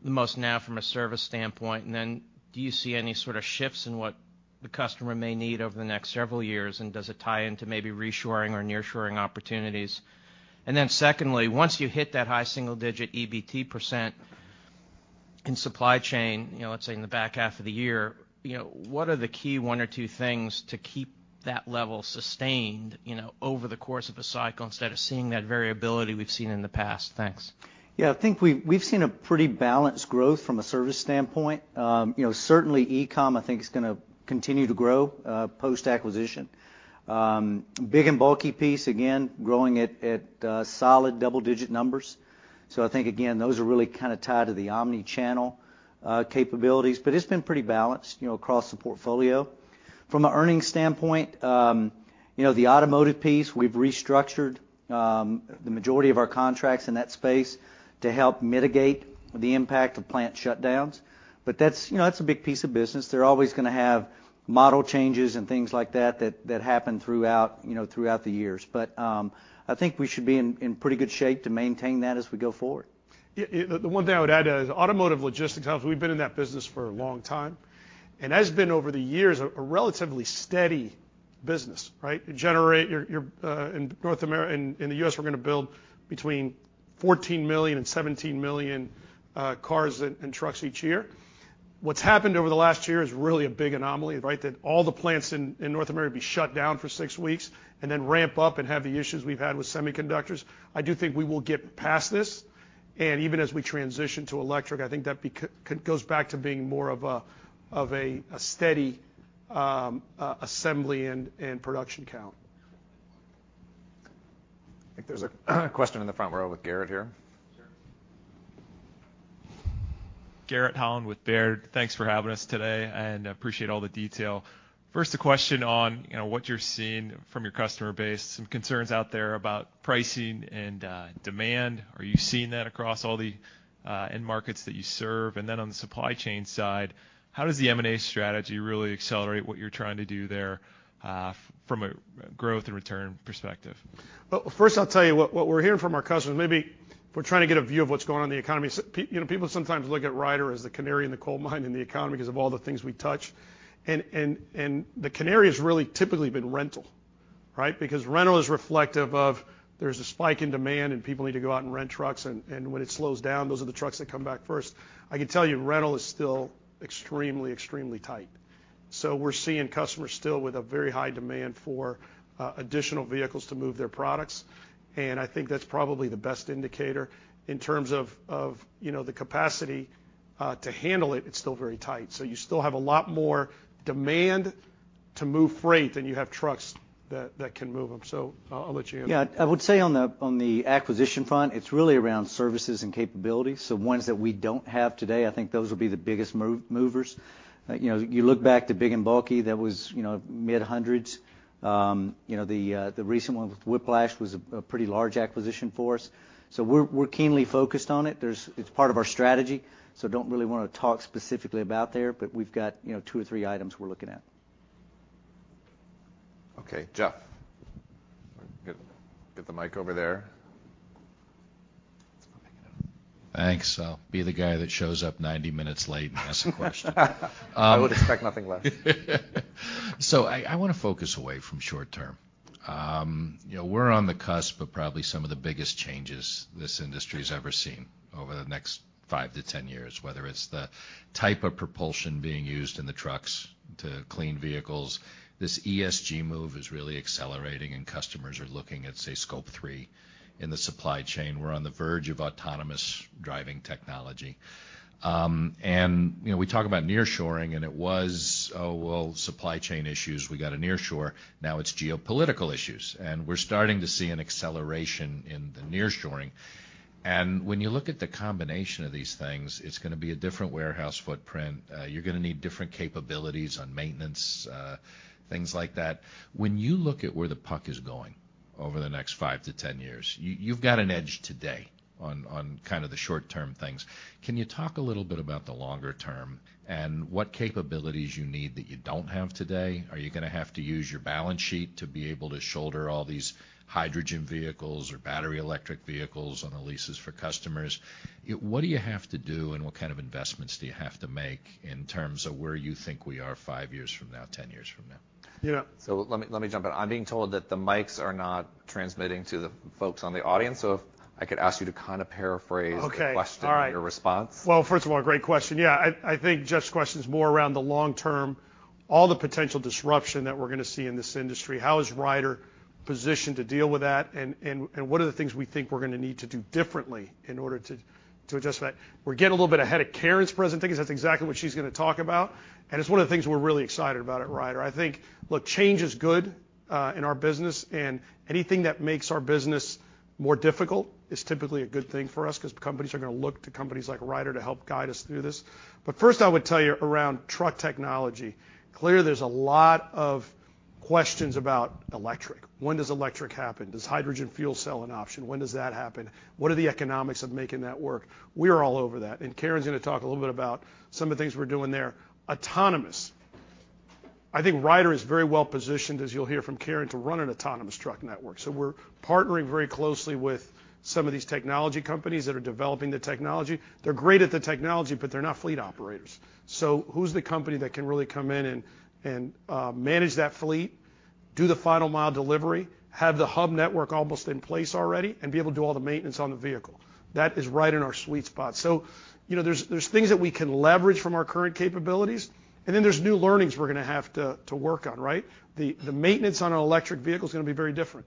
the most now from a service standpoint? Do you see any sort of shifts in what the customer may need over the next several years? Does it tie into maybe reshoring or nearshoring opportunities? Secondly, once you hit that high single digit EBT% in supply chain, you know, let's say in the back half of the year, you know, what are the key one or two things to keep that level sustained, you know, over the course of a cycle instead of seeing that variability we've seen in the past? Thanks. Yeah. I think we've seen a pretty balanced growth from a service standpoint. You know, certainly e-com, I think is gonna continue to grow post-acquisition. Big and bulky piece, again, growing at solid double-digit numbers. I think, again, those are really kinda tied to the omni-channel capabilities. It's been pretty balanced, you know, across the portfolio. From an earnings standpoint, you know, the automotive piece, we've restructured the majority of our contracts in that space to help mitigate the impact of plant shutdowns. That's, you know, that's a big piece of business. They're always gonna have model changes and things like that that happen throughout, you know, the years. I think we should be in pretty good shape to maintain that as we go forward. Yeah, yeah, the one thing I would add to that is automotive logistics hubs. We've been in that business for a long time, and has been over the years a relatively steady business, right? You generate. You're in the U.S., we're gonna build between 14 million and 17 million cars and trucks each year. What's happened over the last year is really a big anomaly, right? That all the plants in North America be shut down for six weeks and then ramp up and have the issues we've had with semiconductors. I do think we will get past this, and even as we transition to electric, I think that it goes back to being more of a steady assembly and production count. I think there's a question in the front row with Garrett here. Sure. Garrett Holland with Baird. Thanks for having us today, and I appreciate all the detail. First, a question on, you know, what you're seeing from your customer base. Some concerns out there about pricing and demand. Are you seeing that across all the end markets that you serve? On the supply chain side, how does the M&A strategy really accelerate what you're trying to do there from a growth and return perspective? First I'll tell you what we're hearing from our customers, maybe if we're trying to get a view of what's going on in the economy. You know, people sometimes look at Ryder as the canary in the coal mine in the economy because of all the things we touch and the canary has really typically been rental, right? Because rental is reflective of there's a spike in demand, and people need to go out and rent trucks and when it slows down, those are the trucks that come back first. I can tell you, rental is still extremely tight, so we're seeing customers still with a very high demand for additional vehicles to move their products, and I think that's probably the best indicator in terms of you know, the capacity to handle it. It's still very tight. You still have a lot more demand to move freight than you have trucks that can move them. I'll let you handle that. Yeah. I would say on the acquisition front, it's really around services and capabilities. Ones that we don't have today, I think those will be the biggest movers. You know, you look back to big and bulky, that was, you know, mid-hundreds. You know, the recent one with Whiplash was a pretty large acquisition for us, so we're keenly focused on it. It's part of our strategy, so don't really wanna talk specifically about there, but we've got, you know, two or three items we're looking at. Okay. Jeff. Get the mic over there. I'll pick it up. Thanks. I'll be the guy that shows up 90 minutes late and asks a question. I would expect nothing less. I wanna focus away from short-term. You know, we're on the cusp of probably some of the biggest changes this industry's ever seen over the next five-10 years, whether it's the type of propulsion being used in the trucks to cleaner vehicles. This ESG move is really accelerating, and customers are looking at, say, Scope 3 in the supply chain. We're on the verge of autonomous driving technology. You know, we talk about nearshoring, and it was, oh, well, supply chain issues, we gotta nearshore. Now it's geopolitical issues, and we're starting to see an acceleration in the nearshoring. When you look at the combination of these things, it's gonna be a different warehouse footprint. You're gonna need different capabilities on maintenance, things like that. When you look at where the puck is going over the next five-10 years, you've got an edge today on kind of the short-term things. Can you talk a little bit about the longer term and what capabilities you need that you don't have today? Are you gonna have to use your balance sheet to be able to shoulder all these hydrogen vehicles or battery electric vehicles on the leases for customers? What do you have to do, and what kind of investments do you have to make in terms of where you think we are five years from now, 10 years from now? You know. Let me jump in. I'm being told that the mics are not transmitting to the folks in the audience, so if I could ask you to kind of paraphrase. Okay. All right. The question in your response. Well, first of all, great question. Yeah, I think Jeff's question is more around the long term, all the potential disruption that we're gonna see in this industry. How is Ryder positioned to deal with that, and what are the things we think we're gonna need to do differently in order to adjust to that? We're getting a little bit ahead of Karen's presentation 'cause that's exactly what she's gonna talk about, and it's one of the things we're really excited about at Ryder. I think, look, change is good in our business, and anything that makes our business more difficult is typically a good thing for us 'cause companies are gonna look to companies like Ryder to help guide us through this. But first I would tell you around truck technology, clearly there's a lot of questions about electric. When does electric happen? Is hydrogen fuel cell an option? When does that happen? What are the economics of making that work? We're all over that, and Karen's gonna talk a little bit about some of the things we're doing there. Autonomous. I think Ryder is very well positioned, as you'll hear from Karen, to run an autonomous truck network, so we're partnering very closely with some of these technology companies that are developing the technology. They're great at the technology, but they're not fleet operators. So who's the company that can really come in and manage that fleet, do the final mile delivery, have the hub network almost in place already, and be able to do all the maintenance on the vehicle? That is right in our sweet spot. You know, there's things that we can leverage from our current capabilities, and then there's new learnings we're gonna have to work on, right? The maintenance on an electric vehicle is gonna be very different.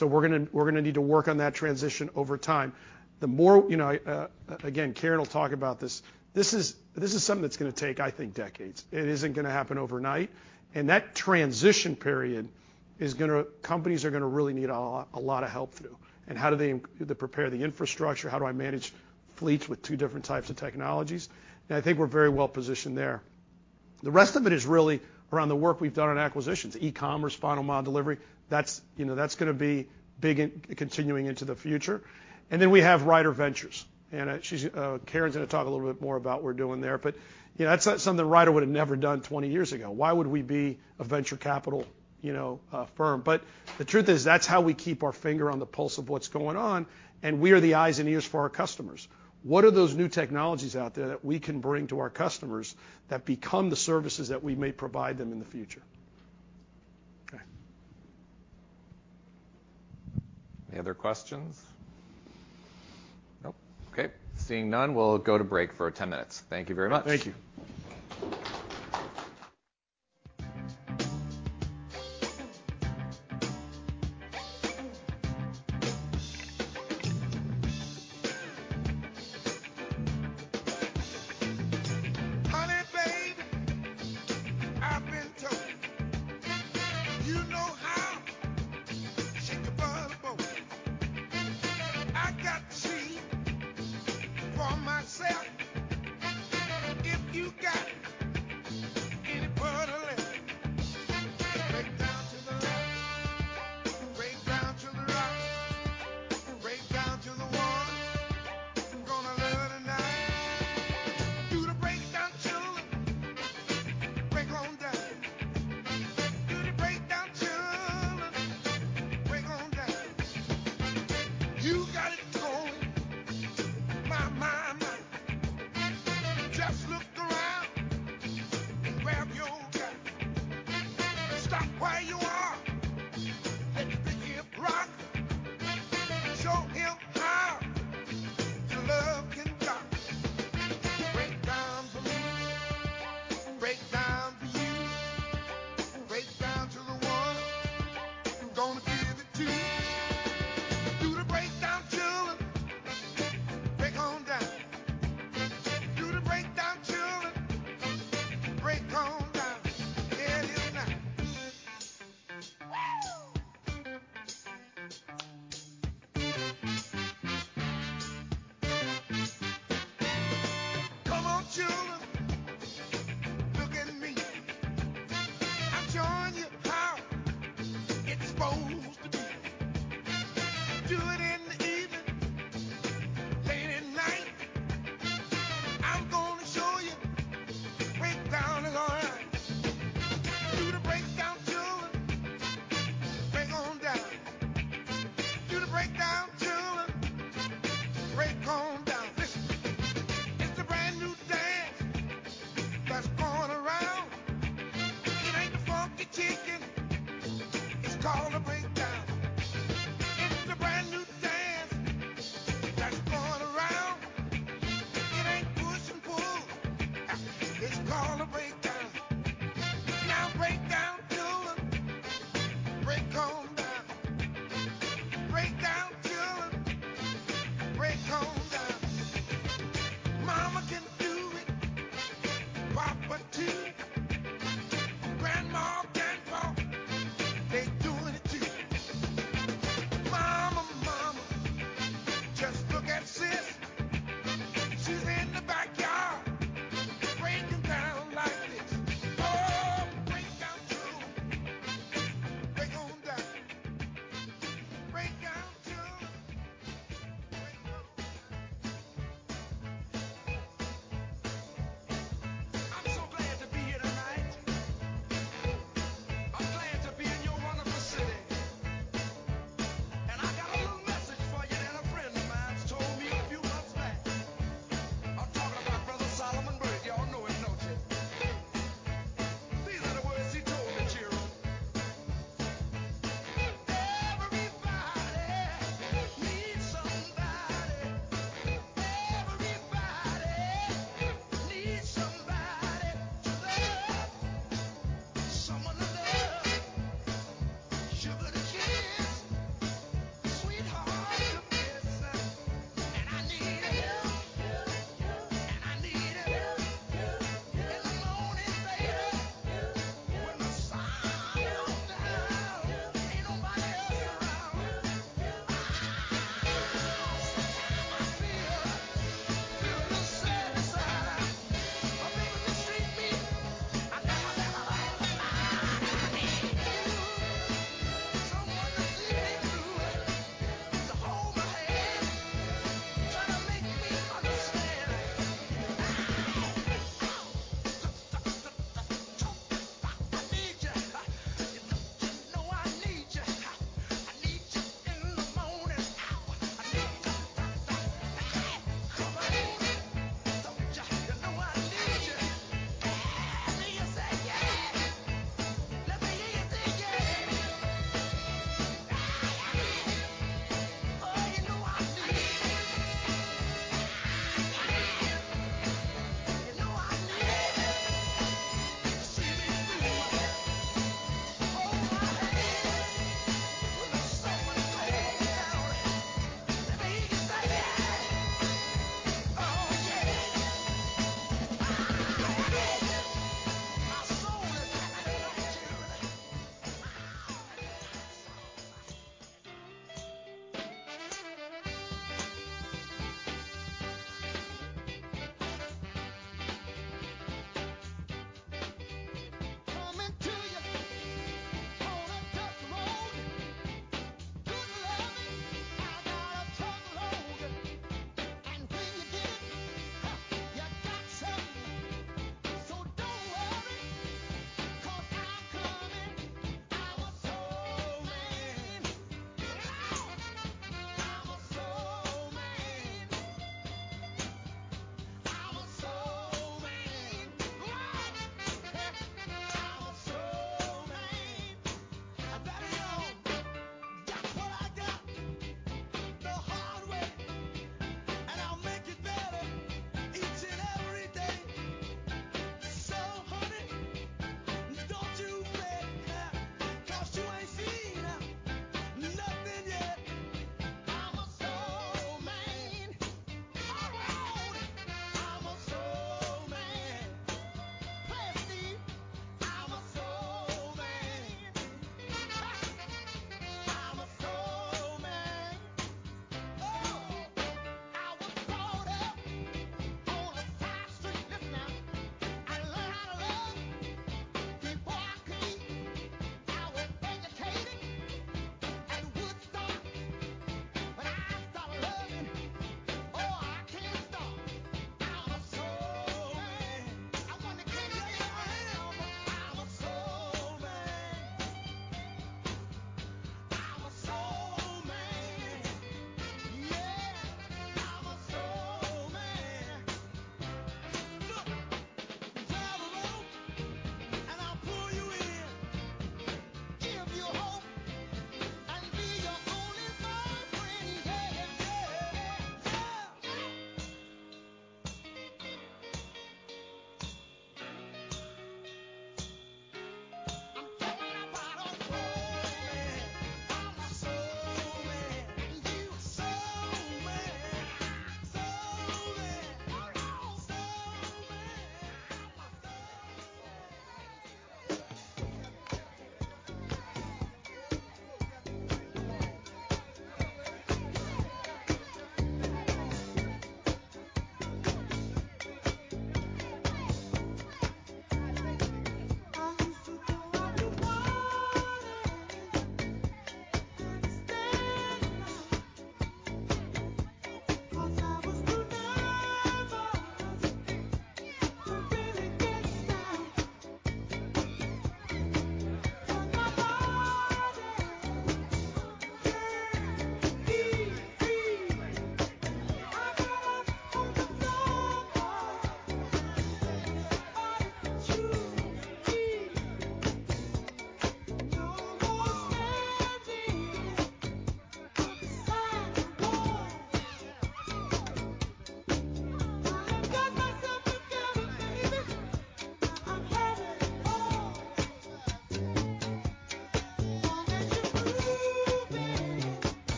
We're gonna need to work on that transition over time. You know, again, Karen will talk about this. This is something that's gonna take, I think, decades. It isn't gonna happen overnight, and that transition period is gonna. Companies are gonna really need a lot of help through, and how do they prepare the infrastructure? How do I manage fleets with two different types of technologies? I think we're very well positioned there. The rest of it is really around the work we've done on acquisitions, e-commerce, last mile delivery. That's, you know, that's gonna be big in continuing into the future. We have RyderVentures, and she's Karen's gonna talk a little bit more about what we're doing there. You know, that's something Ryder would have never done 20 years ago. Why would we be a venture capital, you know, firm? The truth is, that's how we keep our finger on the pulse of what's going on, and we are the eyes and ears for our customers. What are those new technologies out there that we can bring to our customers that become the services that we may provide them in the future? Any other questions? Nope. Okay, seeing none, we'll go to break for 10 minutes. Thank you very much. Thank you.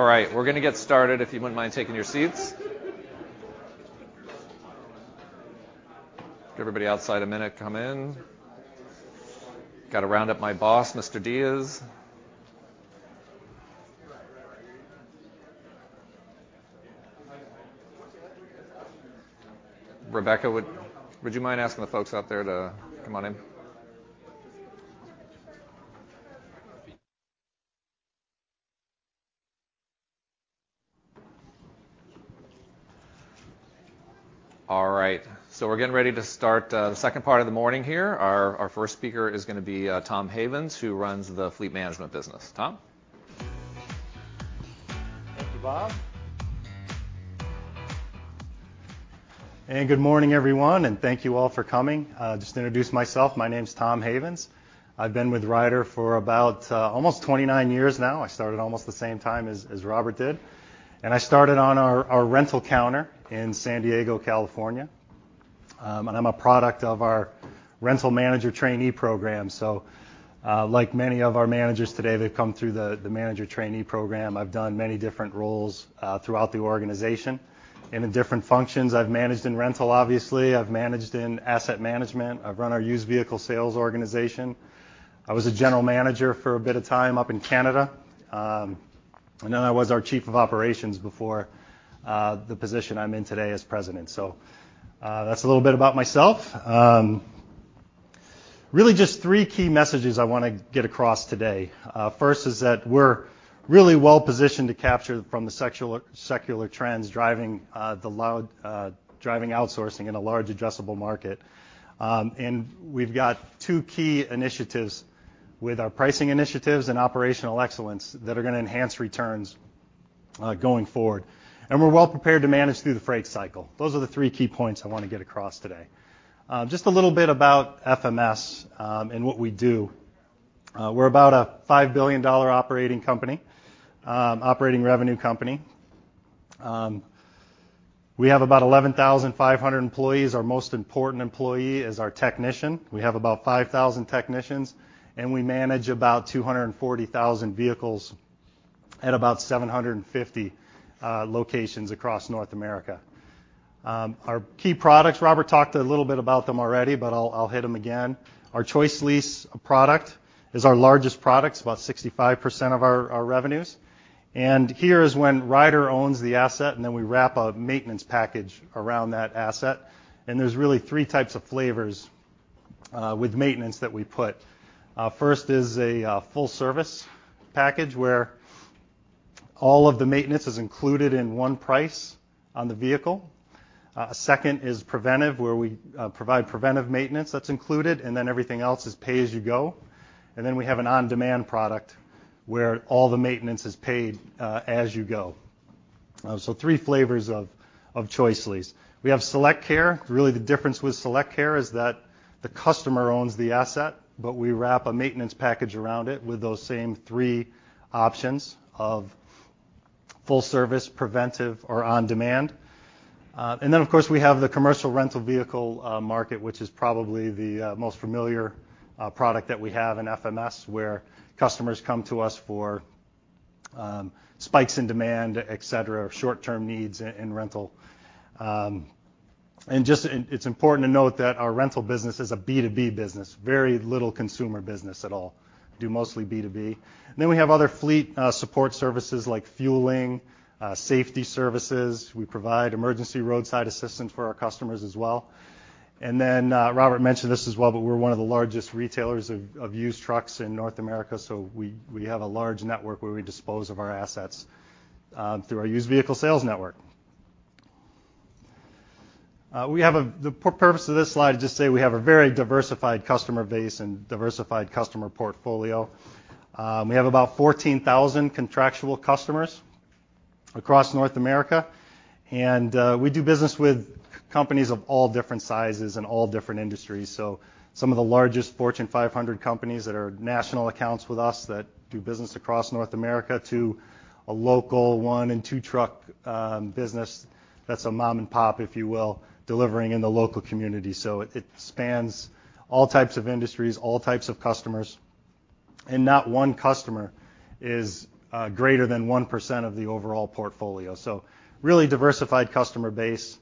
All right, we're gonna get started if you wouldn't mind taking your seats. Give everybody outside a minute to come in. Gotta round up my boss, Mr. Diez. Rebecca, would you mind asking the folks out there to come on in? All right, we're getting ready to start the second part of the morning here. Our first speaker is gonna be Tom Havens, who runs the fleet management business. Tom? Thank you, Bob. Good morning, everyone, and thank you all for coming. Just to introduce myself, my name's Tom Havens. I've been with Ryder for about almost 29 years now. I started almost the same time as Robert did. I started on our rental counter in San Diego, California. I'm a product of our rental manager trainee program. Like many of our managers today that come through the manager trainee program, I've done many different roles throughout the organization and in different functions. I've managed in rental, obviously, I've managed in asset management, I've run our used vehicle sales organization. I was a general manager for a bit of time up in Canada. I was our chief of operations before the position I'm in today as president. That's a little bit about myself. Really just three key messages I wanna get across today. First is that we're really well-positioned to capitalize on the secular trends driving outsourcing in a large addressable market. We've got two key initiatives with our pricing initiatives and operational excellence that are gonna enhance returns going forward. We're well prepared to manage through the freight cycle. Those are the three key points I wanna get across today. Just a little bit about FMS and what we do. We're about a $5 billion operating revenue company. We have about 11,500 employees. Our most important employee is our technician. We have about 5,000 technicians, and we manage about 240,000 vehicles at about 750 locations across North America. Our key products, Robert talked a little bit about them already, but I'll hit them again. Our ChoiceLease product is our largest product, it's about 65% of our revenues. Here is when Ryder owns the asset, and then we wrap a maintenance package around that asset. There's really three types of flavors with maintenance that we put. First is a full service package, where all of the maintenance is included in one price on the vehicle. Second is preventive, where we provide preventive maintenance that's included, and then everything else is pay-as-you-go. Then we have an on-demand product where all the maintenance is paid as you go. So three flavors of ChoiceLease. We have SelectCare. Really the difference with SelectCare is that the customer owns the asset, but we wrap a maintenance package around it with those same three options of full service, preventive, or on-demand. Of course, we have the commercial rental vehicle market, which is probably the most familiar product that we have in FMS, where customers come to us for spikes in demand, et cetera, or short-term needs in rental. It's important to note that our rental business is a B2B business. Very little consumer business at all. We do mostly B2B. We have other fleet support services like fueling, safety services. We provide emergency roadside assistance for our customers as well. Robert mentioned this as well, but we're one of the largest retailers of used trucks in North America, so we have a large network where we dispose of our assets through our used vehicle sales network. The purpose of this slide is just to say we have a very diversified customer base and diversified customer portfolio. We have about 14,000 contractual customers across North America, and we do business with companies of all different sizes and all different industries. Some of the largest Fortune 500 companies that are national accounts with us do business across North America to a local one- and two-truck business that's a mom and pop, if you will, delivering in the local community. It spans all types of industries, all types of customers, and not one customer is greater than 1% of the overall portfolio. Really diversified customer base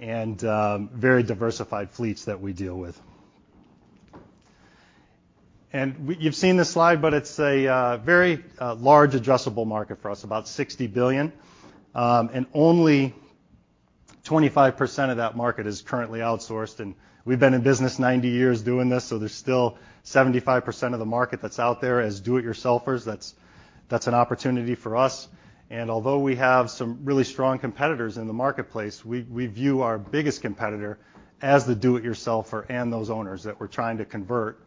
and very diversified fleets that we deal with. You've seen this slide, but it's a very large addressable market for us, about $60 billion. Only 25% of that market is currently outsourced. We've been in business 90 years doing this, so there's still 75% of the market that's out there as do-it-yourselfers. That's an opportunity for us. Although we have some really strong competitors in the marketplace, we view our biggest competitor as the do-it-yourselfer and those owners that we're trying to convert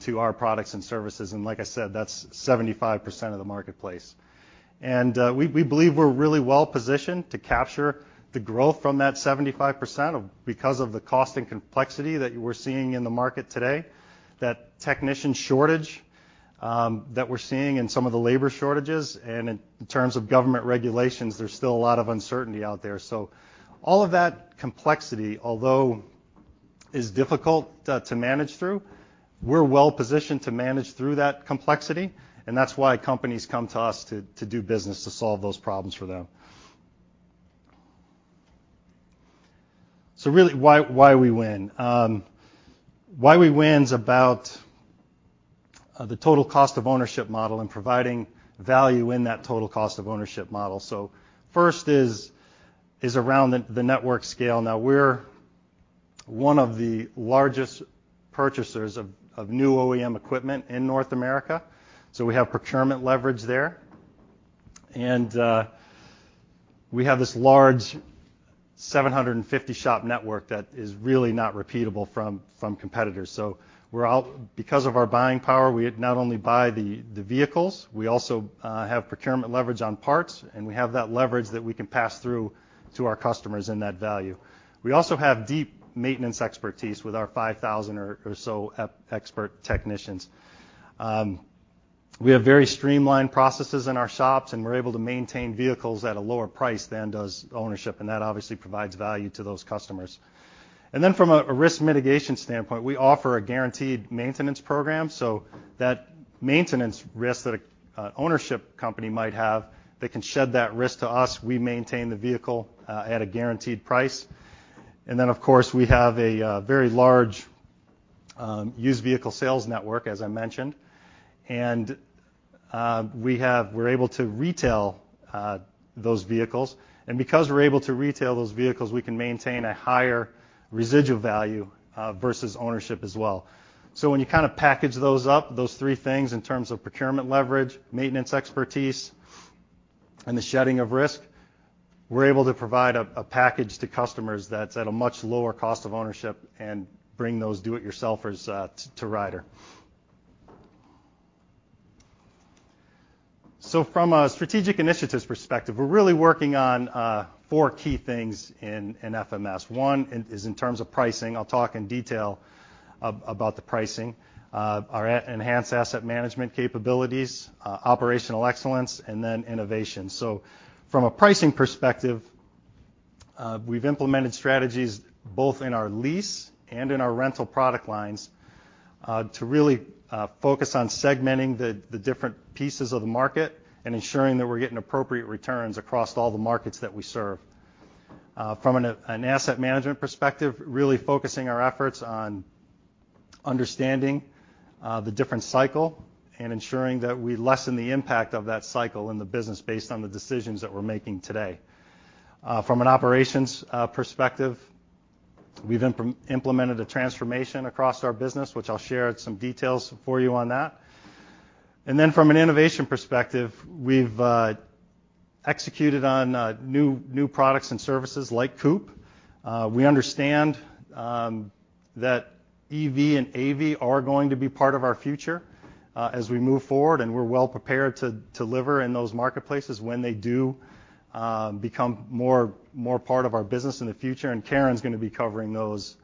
to our products and services, and like I said, that's 75% of the marketplace. We believe we're really well-positioned to capture the growth from that 75% of, because of the cost and complexity that we're seeing in the market today, that technician shortage, that we're seeing and some of the labor shortages. In terms of government regulations, there's still a lot of uncertainty out there. All of that complexity, although is difficult to manage through, we're well-positioned to manage through that complexity, and that's why companies come to us to do business to solve those problems for them. Really, why we win? Why we win is about the total cost of ownership model and providing value in that total cost of ownership model. First is around the network scale. Now, we're one of the largest purchasers of new OEM equipment in North America, so we have procurement leverage there. We have this large 750 shop network that is really not repeatable from competitors. Because of our buying power, we not only buy the vehicles, we also have procurement leverage on parts, and we have that leverage that we can pass through to our customers and that value. We also have deep maintenance expertise with our 5,000 or so expert technicians. We have very streamlined processes in our shops, and we're able to maintain vehicles at a lower price than does ownership, and that obviously provides value to those customers. From a risk mitigation standpoint, we offer a guaranteed maintenance program. That maintenance risk that ownership company might have, they can shed that risk to us. We maintain the vehicle at a guaranteed price. Then, of course, we have a very large used vehicle sales network, as I mentioned. We're able to retail those vehicles. Because we're able to retail those vehicles, we can maintain a higher residual value versus ownership as well. When you kinda package those up, those three things in terms of procurement leverage, maintenance expertise, and the shedding of risk, we're able to provide a package to customers that's at a much lower cost of ownership and bring those do-it-yourselfers to Ryder. From a strategic initiatives perspective, we're really working on four key things in FMS. One is in terms of pricing. I'll talk in detail about the pricing, our enhanced asset management capabilities, operational excellence, and then innovation. From a pricing perspective, we've implemented strategies both in our lease and in our rental product lines, to really focus on segmenting the different pieces of the market and ensuring that we're getting appropriate returns across all the markets that we serve. From an asset management perspective, really focusing our efforts on understanding the different cycle and ensuring that we lessen the impact of that cycle in the business based on the decisions that we're making today. From an operations perspective, we've implemented a transformation across our business, which I'll share some details for you on that. From an innovation perspective, we've executed on new products and services like COOP. We understand that EV and AV are going to be part of our future as we move forward, and we're well prepared to deliver in those marketplaces when they do become more part of our business in the future. Karen's gonna be covering those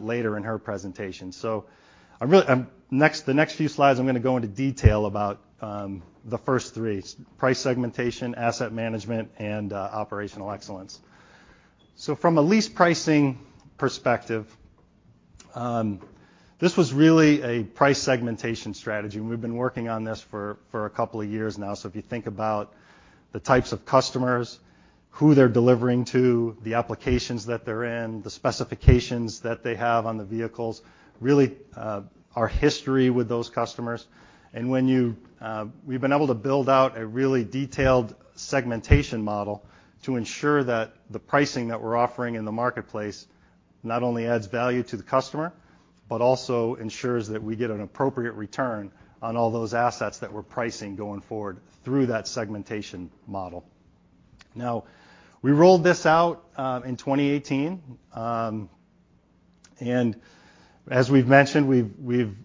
later in her presentation. I'm gonna go into detail about the first three, price segmentation, asset management, and operational excellence. From a lease pricing perspective, this was really a price segmentation strategy, and we've been working on this for a couple of years now. If you think about the types of customers, who they're delivering to, the applications that they're in, the specifications that they have on the vehicles, really our history with those customers. We've been able to build out a really detailed segmentation model to ensure that the pricing that we're offering in the marketplace not only adds value to the customer but also ensures that we get an appropriate return on all those assets that we're pricing going forward through that segmentation model. Now, we rolled this out in 2018, and as we've mentioned, we've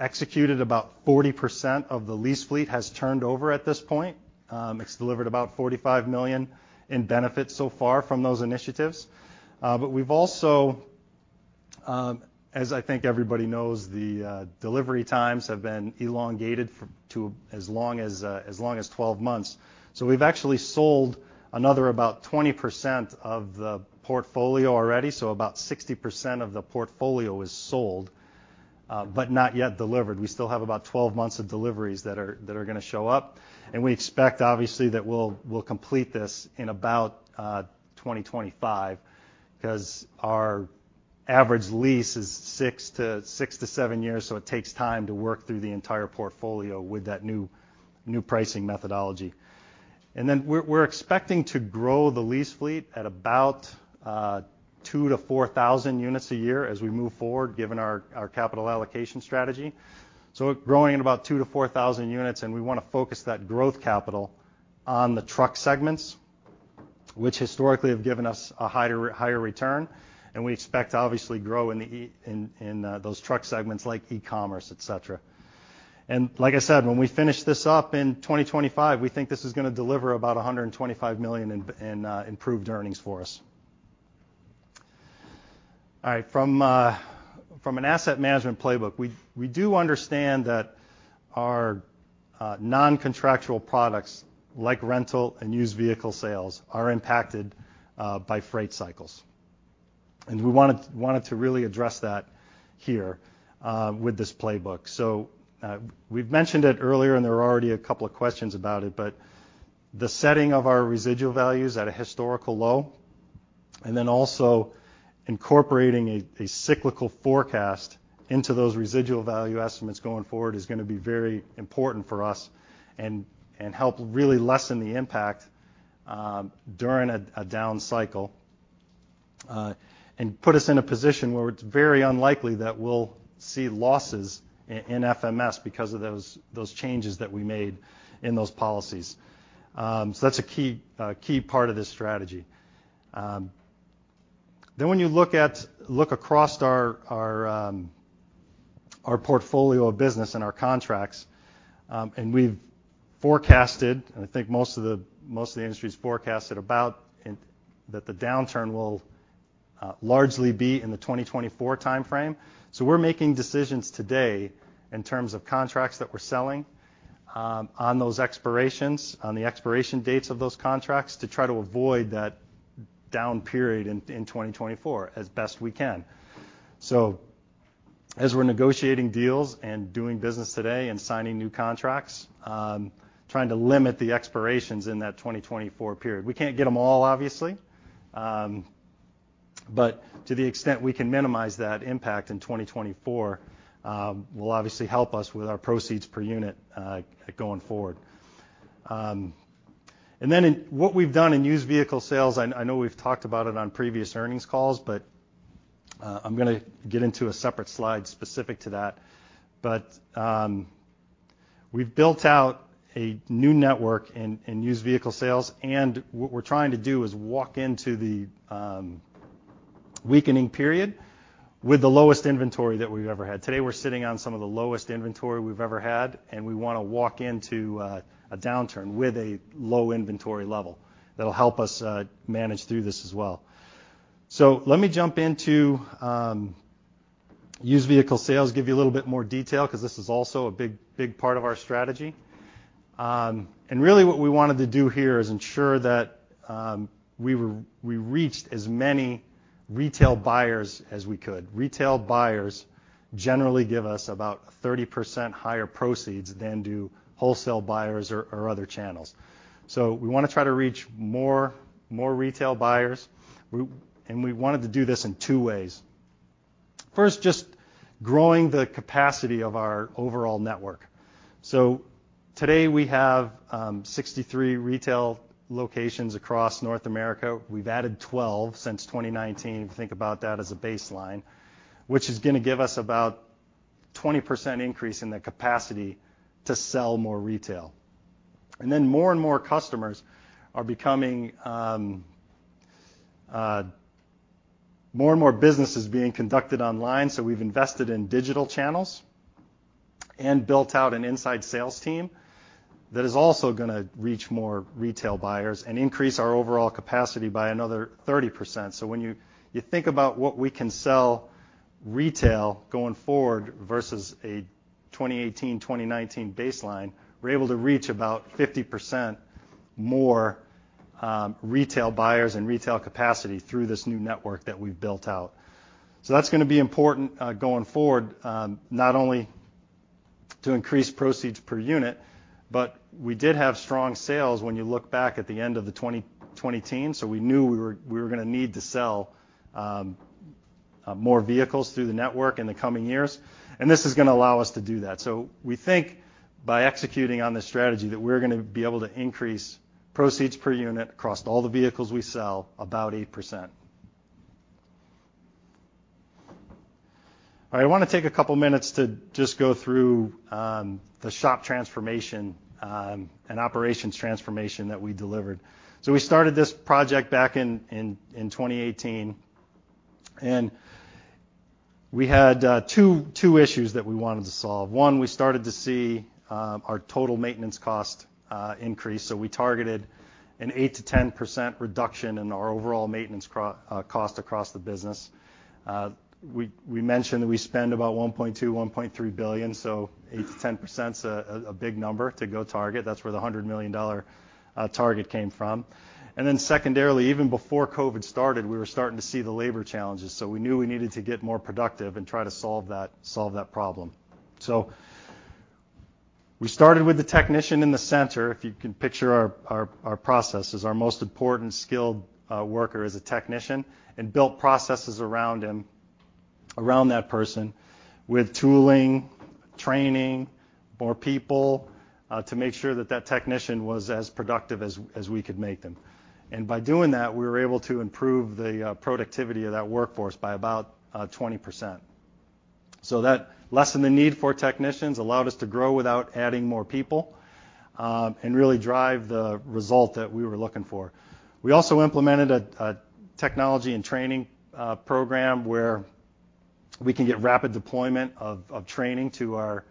executed about 40% of the lease fleet has turned over at this point. It's delivered about $45 million in benefits so far from those initiatives. We've also, as I think everybody knows, delivery times have been elongated to as long as 12 months. We've actually sold another about 20% of the portfolio already, so about 60% of the portfolio is sold, but not yet delivered. We still have about 12 months of deliveries that are gonna show up, and we expect, obviously, that we'll complete this in about 2025 because our average lease is six-seven years, so it takes time to work through the entire portfolio with that new pricing methodology. We're expecting to grow the lease fleet at about 2,000-4,000 units a year as we move forward, given our capital allocation strategy. We're growing at about 2,000-4,000 units, and we wanna focus that growth capital on the truck segments, which historically have given us a higher return. We expect to obviously grow in those truck segments like e-commerce, etc. Like I said, when we finish this up in 2025, we think this is gonna deliver about $125 million in improved earnings for us. All right. From an asset management playbook, we do understand that our non-contractual products, like rental and used vehicle sales, are impacted by freight cycles. We wanted to really address that here with this playbook. We've mentioned it earlier, and there are already a couple of questions about it, but the setting of our residual value is at a historical low. Then also incorporating a cyclical forecast into those residual value estimates going forward is gonna be very important for us and help really lessen the impact during a down cycle. Put us in a position where it's very unlikely that we'll see losses in FMS because of those changes that we made in those policies. That's a key part of this strategy. When you look across our portfolio of business and our contracts, and we've forecasted, and I think most of the industry's forecasted that the downturn will largely be in the 2024 timeframe. We're making decisions today in terms of contracts that we're selling, on those expirations, on the expiration dates of those contracts to try to avoid that down period in 2024 as best we can. As we're negotiating deals and doing business today and signing new contracts, trying to limit the expirations in that 2024 period. We can't get them all, obviously. But to the extent we can minimize that impact in 2024, will obviously help us with our proceeds per unit, going forward. In what we've done in used vehicle sales, I know we've talked about it on previous earnings calls, but I'm gonna get into a separate slide specific to that. We've built out a new network in used vehicle sales, and what we're trying to do is walk into the weakening period with the lowest inventory that we've ever had. Today, we're sitting on some of the lowest inventory we've ever had, and we wanna walk into a downturn with a low inventory level. That'll help us manage through this as well. Let me jump into used vehicle sales, give you a little bit more detail because this is also a big part of our strategy. Really what we wanted to do here is ensure that we reached as many retail buyers as we could. Retail buyers generally give us about 30% higher proceeds than do wholesale buyers or other channels. We wanna try to reach more retail buyers. We wanted to do this in two ways. First, just growing the capacity of our overall network. Today, we have 63 retail locations across North America. We've added 12 since 2019, if you think about that as a baseline, which is gonna give us about 20% increase in the capacity to sell more retail. More and more business is being conducted online, so we've invested in digital channels and built out an inside sales team that is also gonna reach more retail buyers and increase our overall capacity by another 30%. When you think about what we can sell retail going forward versus a 2018, 2019 baseline, we're able to reach about 50% more retail buyers and retail capacity through this new network that we've built out. That's gonna be important going forward, not only to increase proceeds per unit, but we did have strong sales when you look back at the end of the 2019, so we knew we were gonna need to sell more vehicles through the network in the coming years, and this is gonna allow us to do that. We think by executing on this strategy, that we're gonna be able to increase proceeds per unit across all the vehicles we sell about 8%. I wanna take a couple minutes to just go through the shop transformation and operations transformation that we delivered. We started this project back in 2018, and we had two issues that we wanted to solve. One, we started to see our total maintenance cost increase, so we targeted an 8%-10% reduction in our overall maintenance cost across the business. We mentioned that we spend about $1.2 billion-$1.3 billion, so 8%-10%'s a big number to go target. That's where the $100 million target came from. Secondarily, even before COVID started, we were starting to see the labor challenges, so we knew we needed to get more productive and try to solve that problem. We started with the technician in the center, if you can picture our processes, our most important skilled worker is a technician, and built processes around him, around that person with tooling, training, more people, to make sure that technician was as productive as we could make them. By doing that, we were able to improve the productivity of that workforce by about 20%. That lessened the need for technicians, allowed us to grow without adding more people, and really drive the result that we were looking for. We also implemented a technology and training program where we can get rapid deployment of training to our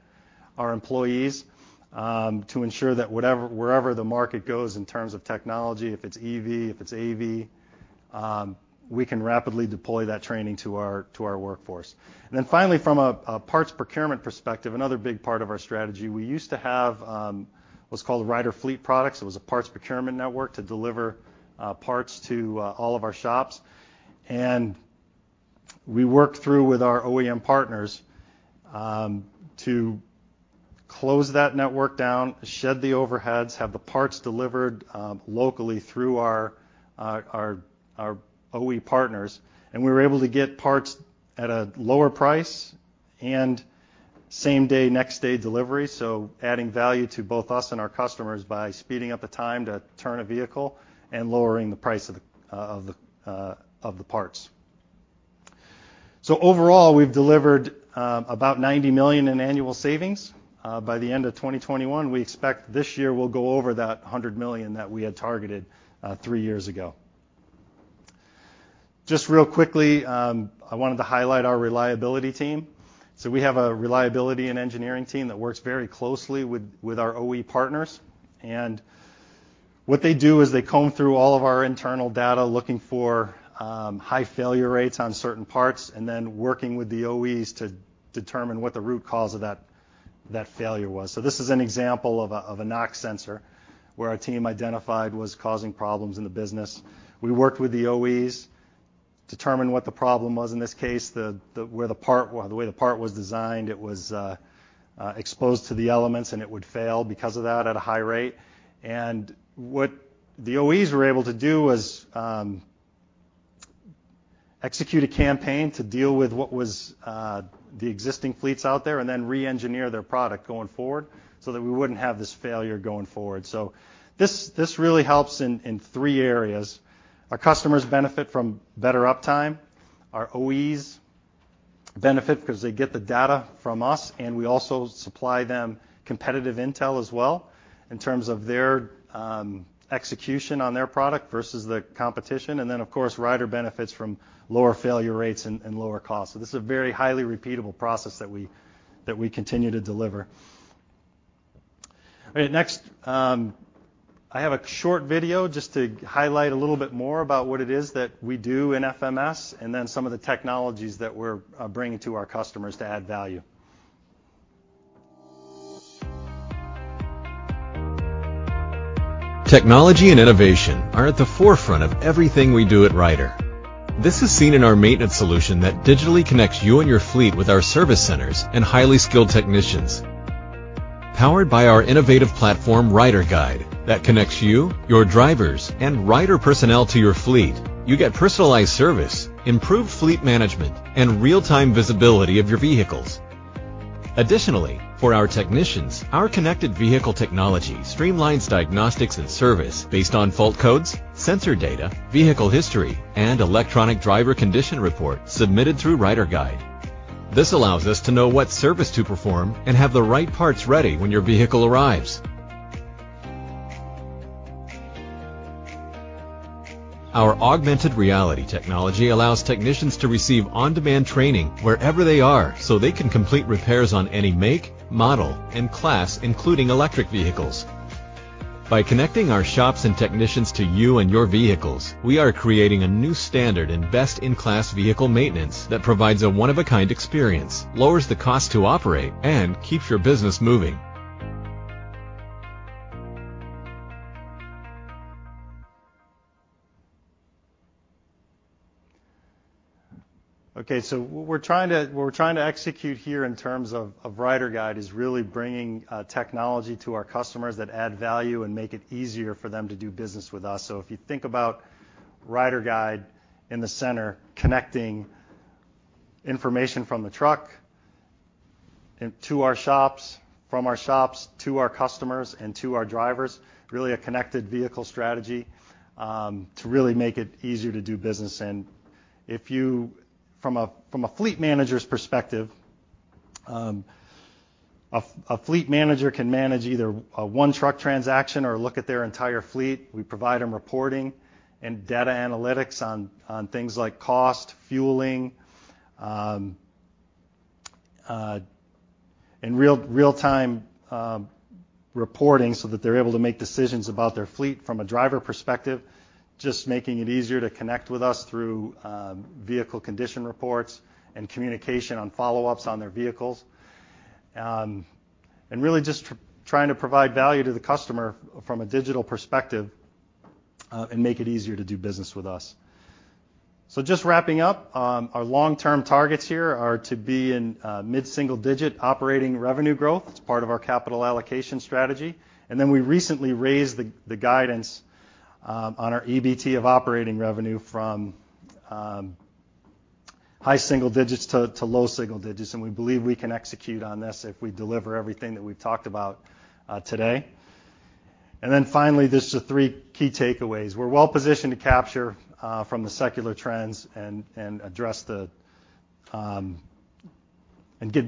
employees to ensure that wherever the market goes in terms of technology, if it's EV, if it's AV, we can rapidly deploy that training to our workforce. Then finally from a parts procurement perspective, another big part of our strategy, we used to have what's called Ryder Fleet Products. It was a parts procurement network to deliver parts to all of our shops. We worked through with our OEM partners to close that network down, shed the overheads, have the parts delivered locally through our OE partners, and we were able to get parts at a lower price and same-day, next-day delivery, so adding value to both us and our customers by speeding up the time to turn a vehicle and lowering the price of the parts. Overall, we've delivered about $90 million in annual savings by the end of 2021. We expect this year we'll go over that $100 million that we had targeted three years ago. Just real quickly, I wanted to highlight our reliability team. We have a reliability and engineering team that works very closely with our OE partners. What they do is they comb through all of our internal data, looking for high failure rates on certain parts, and then working with the OEMs to determine what the root cause of that failure was. This is an example of a NOx sensor where our team identified was causing problems in the business. We worked with the OEMs, determined what the problem was in this case. The way the part was designed, it was exposed to the elements, and it would fail because of that at a high rate. What the OEMs were able to do was execute a campaign to deal with what was the existing fleets out there and then re-engineer their product going forward so that we wouldn't have this failure going forward. This really helps in three areas. Our customers benefit from better uptime. Our OEMs benefit because they get the data from us, and we also supply them competitive intel as well in terms of their execution on their product versus the competition. Then of course, Ryder benefits from lower failure rates and lower costs. This is a very highly repeatable process that we continue to deliver. All right, next, I have a short video just to highlight a little bit more about what it is that we do in FMS and then some of the technologies that we're bringing to our customers to add value. Technology and innovation are at the forefront of everything we do at Ryder. This is seen in our maintenance solution that digitally connects you and your fleet with our service centers and highly skilled technicians. Powered by our innovative platform, RyderGyde, that connects you, your drivers, and Ryder personnel to your fleet, you get personalized service, improved fleet management, and real-time visibility of your vehicles. Additionally, for our technicians, our connected vehicle technology streamlines diagnostics and service based on fault codes, sensor data, vehicle history, and electronic driver condition reports submitted through RyderGyde. This allows us to know what service to perform and have the right parts ready when your vehicle arrives. Our augmented reality technology allows technicians to receive on-demand training wherever they are, so they can complete repairs on any make, model, and class, including electric vehicles. By connecting our shops and technicians to you and your vehicles, we are creating a new standard in best-in-class vehicle maintenance that provides a one-of-a-kind experience, lowers the cost to operate, and keeps your business moving. What we're trying to execute here in terms of RyderGyde is really bringing technology to our customers that add value and make it easier for them to do business with us. If you think about RyderGyde in the center connecting information from the truck and to our shops, from our shops to our customers and to our drivers, really a connected vehicle strategy to really make it easier to do business. From a fleet manager's perspective, a fleet manager can manage either a one-truck transaction or look at their entire fleet. We provide them reporting and data analytics on things like cost, fueling, and real-time reporting so that they're able to make decisions about their fleet from a driver perspective, just making it easier to connect with us through vehicle condition reports and communication on follow-ups on their vehicles. Really just trying to provide value to the customer from a digital perspective, and make it easier to do business with us. Just wrapping up, our long-term targets here are to be in mid-single-digit% operating revenue growth. It's part of our capital allocation strategy. We recently raised the guidance on our EBT of operating revenue from high single digits% to low single digits%, and we believe we can execute on this if we deliver everything that we've talked about today. Finally, this is the three key takeaways. We're well positioned to capture from the secular trends and address and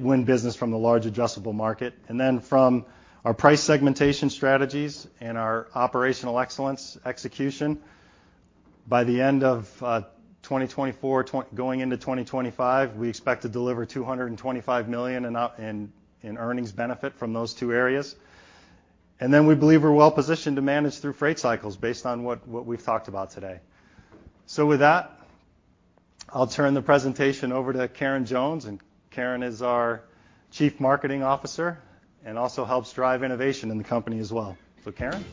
win business from the large addressable market. From our price segmentation strategies and our operational excellence execution, by the end of 2024, going into 2025, we expect to deliver $225 million in earnings benefit from those two areas. We believe we're well positioned to manage through freight cycles based on what we've talked about today. With that, I'll turn the presentation over to Karen Jones, and Karen is our Chief Marketing Officer and also helps drive innovation in the company as well. Karen.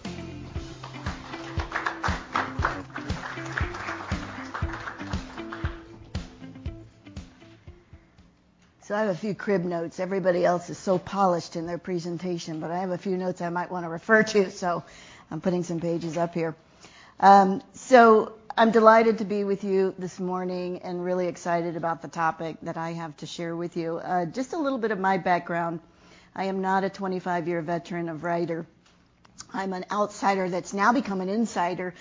I have a few crib notes. Everybody else is so polished in their presentation, but I have a few notes I might wanna refer to, so I'm putting some pages up here. I'm delighted to be with you this morning and really excited about the topic that I have to share with you. Just a little bit of my background. I am not a 25-year veteran of Ryder. I'm an outsider that's now become an insider.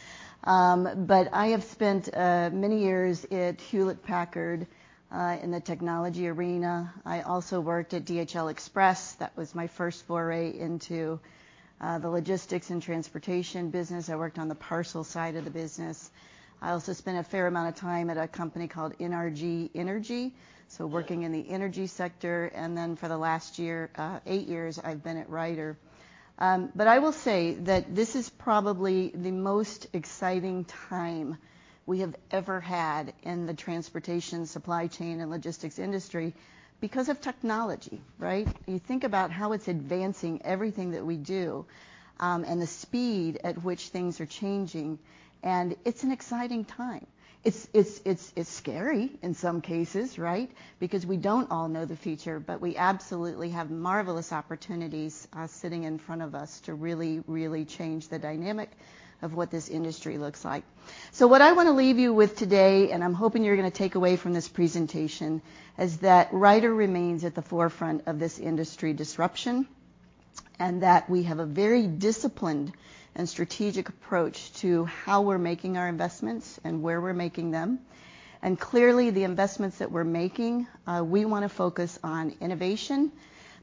I have spent many years at Hewlett-Packard in the technology arena. I also worked at DHL Express. That was my first foray into the logistics and transportation business. I worked on the parcel side of the business. I also spent a fair amount of time at a company called NRG Energy, so working in the energy sector, and then for the last eight years, I've been at Ryder. I will say that this is probably the most exciting time we have ever had in the transportation supply chain and logistics industry because of technology, right? You think about how it's advancing everything that we do, and the speed at which things are changing, and it's an exciting time. It's scary in some cases, right? Because we don't all know the future, but we absolutely have marvelous opportunities, sitting in front of us to really, really change the dynamic of what this industry looks like. What I want to leave you with today, and I'm hoping you're going to take away from this presentation, is that Ryder remains at the forefront of this industry disruption, and that we have a very disciplined and strategic approach to how we're making our investments and where we're making them. Clearly, the investments that we're making, we want to focus on innovation,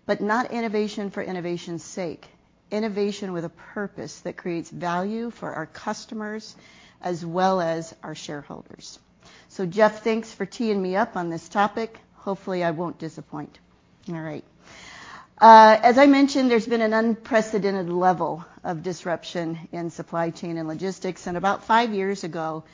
but not innovation for innovation's sake, innovation with a purpose that creates value for our customers as well as our shareholders. Jeff, thanks for teeing me up on this topic. Hopefully, I won't disappoint. All right. As I mentioned, there's been an unprecedented level of disruption in supply chain and logistics. About five years ago,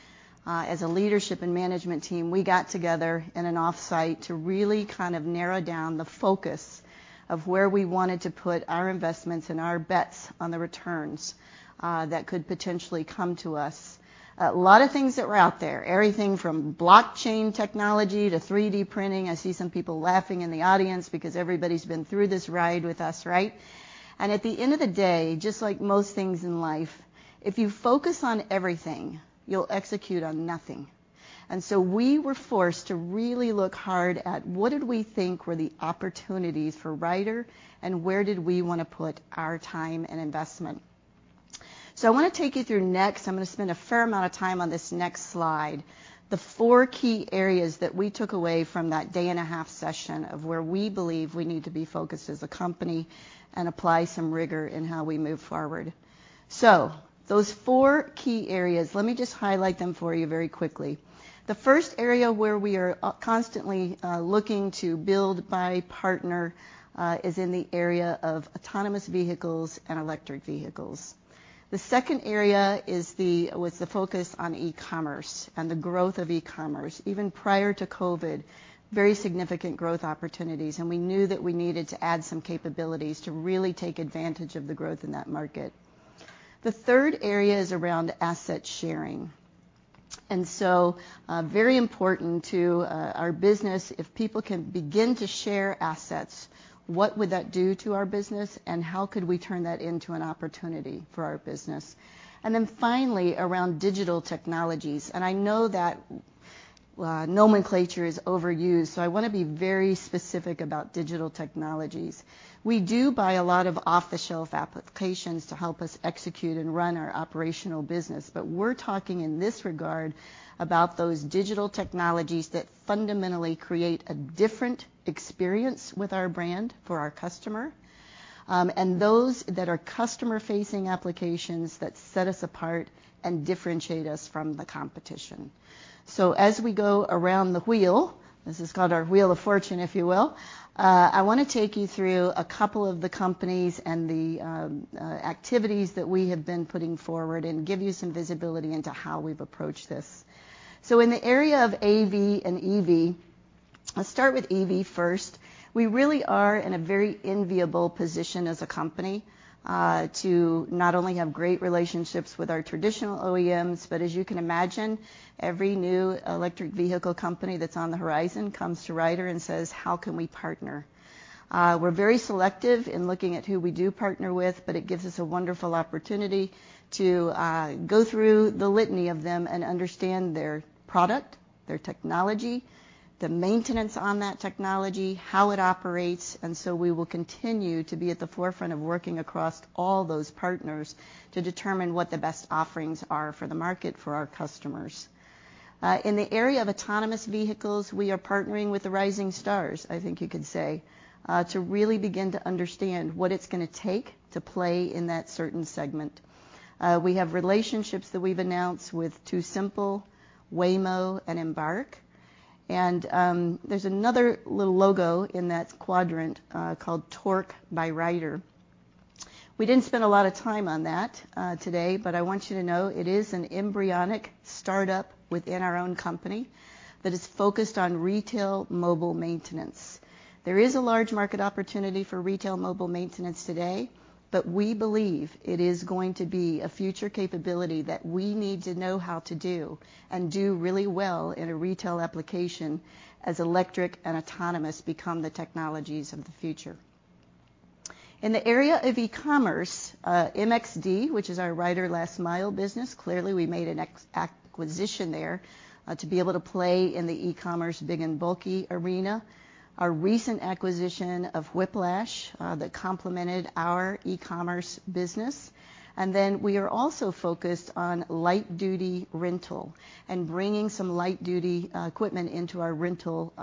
as a leadership and management team, we got together in an offsite to really kind of narrow down the focus of where we wanted to put our investments and our bets on the returns that could potentially come to us. A lot of things that were out there, everything from blockchain technology to 3D printing. I see some people laughing in the audience because everybody's been through this ride with us, right? At the end of the day, just like most things in life, if you focus on everything, you'll execute on nothing. We were forced to really look hard at what did we think were the opportunities for Ryder, and where did we want to put our time and investment. I want to take you through next, I'm going to spend a fair amount of time on this next slide, the four key areas that we took away from that day-and-a-half session of where we believe we need to be focused as a company and apply some rigor in how we move forward. Those four key areas, let me just highlight them for you very quickly. The first area where we are constantly looking to build, buy, partner is in the area of autonomous vehicles and electric vehicles. The second area was the focus on e-commerce and the growth of e-commerce, even prior to COVID, very significant growth opportunities, and we knew that we needed to add some capabilities to really take advantage of the growth in that market. The third area is around asset sharing. Very important to our business, if people can begin to share assets, what would that do to our business, and how could we turn that into an opportunity for our business? Finally, around digital technologies. I know that nomenclature is overused, so I want to be very specific about digital technologies. We do buy a lot of off-the-shelf applications to help us execute and run our operational business, but we're talking in this regard about those digital technologies that fundamentally create a different experience with our brand for our customer, and those that are customer-facing applications that set us apart and differentiate us from the competition. As we go around the wheel, this is called our wheel of fortune, if you will, I want to take you through a couple of the companies and the activities that we have been putting forward and give you some visibility into how we've approached this. In the area of AV and EV, I'll start with EV first. We really are in a very enviable position as a company, to not only have great relationships with our traditional OEMs, but as you can imagine, every new electric vehicle company that's on the horizon comes to Ryder and says, "How can we partner?" We're very selective in looking at who we do partner with, but it gives us a wonderful opportunity to go through the litany of them and understand their product, their technology, the maintenance on that technology, how it operates, and so we will continue to be at the forefront of working across all those partners to determine what the best offerings are for the market for our customers. In the area of autonomous vehicles, we are partnering with the rising stars, I think you could say, to really begin to understand what it's gonna take to play in that certain segment. We have relationships that we've announced with TuSimple, Waymo, and Embark. There's another little logo in that quadrant called Torque by Ryder. We didn't spend a lot of time on that today, but I want you to know it is an embryonic startup within our own company that is focused on retail mobile maintenance. There is a large market opportunity for retail mobile maintenance today, but we believe it is going to be a future capability that we need to know how to do and do really well in a retail application as electric and autonomous become the technologies of the future. In the area of e-commerce, MXD, which is our Ryder Last Mile business, clearly, we made an acquisition there to be able to play in the e-commerce big and bulky arena. Our recent acquisition of Whiplash that complemented our e-commerce business. We are also focused on light-duty rental and bringing some light-duty equipment into our rental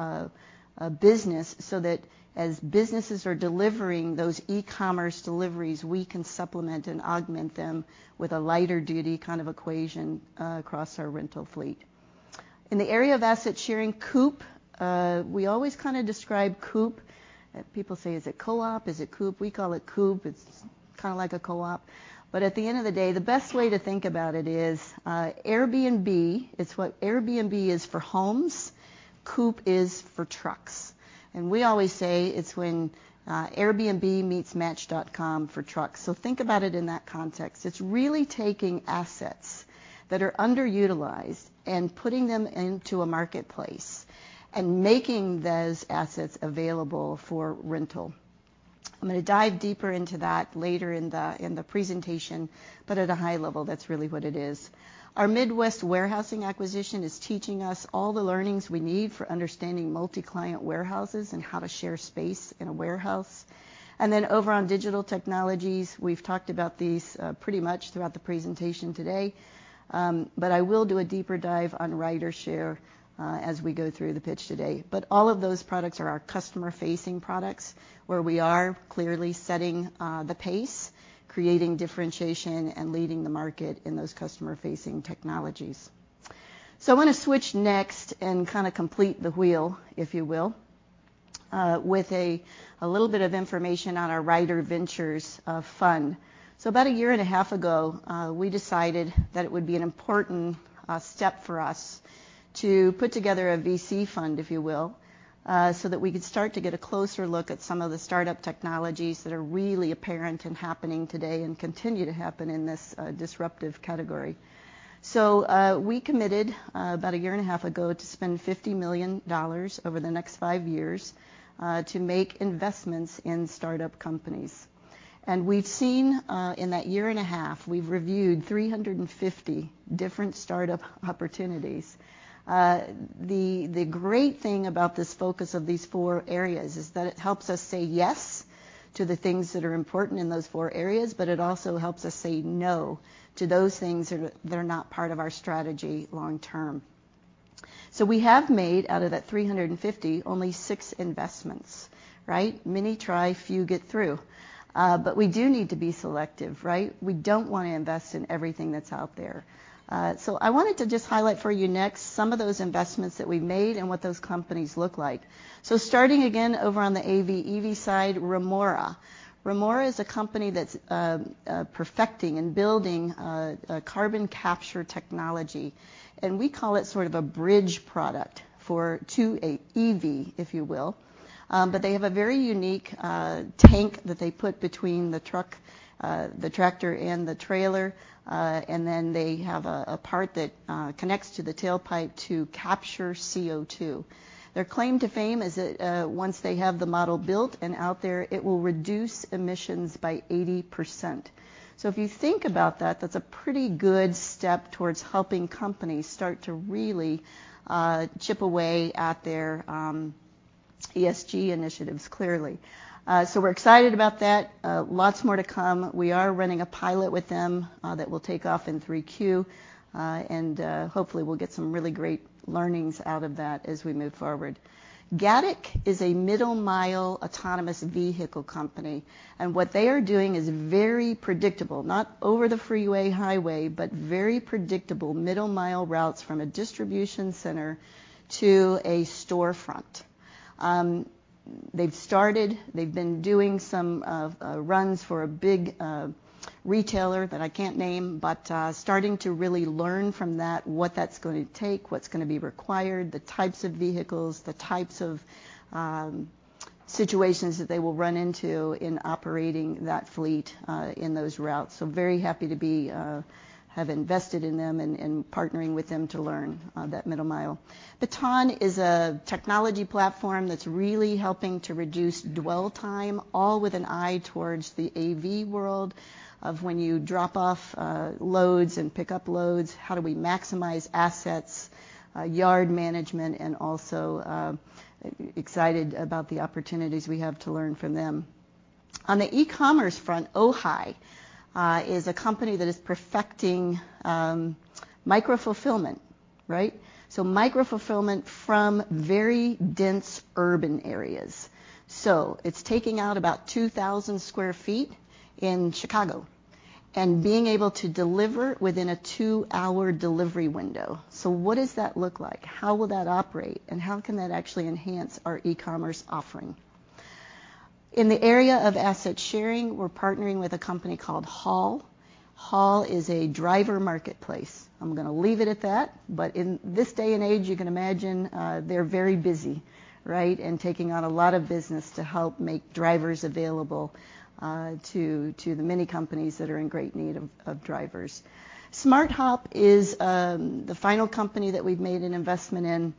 business, so that as businesses are delivering those e-commerce deliveries, we can supplement and augment them with a lighter duty kind of option across our rental fleet. In the area of asset sharing, COOP, we always kind of describe COOP. People say, "Is it co-op? Is it COOP?" We call it COOP. It's kind of like a co-op, but at the end of the day, the best way to think about it is, Airbnb. It's what Airbnb is for homes, COOP is for trucks. We always say it's when, Airbnb meets Match.com for trucks, so think about it in that context. It's really taking assets that are underutilized and putting them into a marketplace and making those assets available for rental. I'm gonna dive deeper into that later in the presentation, but at a high level, that's really what it is. Our Midwest Warehouse & Distribution System acquisition is teaching us all the learnings we need for understanding multi-client warehouses and how to share space in a warehouse. Then over on digital technologies, we've talked about these pretty much throughout the presentation today, but I will do a deeper dive on RyderShare as we go through the pitch today. All of those products are our customer-facing products, where we are clearly setting the pace, creating differentiation, and leading the market in those customer-facing technologies. I want to switch next and kind of complete the wheel, if you will, with a little bit of information on our RyderVentures fund. About a year and a half ago, we decided that it would be an important step for us to put together a VC fund, if you will, so that we could start to get a closer look at some of the startup technologies that are really apparent and happening today and continue to happen in this disruptive category. We committed about a year and a half ago to spend $50 million over the next 5 years to make investments in startup companies. We've seen, in that year and a half, we've reviewed 350 different startup opportunities. The great thing about this focus of these four areas is that it helps us say yes to the things that are important in those four areas, but it also helps us say no to those things that are not part of our strategy long term. We have made out of that 350 only six investments, right? Many try, few get through. But we do need to be selective, right? We don't want to invest in everything that's out there. I wanted to just highlight for you next some of those investments that we've made and what those companies look like. Starting again over on the AV/EV side, Remora. Remora is a company that's perfecting and building a carbon capture technology, and we call it sort of a bridge product for to a EV, if you will. But they have a very unique tank that they put between the truck the tractor and the trailer, and then they have a part that connects to the tailpipe to capture CO2. Their claim to fame is that once they have the model built and out there, it will reduce emissions by 80%. If you think about that's a pretty good step towards helping companies start to really chip away at their ESG initiatives, clearly. We're excited about that. Lots more to come. We are running a pilot with them that will take off in 3Q, and hopefully we'll get some really great learnings out of that as we move forward. Gatik is a middle mile autonomous vehicle company, and what they are doing is very predictable. Not over the freeway highway, but very predictable middle mile routes from a distribution center to a storefront. They've started. They've been doing some runs for a big retailer that I can't name, but starting to really learn from that what that's going to take, what's going to be required, the types of vehicles, the types of situations that they will run into in operating that fleet in those routes. Very happy to have invested in them and partnering with them to learn that middle mile. Baton is a technology platform that's really helping to reduce dwell time, all with an eye towards the AV world of when you drop off, loads and pick up loads, how do we maximize assets, yard management, and also, excited about the opportunities we have to learn from them. On the e-commerce front, Ohi is a company that is perfecting micro fulfillment, right? So micro fulfillment from very dense urban areas. So it's taking out about 2,000 sq ft in Chicago and being able to deliver within a two-hour delivery window. So what does that look like? How will that operate, and how can that actually enhance our e-commerce offering? In the area of asset sharing, we're partnering with a company called Haul. Haul is a driver marketplace. I'm gonna leave it at that, but in this day and age, you can imagine, they're very busy, right, and taking on a lot of business to help make drivers available to the many companies that are in great need of drivers. SmartHop is the final company that we've made an investment in.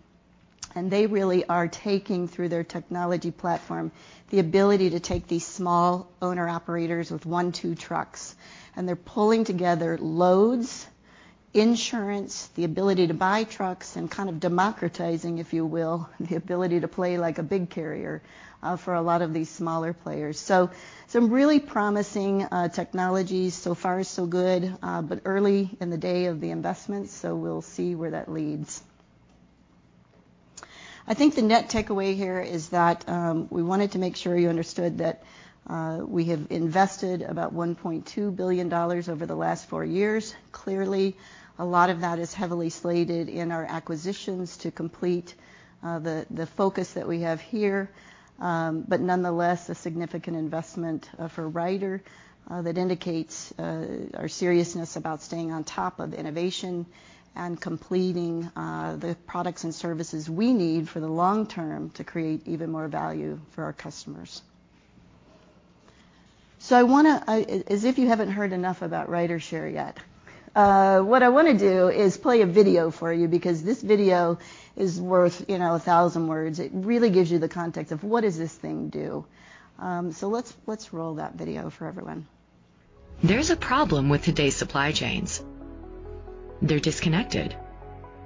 They really are taking, through their technology platform, the ability to take these small owner-operators with one, two trucks, and they're pulling together loads, insurance, the ability to buy trucks, and kind of democratizing, if you will, the ability to play like a big carrier for a lot of these smaller players. Some really promising technologies. So far so good, but early in the day of the investment. We'll see where that leads. I think the net takeaway here is that we wanted to make sure you understood that we have invested about $1.2 billion over the last four years. Clearly, a lot of that is heavily slated in our acquisitions to complete the focus that we have here. Nonetheless, a significant investment for Ryder that indicates our seriousness about staying on top of innovation and completing the products and services we need for the long term to create even more value for our customers. As if you haven't heard enough about RyderShare yet, what I wanna do is play a video for you because this video is worth, you know, 1,000 words. It really gives you the context of what does this thing do? Let's roll that video for everyone. There's a problem with today's supply chains. They're disconnected,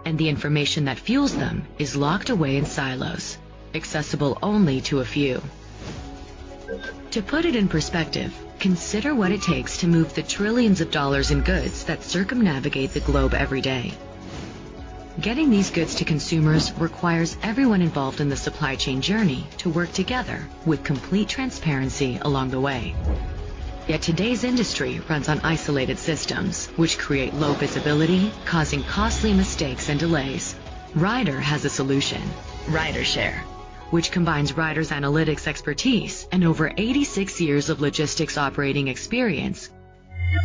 and the information that fuels them is locked away in silos, accessible only to a few. To put it in perspective, consider what it takes to move the trillions of dollars in goods that circumnavigate the globe every day. Getting these goods to consumers requires everyone involved in the supply chain journey to work together with complete transparency along the way. Yet today's industry runs on isolated systems, which create low visibility, causing costly mistakes and delays. Ryder has a solution, RyderShare, which combines Ryder's analytics expertise and over 86 years of logistics operating experience.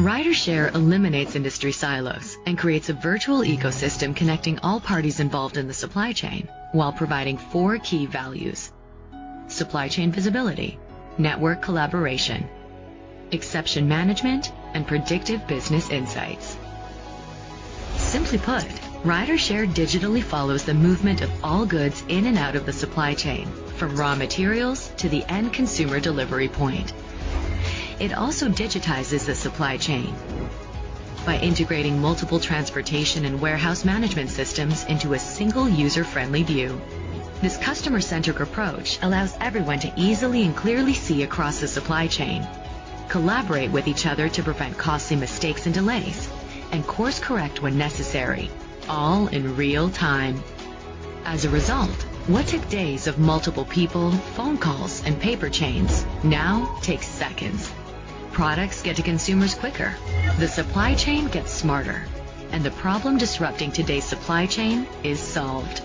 RyderShare eliminates industry silos and creates a virtual ecosystem connecting all parties involved in the supply chain while providing four key values, supply chain visibility, network collaboration, exception management, and predictive business insights. Simply put, RyderShare digitally follows the movement of all goods in and out of the supply chain, from raw materials to the end consumer delivery point. It also digitizes the supply chain by integrating multiple transportation and warehouse management systems into a single user-friendly view. This customer-centric approach allows everyone to easily and clearly see across the supply chain, collaborate with each other to prevent costly mistakes and delays, and course-correct when necessary, all in real-time. As a result, what took days of multiple people, phone calls, and paper chains now takes seconds. Products get to consumers quicker, the supply chain gets smarter, and the problem disrupting today's supply chain is solved.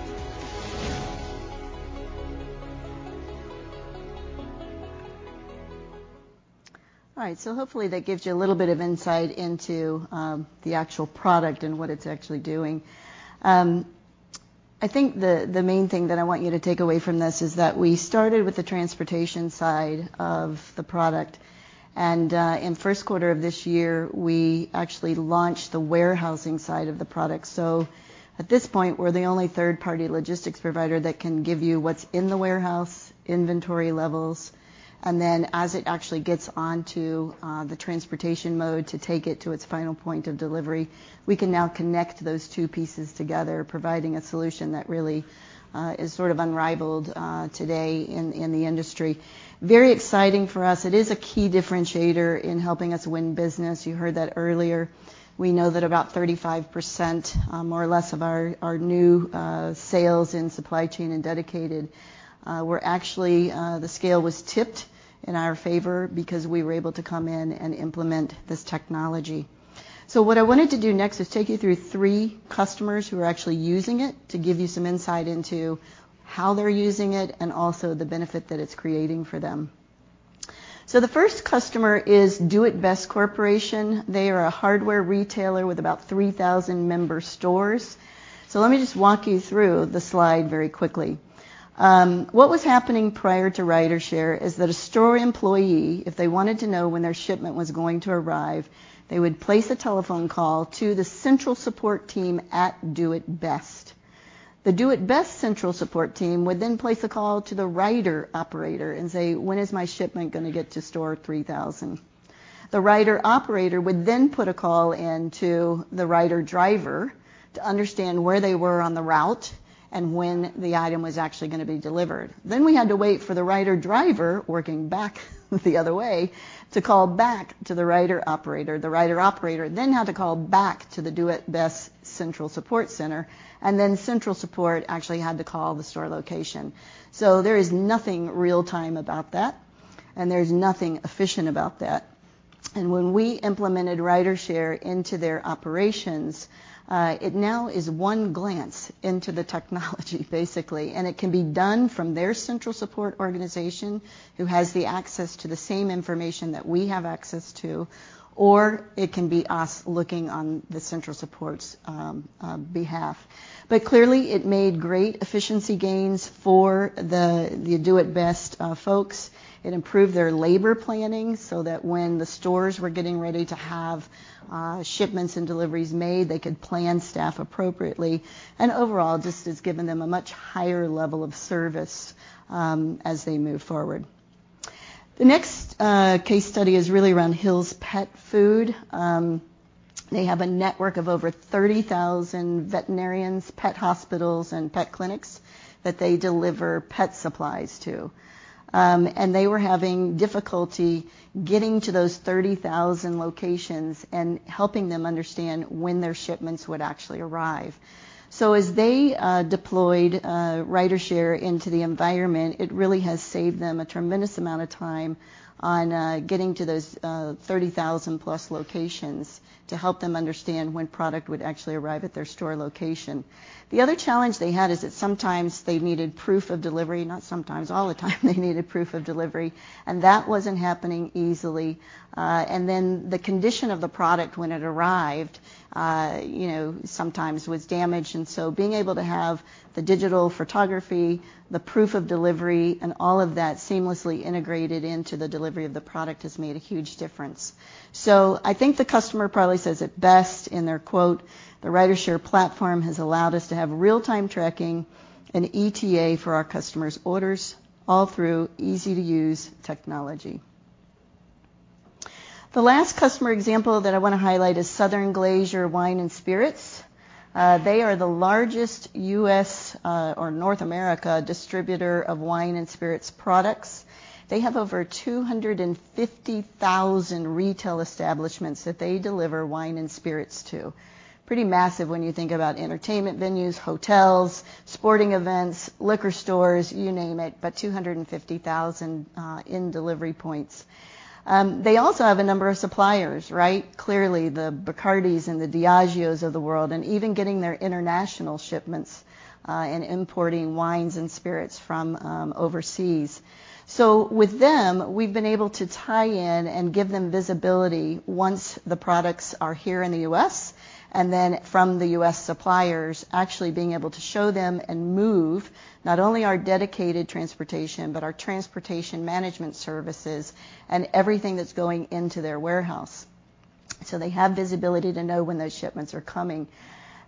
All right. Hopefully, that gives you a little bit of insight into the actual product and what it's actually doing. I think the main thing that I want you to take away from this is that we started with the transportation side of the product, and in first quarter of this year, we actually launched the warehousing side of the product. At this point, we're the only third-party logistics provider that can give you what's in the warehouse, inventory levels, and then as it actually gets onto the transportation mode to take it to its final point of delivery, we can now connect those two pieces together, providing a solution that really is sort of unrivaled today in the industry. Very exciting for us. It is a key differentiator in helping us win business. You heard that earlier. We know that about 35%, more or less of our new sales in supply chain and dedicated were actually the scale was tipped in our favor because we were able to come in and implement this technology. What I wanted to do next is take you through three customers who are actually using it to give you some insight into how they're using it and also the benefit that it's creating for them. The first customer is Do it Best Corporation. They are a hardware retailer with about 3,000 member stores. Let me just walk you through the slide very quickly. What was happening prior to RyderShare is that a store employee, if they wanted to know when their shipment was going to arrive, they would place a telephone call to the central support team at Do it Best. The Do it Best central support team would then place a call to the Ryder operator and say, "When is my shipment gonna get to store 3,000?" The Ryder operator would then put a call in to the Ryder driver to understand where they were on the route and when the item was actually gonna be delivered. We had to wait for the Ryder driver, working back the other way, to call back to the Ryder operator. The Ryder operator then had to call back to the Do it Best central support center, and then central support actually had to call the store location. There is nothing real-time about that, and there's nothing efficient about that. When we implemented RyderShare into their operations, it now is one glance into the technology basically, and it can be done from their central support organization who has the access to the same information that we have access to, or it can be us looking on the central support's behalf. But clearly, it made great efficiency gains for the Do it Best folks. It improved their labor planning so that when the stores were getting ready to have shipments and deliveries made, they could plan staff appropriately. Overall, just has given them a much higher level of service as they move forward. The next case study is really around Hill's Pet Nutrition. They have a network of over 30,000 veterinarians, pet hospitals and pet clinics that they deliver pet supplies to. They were having difficulty getting to those 30,000 locations and helping them understand when their shipments would actually arrive. As they deployed RyderShare into the environment, it really has saved them a tremendous amount of time on getting to those 30,000-plus locations to help them understand when product would actually arrive at their store location. The other challenge they had is that sometimes they needed proof of delivery, not sometimes, all the time they needed proof of delivery, and that wasn't happening easily. The condition of the product when it arrived, you know, sometimes was damaged, and so being able to have the digital photography, the proof of delivery, and all of that seamlessly integrated into the delivery of the product has made a huge difference. I think the customer probably says it best in their quote, "The RyderShare platform has allowed us to have real-time tracking and ETA for our customers' orders all through easy-to-use technology." The last customer example that I wanna highlight is Southern Glazer's Wine & Spirits. They are the largest U.S., or North America distributor of wine and spirits products. They have over 250,000 retail establishments that they deliver wine and spirits to. Pretty massive when you think about entertainment venues, hotels, sporting events, liquor stores, you name it, but 250,000 in delivery points. They also have a number of suppliers, right? Clearly, the Bacardis and the Diageos of the world, and even getting their international shipments and importing wines and spirits from overseas. With them, we've been able to tie in and give them visibility once the products are here in the U.S. Then from the U.S., suppliers, actually being able to show them and move not only our dedicated transportation, but our transportation management services and everything that's going into their warehouse, so they have visibility to know when those shipments are coming.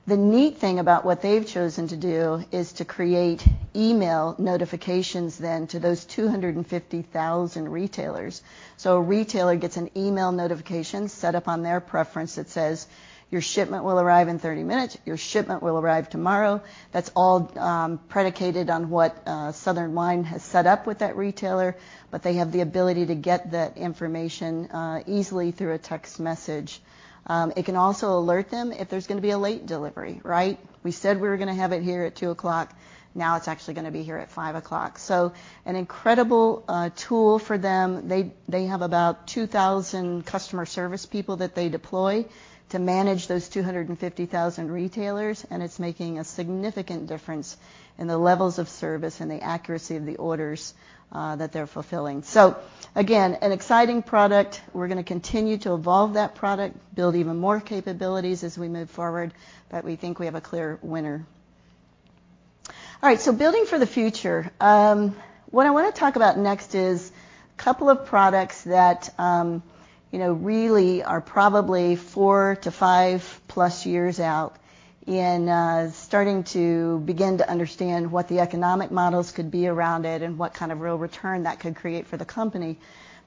The neat thing about what they've chosen to do is to create email notifications then to those 250,000 retailers. A retailer gets an email notification set up on their preference that says, "Your shipment will arrive in 30 minutes. Your shipment will arrive tomorrow." That's all predicated on what Southern Glazer's Wine & Spirits has set up with that retailer, but they have the ability to get that information easily through a text message. It can also alert them if there's gonna be a late delivery, right? We said we were gonna have it here at 2:00, now it's actually gonna be here at 5:00. An incredible tool for them. They have about 2,000 customer service people that they deploy to manage those 250,000 retailers, and it's making a significant difference in the levels of service and the accuracy of the orders that they're fulfilling. Again, an exciting product. We're gonna continue to evolve that product, build even more capabilities as we move forward, but we think we have a clear winner. All right, building for the future. What I wanna talk about next is a couple of products that, you know, really are probably four-five+ years out in, starting to begin to understand what the economic models could be around it and what kind of real return that could create for the company.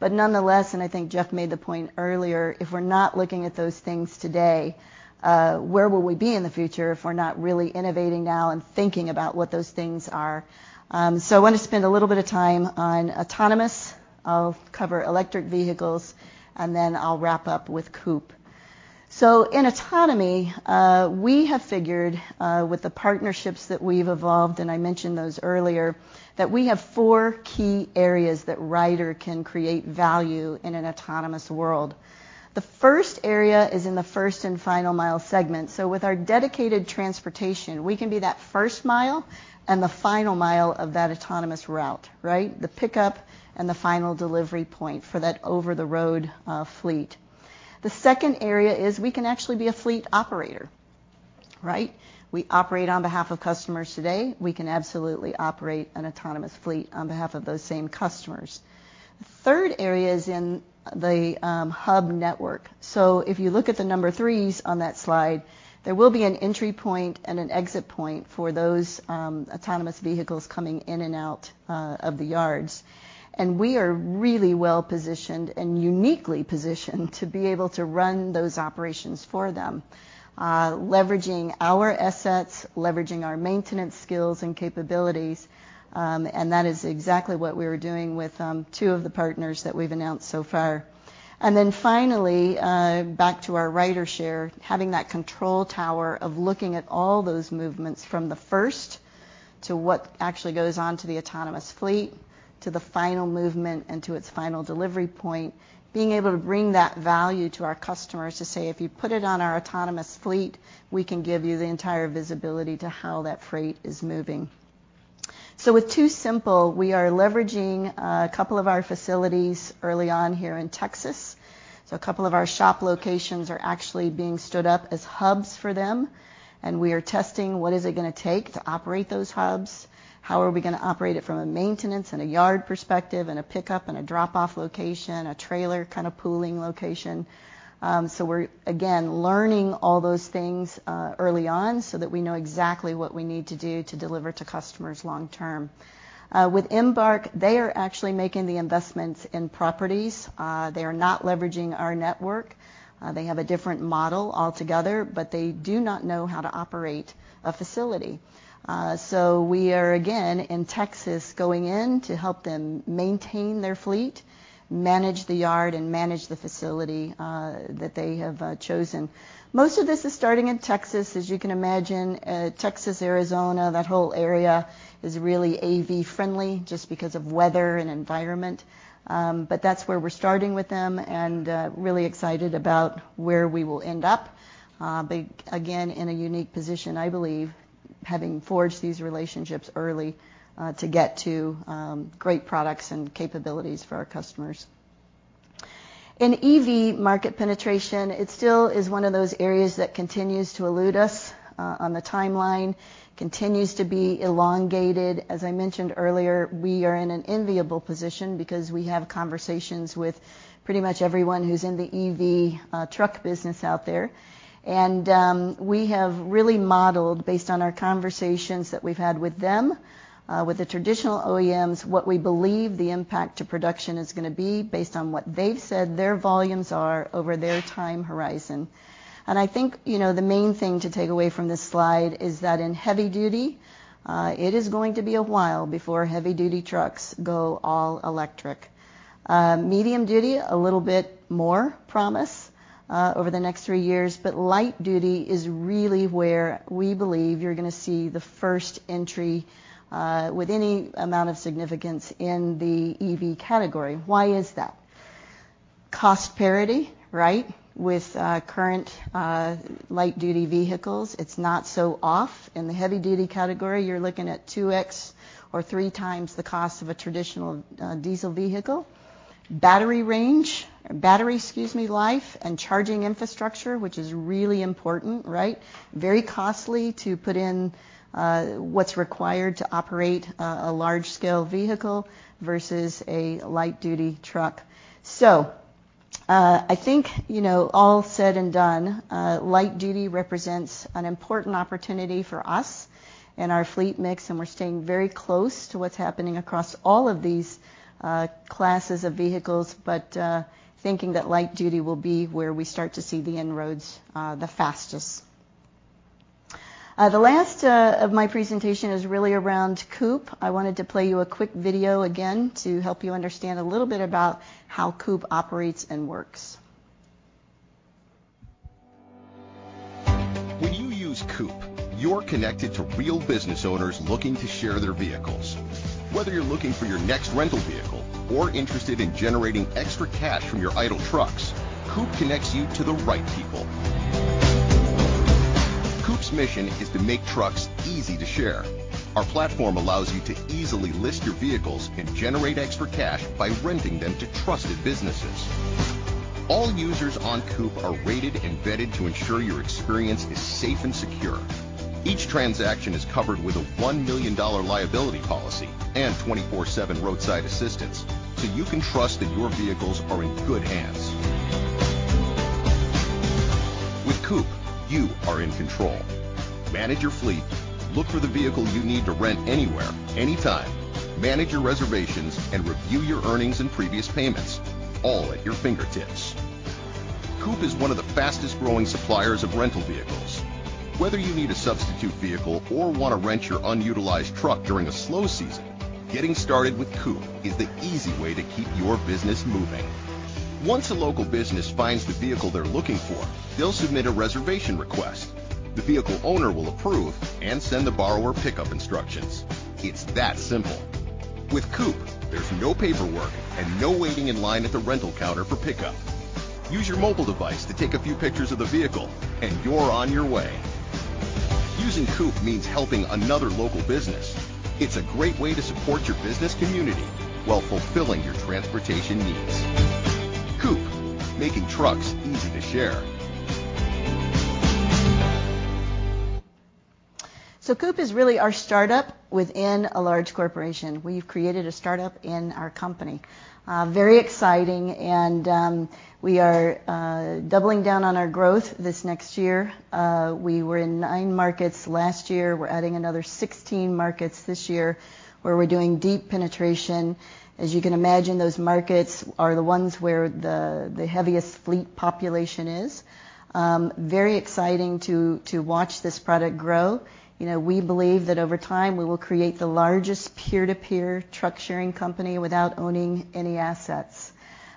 Nonetheless, and I think Jeff made the point earlier, if we're not looking at those things today, where will we be in the future if we're not really innovating now and thinking about what those things are? I want to spend a little bit of time on autonomous. I'll cover electric vehicles, and then I'll wrap up with COOP. In autonomy, we have figured, with the partnerships that we've evolved, and I mentioned those earlier, that we have four key areas that Ryder can create value in an autonomous world. The first area is in the first and final mile segment. With our dedicated transportation, we can be that first mile and the final mile of that autonomous route, right? The pickup and the final delivery point for that over-the-road fleet. The second area is we can actually be a fleet operator, right? We operate on behalf of customers today. We can absolutely operate an autonomous fleet on behalf of those same customers. The third area is in the hub network. If you look at the number threes on that slide, there will be an entry point and an exit point for those autonomous vehicles coming in and out of the yards. We are really well-positioned and uniquely positioned to be able to run those operations for them, leveraging our assets, leveraging our maintenance skills and capabilities, and that is exactly what we are doing with two of the partners that we've announced so far. Finally, back to our RyderShare, having that control tower of looking at all those movements from the first to what actually goes on to the autonomous fleet, to the final movement, and to its final delivery point, being able to bring that value to our customers to say, "If you put it on our autonomous fleet, we can give you the entire visibility to how that freight is moving." With TuSimple, we are leveraging a couple of our facilities early on here in Texas. A couple of our shop locations are actually being stood up as hubs for them, and we are testing what is it gonna take to operate those hubs, how are we gonna operate it from a maintenance and a yard perspective, and a pickup and a drop-off location, a trailer kind of pooling location. We're again learning all those things early on so that we know exactly what we need to do to deliver to customers long term. With Embark, they are actually making the investments in properties. They are not leveraging our network. They have a different model altogether, but they do not know how to operate a facility. We are again in Texas going in to help them maintain their fleet, manage the yard, and manage the facility that they have chosen. Most of this is starting in Texas. As you can imagine, Texas, Arizona, that whole area is really AV friendly just because of weather and environment. That's where we're starting with them and, really excited about where we will end up, but again, in a unique position, I believe, having forged these relationships early, to get to, great products and capabilities for our customers. In EV market penetration, it still is one of those areas that continues to elude us, on the timeline, continues to be elongated. As I mentioned earlier, we are in an enviable position because we have conversations with pretty much everyone who's in the EV, truck business out there. We have really modeled, based on our conversations that we've had with them, with the traditional OEMs, what we believe the impact to production is gonna be based on what they've said their volumes are over their time horizon. I think, you know, the main thing to take away from this slide is that in heavy duty, it is going to be a while before heavy-duty trucks go all electric. Medium duty, a little bit more promise, over the next three years, but light duty is really where we believe you're gonna see the first entry, with any amount of significance in the EV category. Why is that? Cost parity, right? With current light-duty vehicles, it's not so off. In the heavy-duty category, you're looking at 2x or 3x the cost of a traditional diesel vehicle. Battery life and charging infrastructure, which is really important, right? Very costly to put in, what's required to operate, a large scale vehicle versus a light-duty truck. I think, you know, all said and done, light duty represents an important opportunity for us and our fleet mix, and we're staying very close to what's happening across all of these classes of vehicles. Thinking that light duty will be where we start to see the inroads the fastest. The last of my presentation is really around COOP. I wanted to play you a quick video again to help you understand a little bit about how COOP operates and works. When you use COOP, you're connected to real business owners looking to share their vehicles. Whether you're looking for your next rental vehicle or interested in generating extra cash from your idle trucks, COOP connects you to the right people. COOP's mission is to make trucks easy to share. Our platform allows you to easily list your vehicles and generate extra cash by renting them to trusted businesses. All users on COOP are rated and vetted to ensure your experience is safe and secure. Each transaction is covered with a $1 million liability policy and 24/7 roadside assistance, so you can trust that your vehicles are in good hands. With COOP, you are in control. Manage your fleet, look for the vehicle you need to rent anywhere, anytime, manage your reservations, and review your earnings and previous payments, all at your fingertips. COOP is one of the fastest growing suppliers of rental vehicles. Whether you need a substitute vehicle or want to rent your unutilized truck during a slow season, getting started with COOP is the easy way to keep your business moving. Once a local business finds the vehicle they're looking for, they'll submit a reservation request. The vehicle owner will approve and send the borrower pickup instructions. It's that simple. With COOP, there's no paperwork and no waiting in line at the rental counter for pickup. Use your mobile device to take a few pictures of the vehicle, and you're on your way. Using COOP means helping another local business. It's a great way to support your business community while fulfilling your transportation needs. COOP, making trucks easy to share. COOP is really our startup within a large corporation. We've created a startup in our company. Very exciting, we are doubling down on our growth this next year. We were in nine markets last year. We're adding another 16 markets this year where we're doing deep penetration. As you can imagine, those markets are the ones where the heaviest fleet population is. Very exciting to watch this product grow. You know, we believe that over time, we will create the largest peer-to-peer truck sharing company without owning any assets.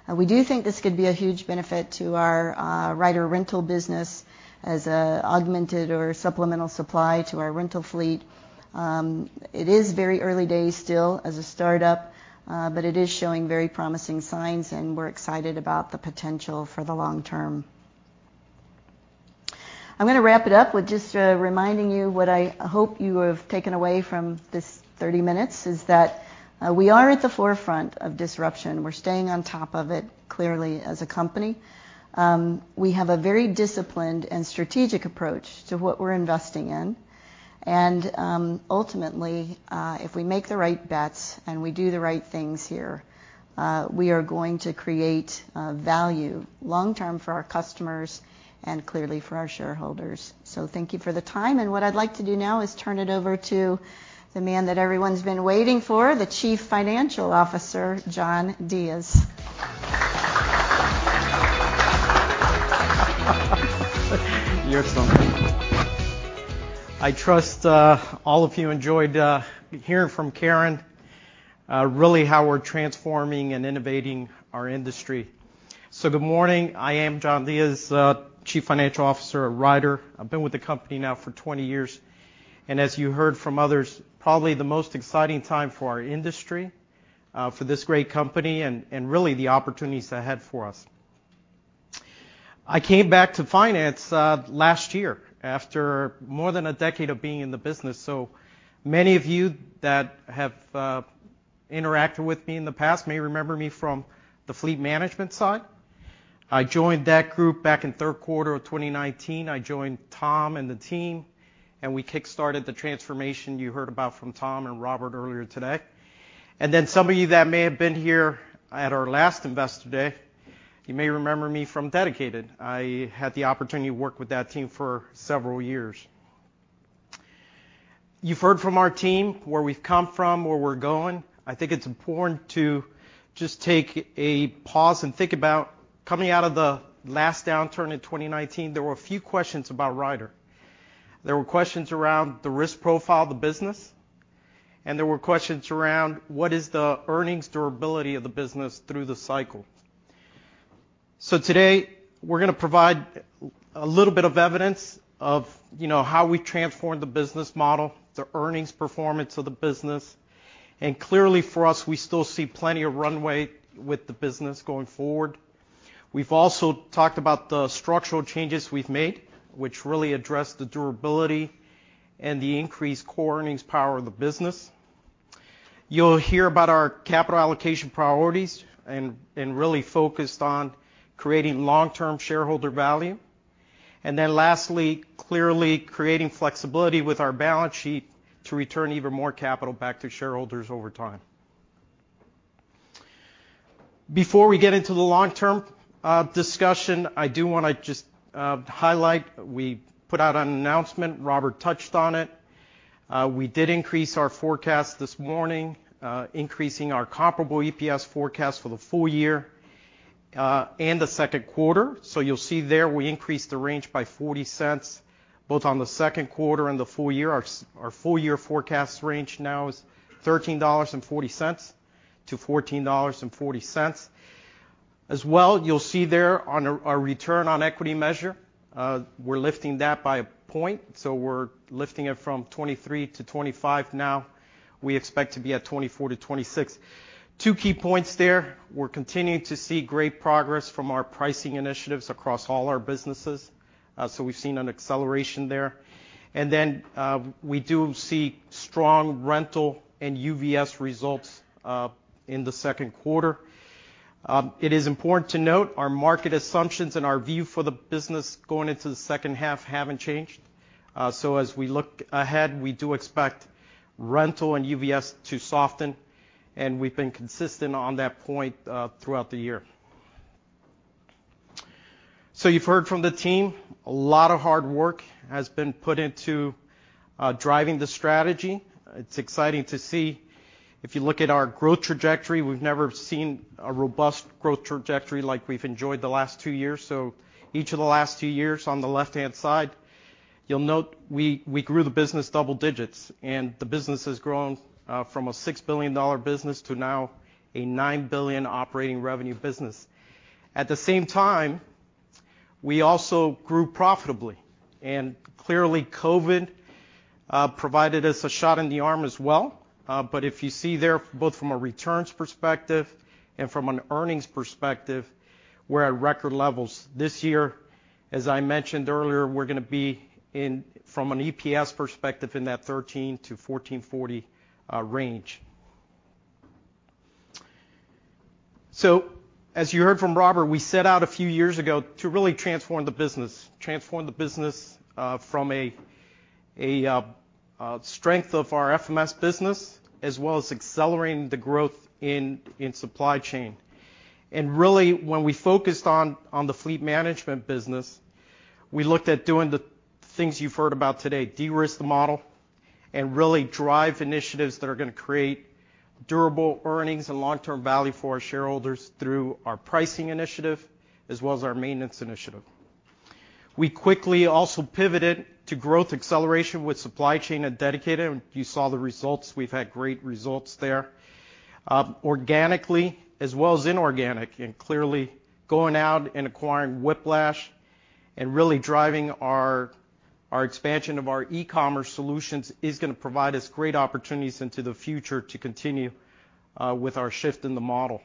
We do think this could be a huge benefit to our Ryder rental business as an augmented or supplemental supply to our rental fleet. It is very early days still as a startup, but it is showing very promising signs, and we're excited about the potential for the long term. I'm gonna wrap it up with just, reminding you what I hope you have taken away from this 30 minutes, is that, we are at the forefront of disruption. We're staying on top of it, clearly, as a company. We have a very disciplined and strategic approach to what we're investing in. Ultimately, if we make the right bets and we do the right things here, we are going to create, value long-term for our customers and clearly for our shareholders. Thank you for the time, and what I'd like to do now is turn it over to the man that everyone's been waiting for, the Chief Financial Officer, John Diez. You're funny. I trust all of you enjoyed hearing from Karen really how we're transforming and innovating our industry. Good morning. I am John Diez, Chief Financial Officer at Ryder. I've been with the company now for 20 years, and as you heard from others, probably the most exciting time for our industry, for this great company and really the opportunities ahead for us. I came back to finance last year after more than a decade of being in the business, so many of you that have interacted with me in the past may remember me from the fleet management side. I joined that group back in third quarter of 2019. I joined Tom and the team, and we kickstarted the transformation you heard about from Tom and Robert earlier today. Some of you that may have been here at our last Investor Day, you may remember me from Dedicated. I had the opportunity to work with that team for several years. You've heard from our team, where we've come from, where we're going. I think it's important to just take a pause and think about coming out of the last downturn in 2019. There were a few questions about Ryder. There were questions around the risk profile of the business, and there were questions around what is the earnings durability of the business through the cycle. Today we're gonna provide a little bit of evidence of, you know, how we transformed the business model, the earnings performance of the business, and clearly for us, we still see plenty of runway with the business going forward. We've also talked about the structural changes we've made, which really address the durability and the increased core earnings power of the business. You'll hear about our capital allocation priorities and really focused on creating long-term shareholder value. Lastly, clearly creating flexibility with our balance sheet to return even more capital back to shareholders over time. Before we get into the long-term discussion, I do wanna just highlight, we put out an announcement, Robert touched on it. We did increase our forecast this morning, increasing our comparable EPS forecast for the full year and the second quarter. You'll see there, we increased the range by $0.40, both on the second quarter and the full year. Our full year forecast range now is $13.40-$14.40. As well, you'll see there on our return on equity measure, we're lifting that by a point, so we're lifting it from 23%-25% now. We expect to be at 24%-26%. Two key points there. We're continuing to see great progress from our pricing initiatives across all our businesses, so we've seen an acceleration there. We do see strong rental and UVS results in the second quarter. It is important to note our market assumptions and our view for the business going into the second half haven't changed. As we look ahead, we do expect rental and UVS to soften, and we've been consistent on that point throughout the year. You've heard from the team, a lot of hard work has been put into driving the strategy. It's exciting to see. If you look at our growth trajectory, we've never seen a robust growth trajectory like we've enjoyed the last two years. Each of the last two years, on the left-hand side, you'll note we grew the business double digits, and the business has grown from a $6 billion business to now a $9 billion operating revenue business. At the same time, we also grew profitably, and clearly COVID provided us a shot in the arm as well. If you see there, both from a returns perspective and from an earnings perspective, we're at record levels. This year, as I mentioned earlier, we're gonna be in, from an EPS perspective, in that $13-$14.40 range. As you heard from Robert, we set out a few years ago to really transform the business. Transform the business from a strength of our FMS business as well as accelerating the growth in supply chain. Really when we focused on the fleet management business, we looked at doing the things you've heard about today, de-risk the model and really drive initiatives that are gonna create durable earnings and long-term value for our shareholders through our pricing initiative as well as our maintenance initiative. We quickly also pivoted to growth acceleration with supply chain and dedicated, and you saw the results. We've had great results there, organically as well as inorganic, and clearly going out and acquiring Whiplash and really driving our expansion of our e-commerce solutions is gonna provide us great opportunities into the future to continue with our shift in the model.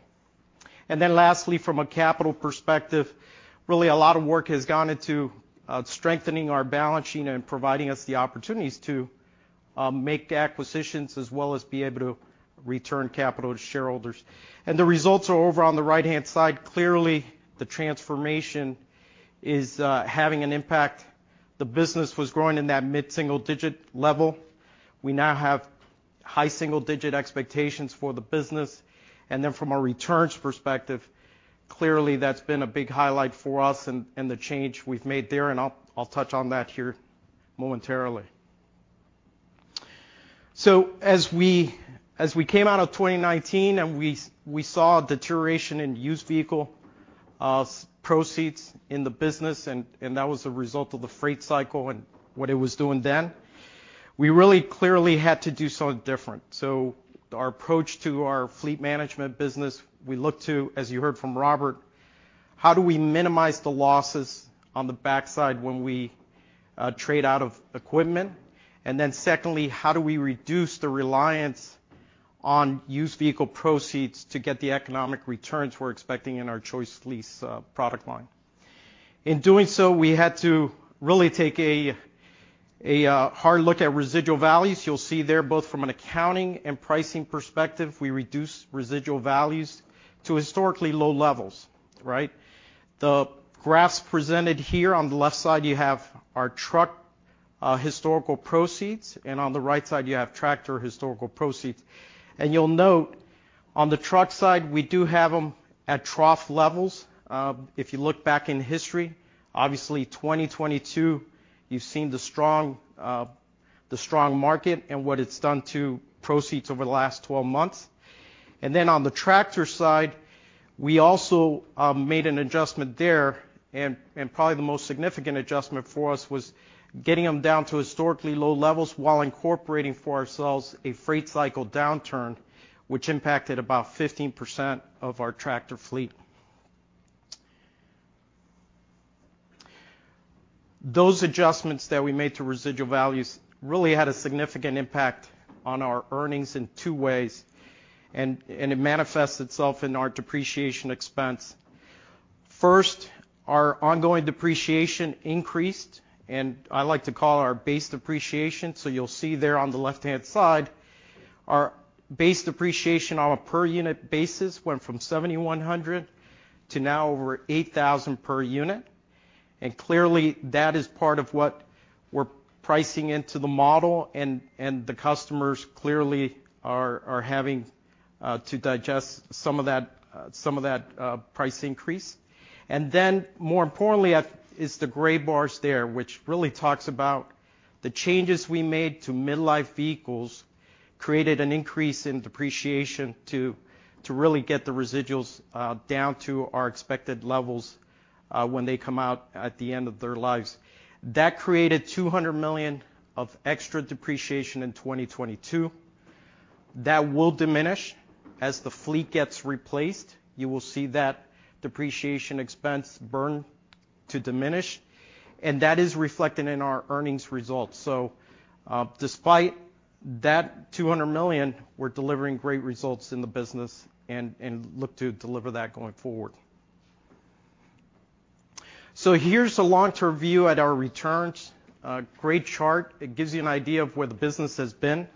Lastly, from a capital perspective, really a lot of work has gone into strengthening our balance sheet and providing us the opportunities to make acquisitions as well as be able to return capital to shareholders. The results are over on the right-hand side. Clearly, the transformation is having an impact. The business was growing in that mid-single-digit level. We now have high-single-digit expectations for the business. From a returns perspective, clearly that's been a big highlight for us and the change we've made there, and I'll touch on that here momentarily. As we came out of 2019 and we saw a deterioration in used vehicle proceeds in the business and that was a result of the freight cycle and what it was doing then. We really clearly had to do something different. Our approach to our fleet management business, we looked to, as you heard from Robert Sanchez, how do we minimize the losses on the backside when we trade out of equipment? Then secondly, how do we reduce the reliance on used vehicle proceeds to get the economic returns we're expecting in our ChoiceLease product line? In doing so, we had to really take a hard look at residual values. You'll see there both from an accounting and pricing perspective, we reduced residual values to historically low levels, right? The graphs presented here, on the left side you have our truck historical proceeds, and on the right side you have tractor historical proceeds. You'll note on the truck side, we do have them at trough levels. If you look back in history, obviously 2022 you've seen the strong market and what it's done to proceeds over the last 12 months. Then on the tractor side, we also made an adjustment there, and probably the most significant adjustment for us was getting them down to historically low levels while incorporating for ourselves a freight cycle downturn which impacted about 15% of our tractor fleet. Those adjustments that we made to residual values really had a significant impact on our earnings in two ways, and it manifests itself in our depreciation expense. First, our ongoing depreciation increased, and I like to call our base depreciation. You'll see there on the left-hand side our base depreciation on a per unit basis went from 7,100 to now over 8,000 per unit. Clearly that is part of what we're pricing into the model and the customers clearly are having to digest some of that price increase. More importantly is the gray bars there, which really talks about the changes we made to mid-life vehicles created an increase in depreciation to really get the residuals down to our expected levels when they come out at the end of their lives. That created $200 million of extra depreciation in 2022. That will diminish as the fleet gets replaced. You will see that depreciation expense burn to diminish, and that is reflected in our earnings results. Despite that $200 million, we're delivering great results in the business and look to deliver that going forward. Here's a long-term view at our returns. Great chart. It gives you an idea of where the business has been.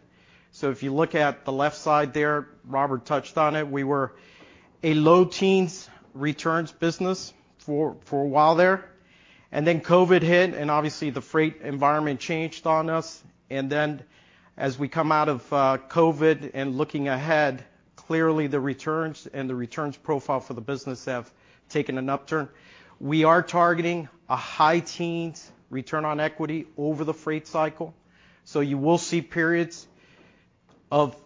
If you look at the left side there, Robert touched on it. We were a low-teens returns business for a while there, and then COVID hit, and obviously the freight environment changed on us. Then as we come out of COVID and looking ahead, clearly the returns and the returns profile for the business have taken an upturn. We are targeting a high-teens return on equity over the freight cycle. You will see periods of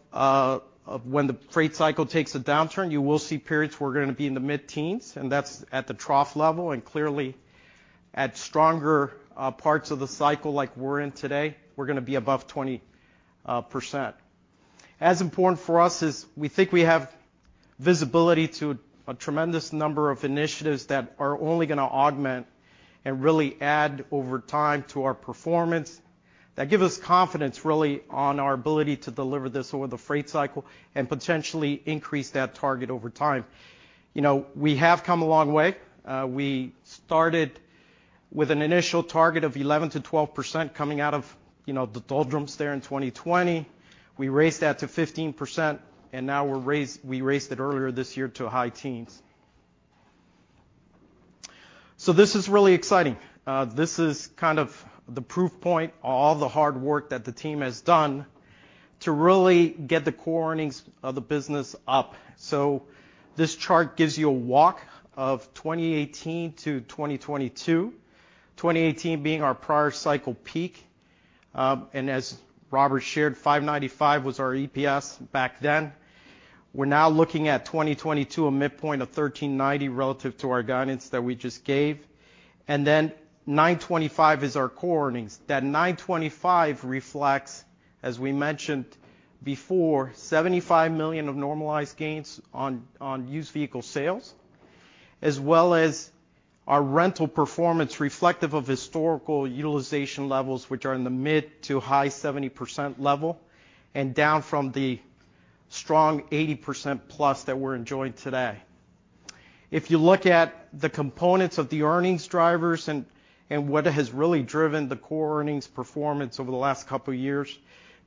when the freight cycle takes a downturn. You will see periods we're gonna be in the mid-teens, and that's at the trough level. Clearly at stronger parts of the cycle like we're in today, we're gonna be above 20%. As important for us is we think we have visibility to a tremendous number of initiatives that are only gonna augment and really add over time to our performance. That give us confidence really on our ability to deliver this over the freight cycle and potentially increase that target over time. You know, we have come a long way. We started with an initial target of 11%-12% coming out of, you know, the doldrums there in 2020. We raised that to 15%, and now we raised it earlier this year to high teens. This is really exciting. This is kind of the proof point, all the hard work that the team has done to really get the core earnings of the business up. This chart gives you a walk of 2018 to 2022. 2018 being our prior cycle peak. As Robert shared, $5.95 was our EPS back then. We're now looking at 2022, a midpoint of $13.90 relative to our guidance that we just gave. $9.25 is our core earnings. That $9.25 reflects, as we mentioned before, $75 million of normalized gains on used vehicle sales. As well as our rental performance reflective of historical utilization levels, which are in the mid- to high-70% level, and down from the strong 80%+ that we're enjoying today. If you look at the components of the earnings drivers and what has really driven the core earnings performance over the last couple of years,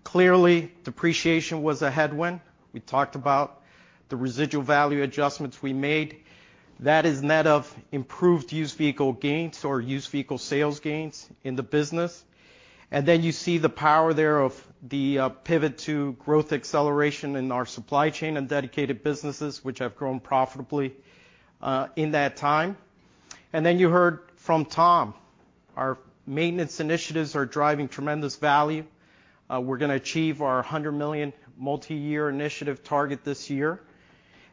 clearly depreciation was a headwind. We talked about the residual value adjustments we made. That is net of improved used vehicle gains or used vehicle sales gains in the business. You see the power there of the pivot to growth acceleration in our supply chain and dedicated businesses, which have grown profitably in that time. You heard from Tom, our maintenance initiatives are driving tremendous value. We're gonna achieve our $100 million multi-year initiative target this year.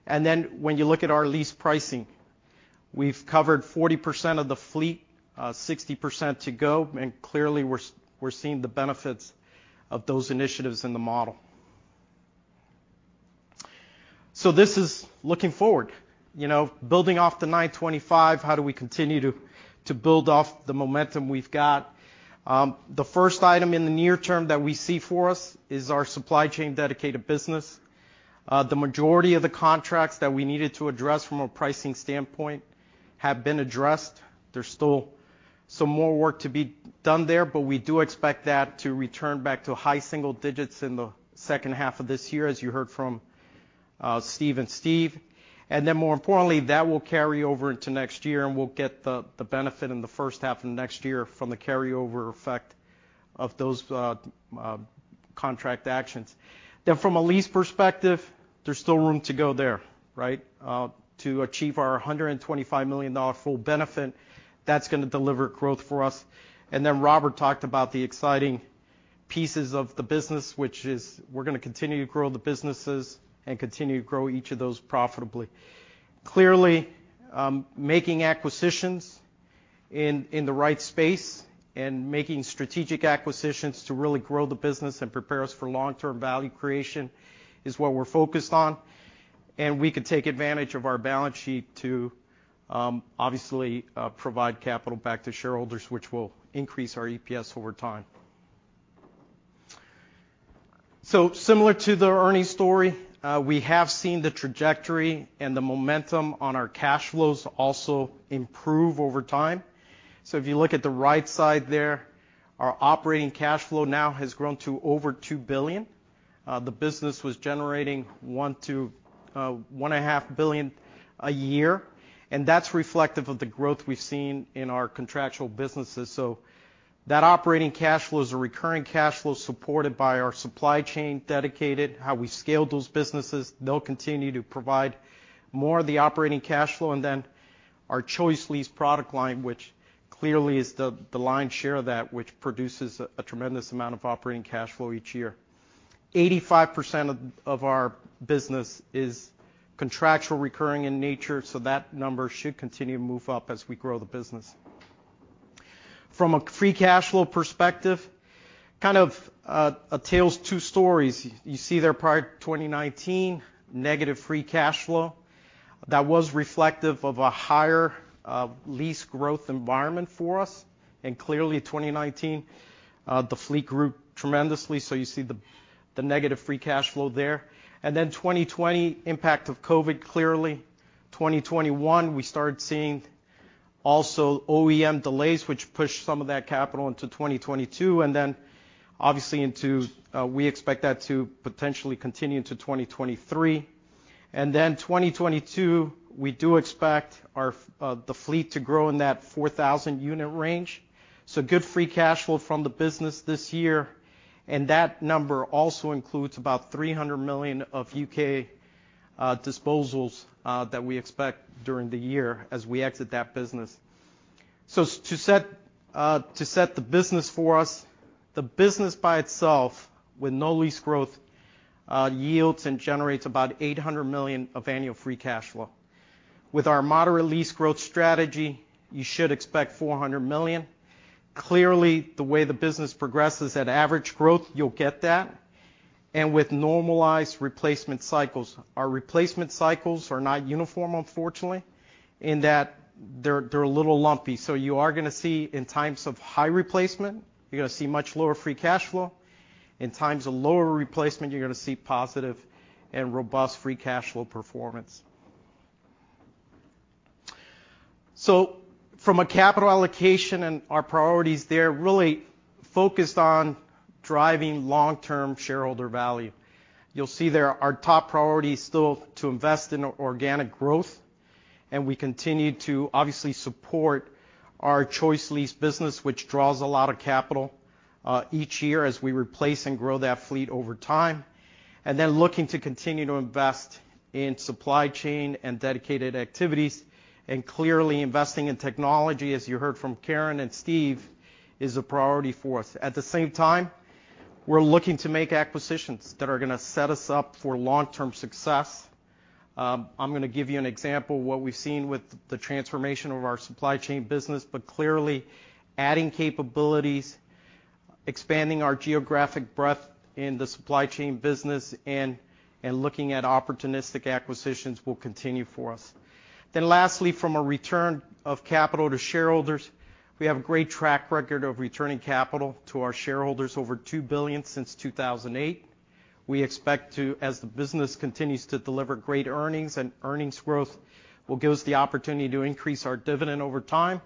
Then when you look at our lease pricing, we've covered 40% of the fleet, 60% to go, and clearly we're seeing the benefits of those initiatives in the model. This is looking forward, you know. Building off the $9.25, how do we continue to build off the momentum we've got? The first item in the near term that we see for us is our supply chain dedicated business. The majority of the contracts that we needed to address from a pricing standpoint have been addressed. There's still some more work to be done there, but we do expect that to return back to high single digits% in the second half of this year, as you heard from Steve and Steve. More importantly, that will carry over into next year, and we'll get the benefit in the first half of next year from the carryover effect of those contract actions. From a lease perspective, there's still room to go there, right? To achieve our $125 million full benefit, that's gonna deliver growth for us. Robert talked about the exciting pieces of the business, which is we're gonna continue to grow the businesses and continue to grow each of those profitably. Clearly, making acquisitions in the right space and making strategic acquisitions to really grow the business and prepare us for long-term value creation is what we're focused on, and we can take advantage of our balance sheet to obviously provide capital back to shareholders, which will increase our EPS over time. Similar to the earnings story, we have seen the trajectory and the momentum on our cash flows also improve over time. If you look at the right side there, our operating cash flow now has grown to over $2 billion. The business was generating $1 billion to $1.5 billion a year, and that's reflective of the growth we've seen in our contractual businesses. That operating cash flow is a recurring cash flow supported by our supply chain dedicated, how we scale those businesses. They'll continue to provide more of the operating cash flow. Our Choice Lease product line, which clearly is the lion's share of that, which produces a tremendous amount of operating cash flow each year. 85% of our business is contractual recurring in nature, so that number should continue to move up as we grow the business. From a free cash flow perspective, kind of, tells two stories. You see there prior to 2019, negative free cash flow. That was reflective of a higher lease growth environment for us. Clearly 2019, the fleet grew tremendously, so you see the negative free cash flow there. Then 2020, impact of COVID, clearly. 2021, we started seeing also OEM delays, which pushed some of that capital into 2022, and then obviously into, we expect that to potentially continue into 2023. Then 2022, we do expect the fleet to grow in that 4,000 unit range, so good free cash flow from the business this year. That number also includes about $300 million of U.K., disposals that we expect during the year as we exit that business. To set the business for us, the business by itself with no lease growth yields and generates about $800 million of annual free cash flow. With our moderate lease growth strategy, you should expect $400 million. Clearly, the way the business progresses at average growth, you'll get that. With normalized replacement cycles, our replacement cycles are not uniform, unfortunately, in that they're a little lumpy. You are gonna see in times of high replacement, you're gonna see much lower free cash flow. In times of lower replacement, you're gonna see positive and robust free cash flow performance. From a capital allocation and our priorities there, really focused on driving long-term shareholder value. You'll see there our top priority is still to invest in organic growth, and we continue to obviously support our ChoiceLease business, which draws a lot of capital each year as we replace and grow that fleet over time. Looking to continue to invest in supply chain and dedicated activities. Clearly investing in technology, as you heard from Karen and Steve, is a priority for us. At the same time, we're looking to make acquisitions that are gonna set us up for long-term success. I'm gonna give you an example of what we've seen with the transformation of our supply chain business. Clearly adding capabilities, expanding our geographic breadth in the supply chain business and looking at opportunistic acquisitions will continue for us. Lastly, from a return of capital to shareholders, we have a great track record of returning capital to our shareholders, over $2 billion since 2008. We expect to, as the business continues to deliver great earnings, and earnings growth will give us the opportunity to increase our dividend over time.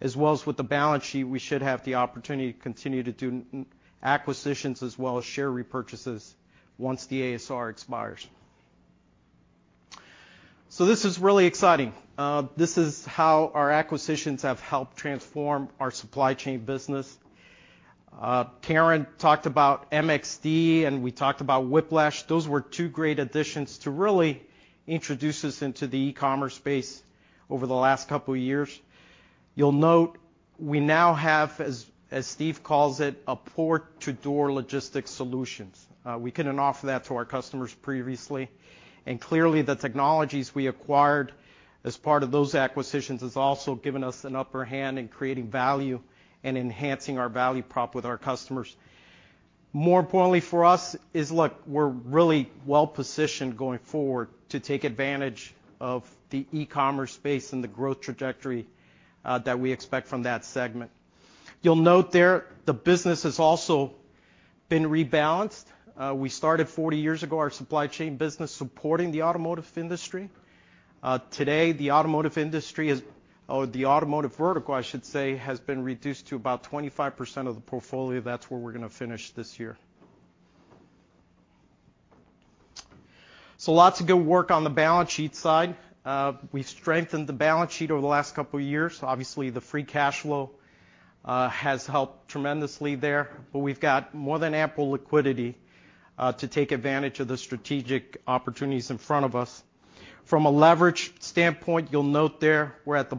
As well as with the balance sheet, we should have the opportunity to continue to do acquisitions as well as share repurchases once the ASR expires. This is really exciting. This is how our acquisitions have helped transform our supply chain business. Karen talked about MXD, and we talked about Whiplash. Those were two great additions to really introduce us into the e-commerce space over the last couple of years. You'll note we now have, as Steve calls it, a port-to-door logistics solutions. We couldn't offer that to our customers previously. Clearly, the technologies we acquired as part of those acquisitions has also given us an upper hand in creating value and enhancing our value prop with our customers. More importantly for us is, look, we're really well positioned going forward to take advantage of the e-commerce space and the growth trajectory, that we expect from that segment. You'll note there the business has also been rebalanced. We started 40 years ago, our supply chain business supporting the automotive industry. Today, the automotive industry or the automotive vertical, I should say, has been reduced to about 25% of the portfolio. That's where we're gonna finish this year. Lots of good work on the balance sheet side. We've strengthened the balance sheet over the last couple of years. Obviously, the free cash flow has helped tremendously there. We've got more than ample liquidity to take advantage of the strategic opportunities in front of us. From a leverage standpoint, you'll note there we're at the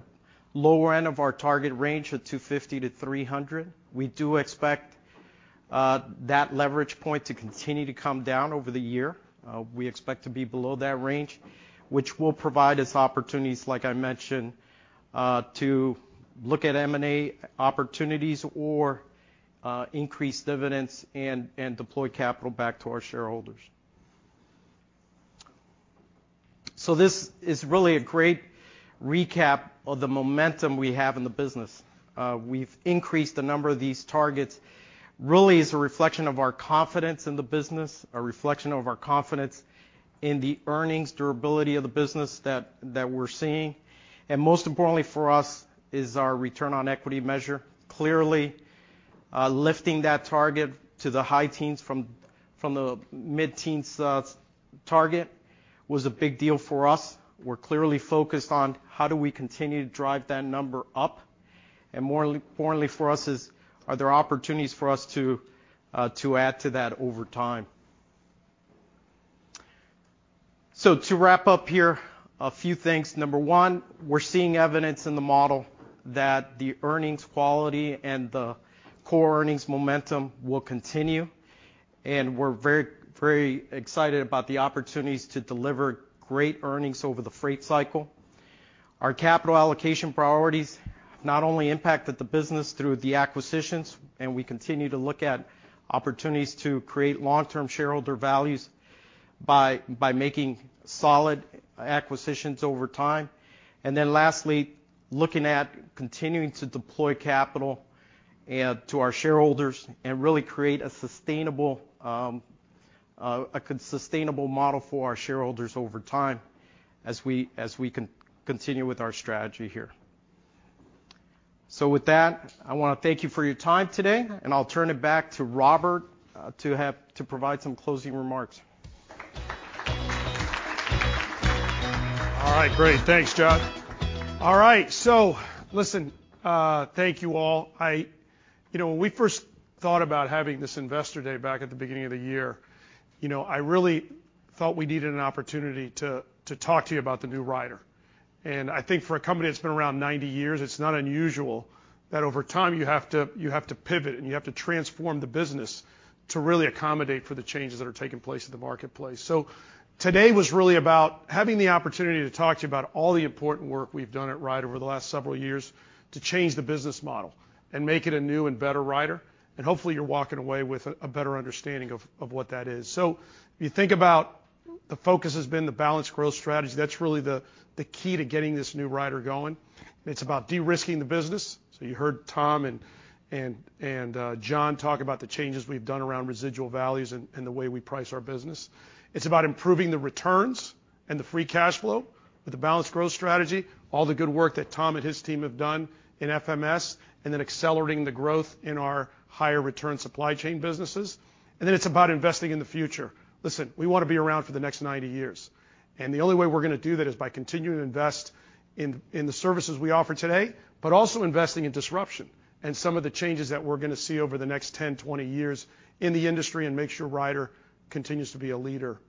lower end of our target range of 2.5-3.0. We do expect that leverage point to continue to come down over the year. We expect to be below that range, which will provide us opportunities, like I mentioned, to look at M&A opportunities or increase dividends and deploy capital back to our shareholders. This is really a great recap of the momentum we have in the business. We've increased the number of these targets. Really is a reflection of our confidence in the business, a reflection of our confidence in the earnings durability of the business that we're seeing. Most importantly for us is our return on equity measure. Clearly, lifting that target to the high teens from the mid-teens, target was a big deal for us. We're clearly focused on how do we continue to drive that number up. More importantly for us is, are there opportunities for us to add to that over time? To wrap up here, a few things. Number one, we're seeing evidence in the model that the earnings quality and the core earnings momentum will continue, and we're very, very excited about the opportunities to deliver great earnings over the freight cycle. Our capital allocation priorities not only impacted the business through the acquisitions, and we continue to look at opportunities to create long-term shareholder values by making solid acquisitions over time. Lastly, looking at continuing to deploy capital to our shareholders and really create a sustainable model for our shareholders over time as we continue with our strategy here. With that, I wanna thank you for your time today, and I'll turn it back to Robert to provide some closing remarks. All right. Great. Thanks, John. All right. Listen, thank you all. You know, when we first thought about having this investor day back at the beginning of the year, you know, I really felt we needed an opportunity to talk to you about the new Ryder. I think for a company that's been around 90 years, it's not unusual that over time you have to pivot and you have to transform the business to really accommodate for the changes that are taking place in the marketplace. Today was really about having the opportunity to talk to you about all the important work we've done at Ryder over the last several years to change the business model and make it a new and better Ryder. Hopefully you're walking away with a better understanding of what that is. If you think about the focus has been the balanced growth strategy. That's really the key to getting this new Ryder going. It's about de-risking the business. You heard Tom and John talk about the changes we've done around residual values and the way we price our business. It's about improving the returns and the free cash flow with the balanced growth strategy, all the good work that Tom and his team have done in FMS, and then accelerating the growth in our higher return supply chain businesses. It's about investing in the future. Listen, we wanna be around for the next 90 years, and the only way we're gonna do that is by continuing to invest in the services we offer today, but also investing in disruption and some of the changes that we're gonna see over the next 10, 20 years in the industry, and make sure Ryder continues to be a leader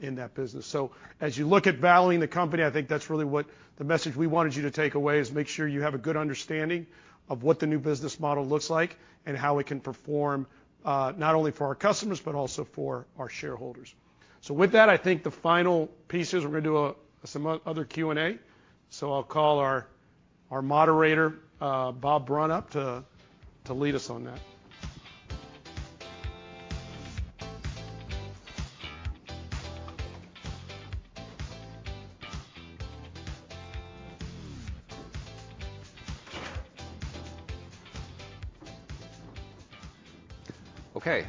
in that business. As you look at valuing the company, I think that's really what the message we wanted you to take away is make sure you have a good understanding of what the new business model looks like and how it can perform, not only for our customers, but also for our shareholders. With that, I think the final piece is we're gonna do some other Q&A. I'll call our moderator, Bob Brunn up to lead us on that. Okay.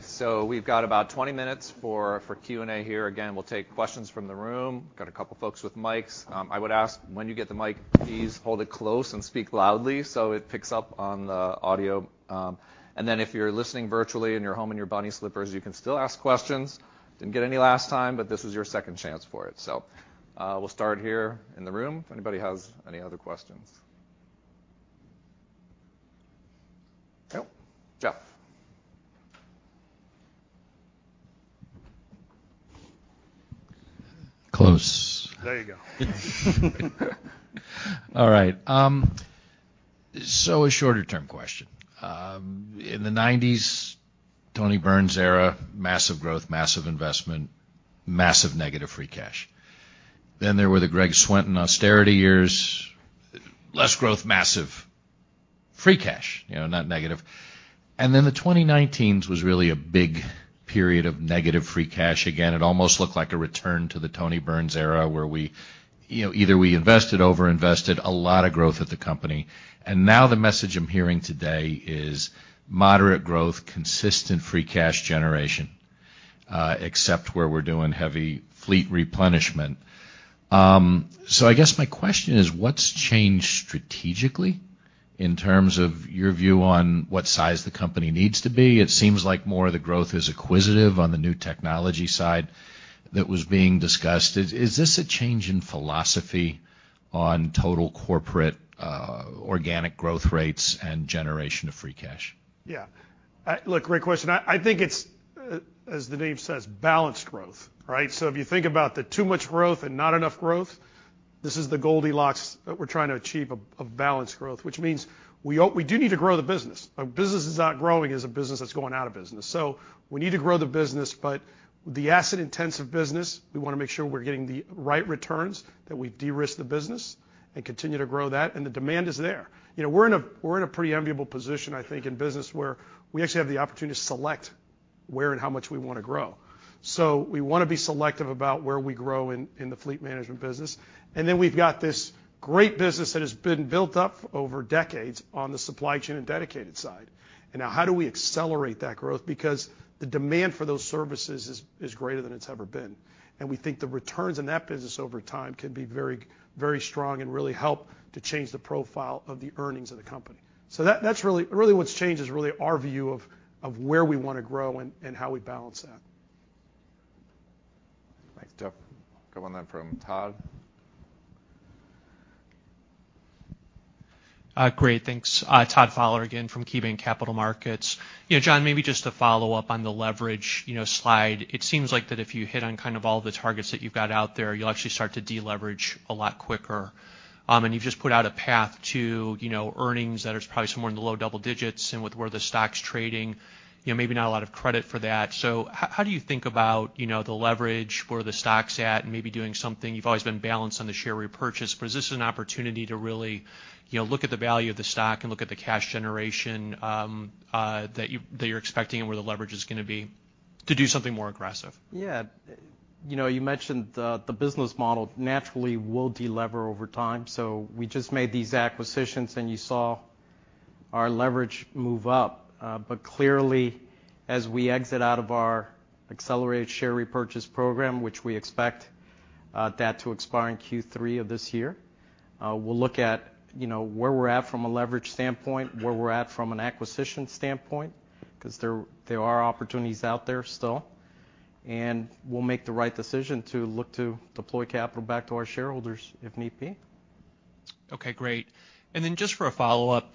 We've got about 20 minutes for Q&A here. Again, we'll take questions from the room. Got a couple folks with mics. I would ask when you get the mic, please hold it close and speak loudly so it picks up on the audio, and then if you're listening virtually in your home in your bunny slippers, you can still ask questions. Didn't get any last time, but this is your second chance for it. We'll start here in the room if anybody has any other questions. Nope. Jeff. Close. There you go. All right. A shorter term question. In the 1990s, Tony Burns era, massive growth, massive investment, massive negative free cash. There were the Greg Swienton austerity years. Less growth, massive free cash, you know, not negative. The 2010s was really a big period of negative free cash again. It almost looked like a return to the Tony Burns era, where we, you know, either we invested, overinvested, a lot of growth at the company. Now the message I'm hearing today is moderate growth, consistent free cash generation, except where we're doing heavy fleet replenishment. I guess my question is, what's changed strategically in terms of your view on what size the company needs to be? It seems like more of the growth is acquisitive on the new technology side that was being discussed. Is this a change in philosophy on total corporate organic growth rates and generation of free cash? Yeah. Look, great question. I think it's, as the name says, balanced growth, right? If you think about the too much growth and not enough growth, this is the Goldilocks that we're trying to achieve of balanced growth, which means we do need to grow the business. A business that's not growing is a business that's going out of business. We need to grow the business, but the asset intensive business, we wanna make sure we're getting the right returns, that we derisk the business and continue to grow that. The demand is there. You know, we're in a pretty enviable position, I think, in business, where we actually have the opportunity to select where and how much we wanna grow. We wanna be selective about where we grow in the fleet management business. Then we've got this great business that has been built up over decades on the supply chain and dedicated side. Now how do we accelerate that growth? Because the demand for those services is greater than it's ever been. We think the returns in that business over time can be very, very strong and really help to change the profile of the earnings of the company. That, that's really what's changed is really our view of where we wanna grow and how we balance that. Thanks, Jeff. Go on then from Todd. Great. Thanks. Todd Fowler again from KeyBanc Capital Markets. You know, John, maybe just to follow up on the leverage, you know, slide. It seems like that if you hit on kind of all the targets that you've got out there, you'll actually start to deleverage a lot quicker. You've just put out a path to, you know, earnings that is probably somewhere in the low double digits. With where the stock's trading, you know, maybe not a lot of credit for that. How do you think about, you know, the leverage, where the stock's at, and maybe doing something? You've always been balanced on the share repurchase. Is this an opportunity to really, you know, look at the value of the stock and look at the cash generation that you're expecting and where the leverage is gonna be to do something more aggressive? Yeah. You know, you mentioned the business model naturally will delever over time, so we just made these acquisitions, and you saw our leverage move up. Clearly, as we exit out of our accelerated share repurchase program, which we expect that to expire in Q3 of this year, we'll look at, you know, where we're at from a leverage standpoint, where we're at from an acquisition standpoint, because there are opportunities out there still, and we'll make the right decision to look to deploy capital back to our shareholders, if need be. Okay, great. Just for a follow-up,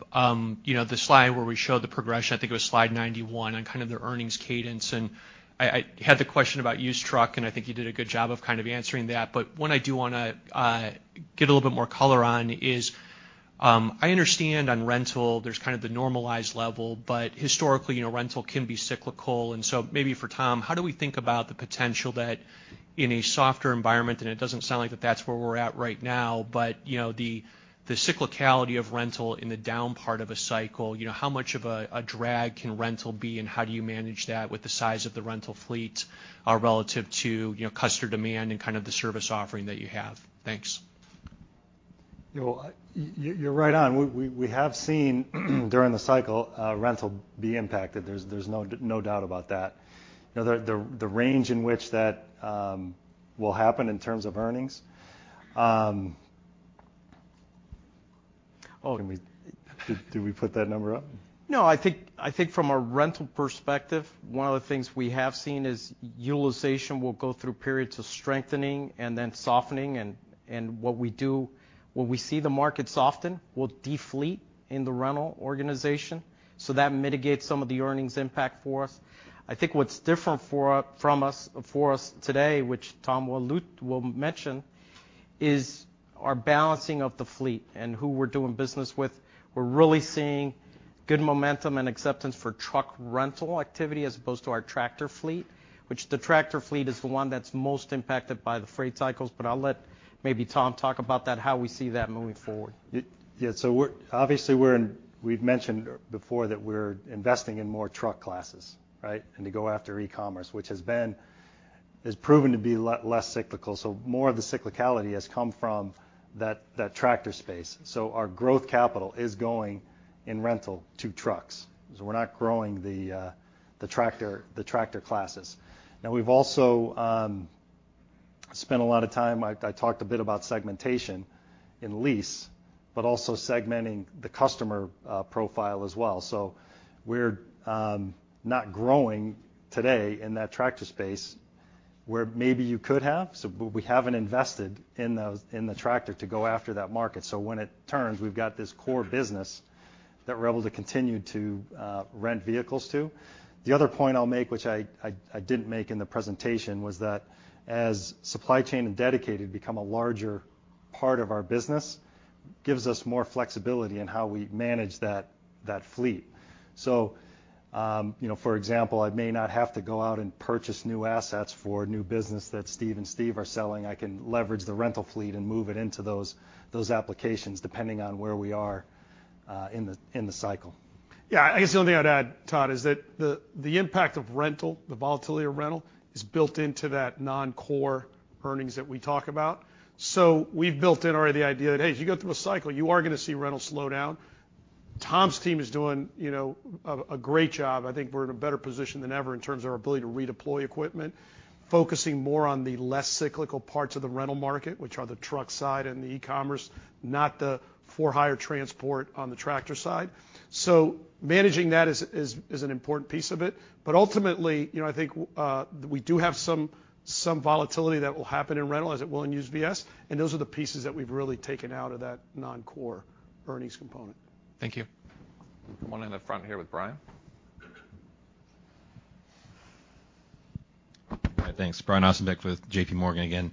you know, the slide where we showed the progression, I think it was slide 91, on kind of the earnings cadence, and I had the question about used truck, and I think you did a good job of kind of answering that. One I do wanna get a little bit more color on is, I understand on rental, there's kind of the normalized level, but historically, you know, rental can be cyclical. Maybe for Tom, how do we think about the potential that in a softer environment, and it doesn't sound like that's where we're at right now, but you know, the cyclicality of rental in the down part of a cycle, you know, how much of a drag can rental be, and how do you manage that with the size of the rental fleet relative to you know, customer demand and kind of the service offering that you have? Thanks. You know, you're right on. We have seen during the cycle rental be impacted. There's no doubt about that. You know, the range in which that will happen in terms of earnings. Did we put that number up? No, I think from a rental perspective, one of the things we have seen is utilization will go through periods of strengthening and then softening, and what we do when we see the market soften, we'll defleet in the rental organization, so that mitigates some of the earnings impact for us. I think what's different for us today, which Tom will mention, is our balancing of the fleet and who we're doing business with. We're really seeing good momentum and acceptance for truck rental activity as opposed to our tractor fleet, which the tractor fleet is the one that's most impacted by the freight cycles, but I'll let maybe Tom talk about that, how we see that moving forward. Yeah, obviously, we've mentioned before that we're investing in more truck classes, right? To go after e-commerce, which has proven to be less cyclical. More of the cyclicality has come from that tractor space. Our growth capital is going into rental trucks. We're not growing the tractor classes. Now, we've also spent a lot of time. I talked a bit about segmentation in leasing, but also segmenting the customer profile as well. We're not growing today in that tractor space where maybe you could have. But we haven't invested in the tractor to go after that market. When it turns, we've got this core business that we're able to continue to rent vehicles to. The other point I'll make, which I didn't make in the presentation, was that as supply chain and dedicated become a larger part of our business, gives us more flexibility in how we manage that fleet. You know, for example, I may not have to go out and purchase new assets for new business that Steve and Steve are selling. I can leverage the rental fleet and move it into those applications depending on where we are in the cycle. Yeah. I guess the only thing I'd add, Todd, is that the impact of rental, the volatility of rental is built into that non-core earnings that we talk about. We've built in already the idea that, hey, as you go through a cycle, you are gonna see rental slow down. Tom's team is doing, you know, a great job. I think we're in a better position than ever in terms of our ability to redeploy equipment, focusing more on the less cyclical parts of the rental market, which are the truck side and the e-commerce, not the for-hire transport on the tractor side. Managing that is an important piece of it. Ultimately, you know, I think we do have some volatility that will happen in rental, as it will in used UVS, and those are the pieces that we've really taken out of that non-core earnings component. Thank you. One in the front here with Brian. Brian Ossenbeck with JPMorgan again.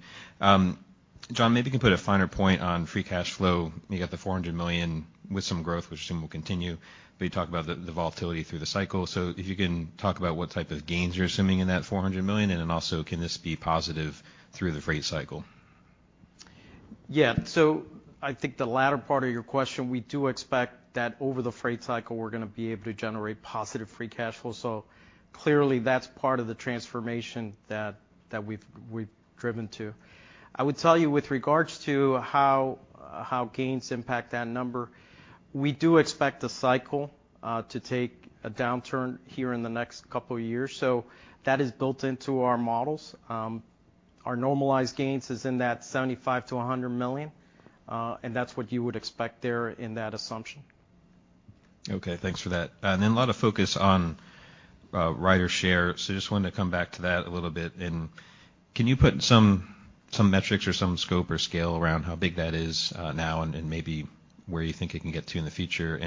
John, maybe you can put a finer point on free cash flow. You got the $400 million with some growth, which I assume will continue. You talked about the volatility through the cycle. If you can talk about what type of gains you're assuming in that $400 million, and then also can this be positive through the freight cycle? Yeah. I think the latter part of your question, we do expect that over the freight cycle, we're gonna be able to generate positive free cash flow. Clearly, that's part of the transformation that we've driven to. I would tell you with regards to how gains impact that number, we do expect the cycle to take a downturn here in the next couple of years. That is built into our models. Our normalized gains is in that $75 million-$100 million, and that's what you would expect there in that assumption. Okay. Thanks for that. A lot of focus on RyderShare. Just wanted to come back to that a little bit. Can you put some metrics or some scope or scale around how big that is now and maybe where you think it can get to in the future?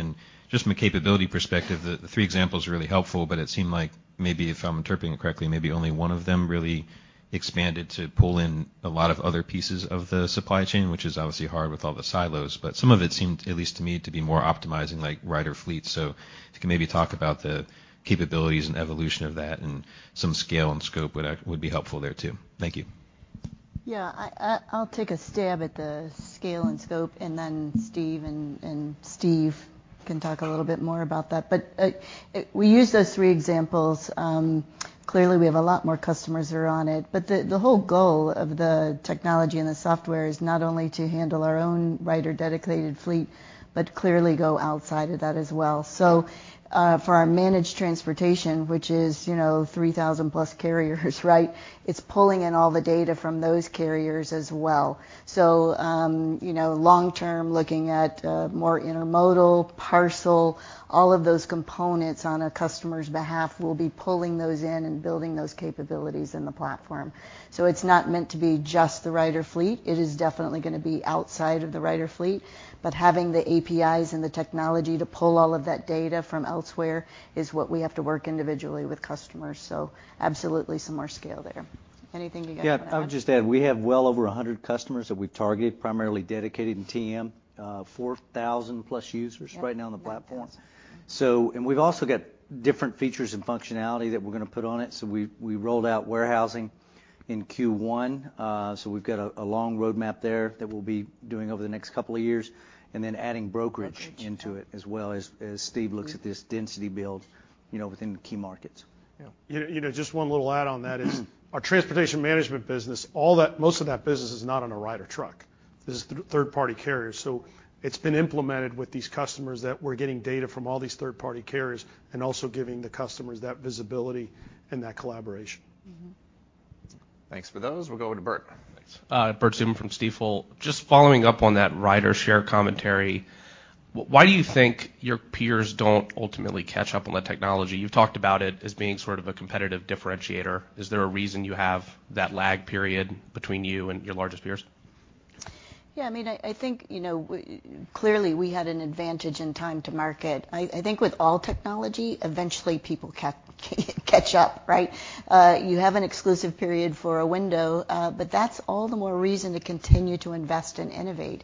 Just from a capability perspective, the three examples are really helpful, but it seemed like maybe if I'm interpreting it correctly, maybe only one of them really expanded to pull in a lot of other pieces of the supply chain, which is obviously hard with all the silos. Some of it seemed, at least to me, to be more optimizing like Ryder fleet. If you can maybe talk about the capabilities and evolution of that and some scale and scope would be helpful there too. Thank you. I'll take a stab at the scale and scope, and then Steve and Steve can talk a little bit more about that. We use those three examples. Clearly, we have a lot more customers that are on it. The whole goal of the technology and the software is not only to handle our own Ryder-dedicated fleet but clearly go outside of that as well. For our managed transportation, which is, you know, 3,000+ carriers, right? It's pulling in all the data from those carriers as well. You know, long term, looking at more intermodal, parcel, all of those components on a customer's behalf, we'll be pulling those in and building those capabilities in the platform. It's not meant to be just the Ryder fleet. It is definitely gonna be outside of the Ryder fleet. Having the APIs and the technology to pull all of that data from elsewhere is what we have to work individually with customers. Absolutely some more scale there. Anything you guys wanna add? Yeah. I would just add, we have well over 100 customers that we've targeted, primarily dedicated and TM. 4,000+ users right now on the platform. Yep. Yeah. Thousands. We've also got different features and functionality that we're gonna put on it. We rolled out warehousing in Q1. We've got a long roadmap there that we'll be doing over the next couple of years and then adding brokerage. Brokerage. Yeah. into it as well as Steve looks at this density build, you know, within the key markets. You know, just one little add-on that is our transportation management business. All that—most of that business is not on a Ryder truck. This is third-party carriers. It's been implemented with these customers that we're getting data from all these third-party carriers and also giving the customers that visibility and that collaboration. Thanks for those. We'll go to Bert. Thanks. Bert Subin from Stifel. Just following up on that RyderShare commentary, why do you think your peers don't ultimately catch up on the technology? You've talked about it as being sort of a competitive differentiator. Is there a reason you have that lag period between you and your largest peers? I mean, I think, you know, clearly, we had an advantage in time to market. I think with all technology, eventually people catch up, right? You have an exclusive period for a window, but that's all the more reason to continue to invest and innovate.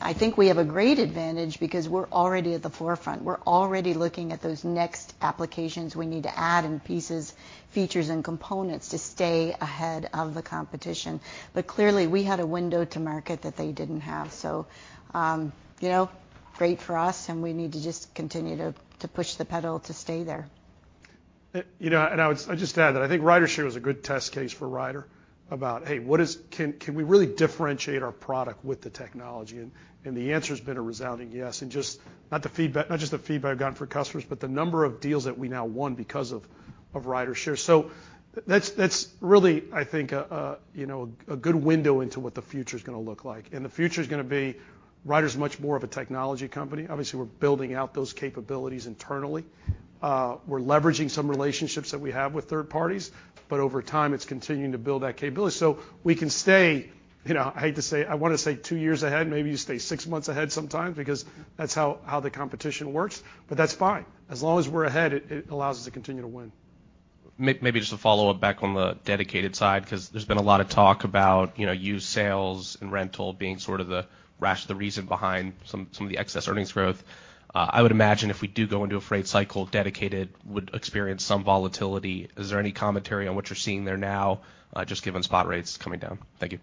I think we have a great advantage because we're already at the forefront. We're already looking at those next applications we need to add and pieces, features and components to stay ahead of the competition. But clearly, we had a window to market that they didn't have. You know, great for us and we need to just continue to push the pedal to stay there. You know, I'd just add that I think RyderShare was a good test case for Ryder about, hey, can we really differentiate our product with the technology? The answer's been a resounding yes, not just the feedback I've gotten from customers, but the number of deals that we now won because of RyderShare. That's really I think, you know, a good window into what the future's gonna look like. The future's gonna be Ryder's much more of a technology company. Obviously, we're building out those capabilities internally. We're leveraging some relationships that we have with third parties, but over time, it's continuing to build that capability. We can stay, you know, I hate to say, I wanna say two years ahead, maybe you stay six months ahead sometimes because that's how the competition works, but that's fine. As long as we're ahead, it allows us to continue to win. Maybe just a follow-up back on the dedicated side, because there's been a lot of talk about, you know, used sales and rental being sort of the rush, the reason behind some of the excess earnings growth. I would imagine if we do go into a freight cycle, dedicated would experience some volatility. Is there any commentary on what you're seeing there now, just given spot rates coming down? Thank you.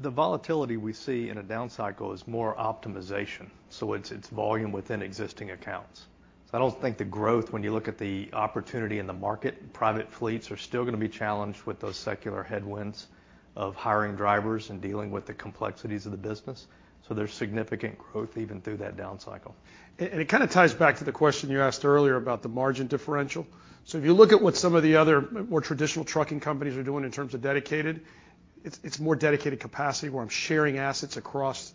The volatility we see in a down cycle is more optimization, so it's volume within existing accounts. I don't think the growth when you look at the opportunity in the market, private fleets are still gonna be challenged with those secular headwinds of hiring drivers and dealing with the complexities of the business. There's significant growth even through that down cycle. It kind of ties back to the question you asked earlier about the margin differential. If you look at what some of the other more traditional trucking companies are doing in terms of dedicated, it's more dedicated capacity where I'm sharing assets across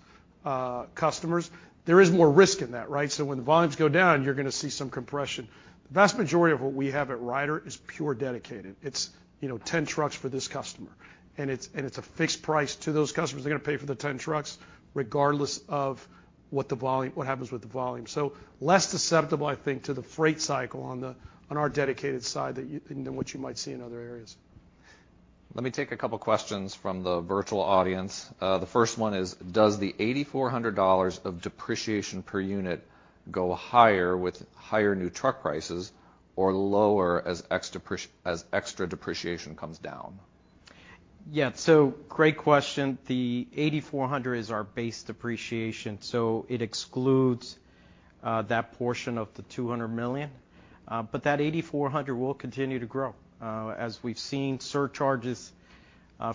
customers. There is more risk in that, right? When the volumes go down, you're gonna see some compression. The vast majority of what we have at Ryder is pure dedicated. It's, you know, 10 trucks for this customer, and it's a fixed price to those customers. They're gonna pay for the 10 trucks regardless of what happens with the volume. Less susceptible, I think, to the freight cycle on our dedicated side than what you might see in other areas. Let me take a couple questions from the virtual audience. The first one is, does the $8,400 of depreciation per unit go higher with higher new truck prices or lower as extra depreciation comes down? Yeah. Great question. The $8,400 is our base depreciation, so it excludes that portion of the $200 million. That $8,400 will continue to grow. As we've seen surcharges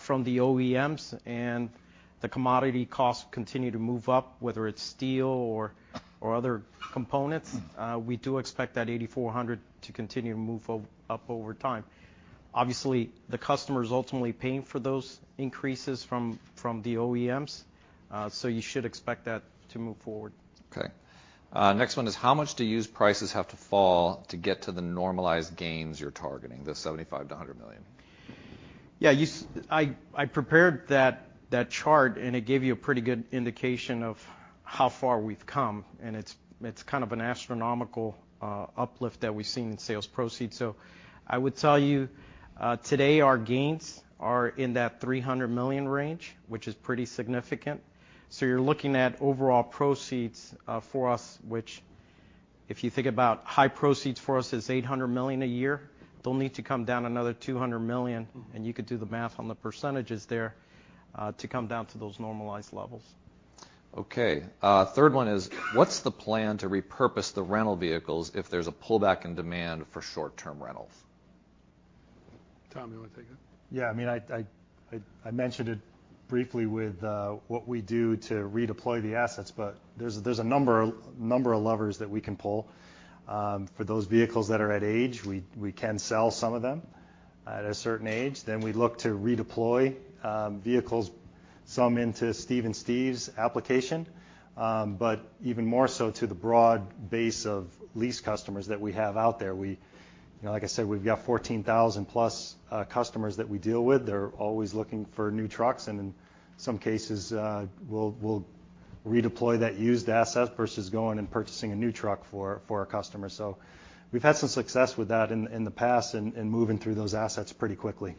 from the OEMs and the commodity costs continue to move up, whether it's steel or other components, we do expect that $8,400 to continue to move up over time. Obviously, the customer's ultimately paying for those increases from the OEMs, so you should expect that to move forward. Okay. Next one is, how much do used prices have to fall to get to the normalized gains you're targeting, the $75 million-$100 million? Yeah. I prepared that chart, and it gave you a pretty good indication of how far we've come, and it's kind of an astronomical uplift that we've seen in sales proceeds. I would tell you today our gains are in that $300 million range, which is pretty significant. You're looking at overall proceeds for us, which if you think about high proceeds for us is $800 million a year. They'll need to come down another $200 million, and you could do the math on the percentages there to come down to those normalized levels. Okay. Third one is, what's the plan to repurpose the rental vehicles if there's a pullback in demand for short-term rentals? Tom, you wanna take it? Yeah. I mean, I mentioned it briefly with what we do to redeploy the assets, but there's a number of levers that we can pull. For those vehicles that are at age, we can sell some of them at a certain age. We look to redeploy vehicles, some into Steve and Steve's application, but even more so to the broad base of lease customers that we have out there. You know, like I said, we've got 14,00+ customers that we deal with. They're always looking for new trucks, and in some cases, we'll redeploy that used asset versus going and purchasing a new truck for a customer. We've had some success with that in the past and moving through those assets pretty quickly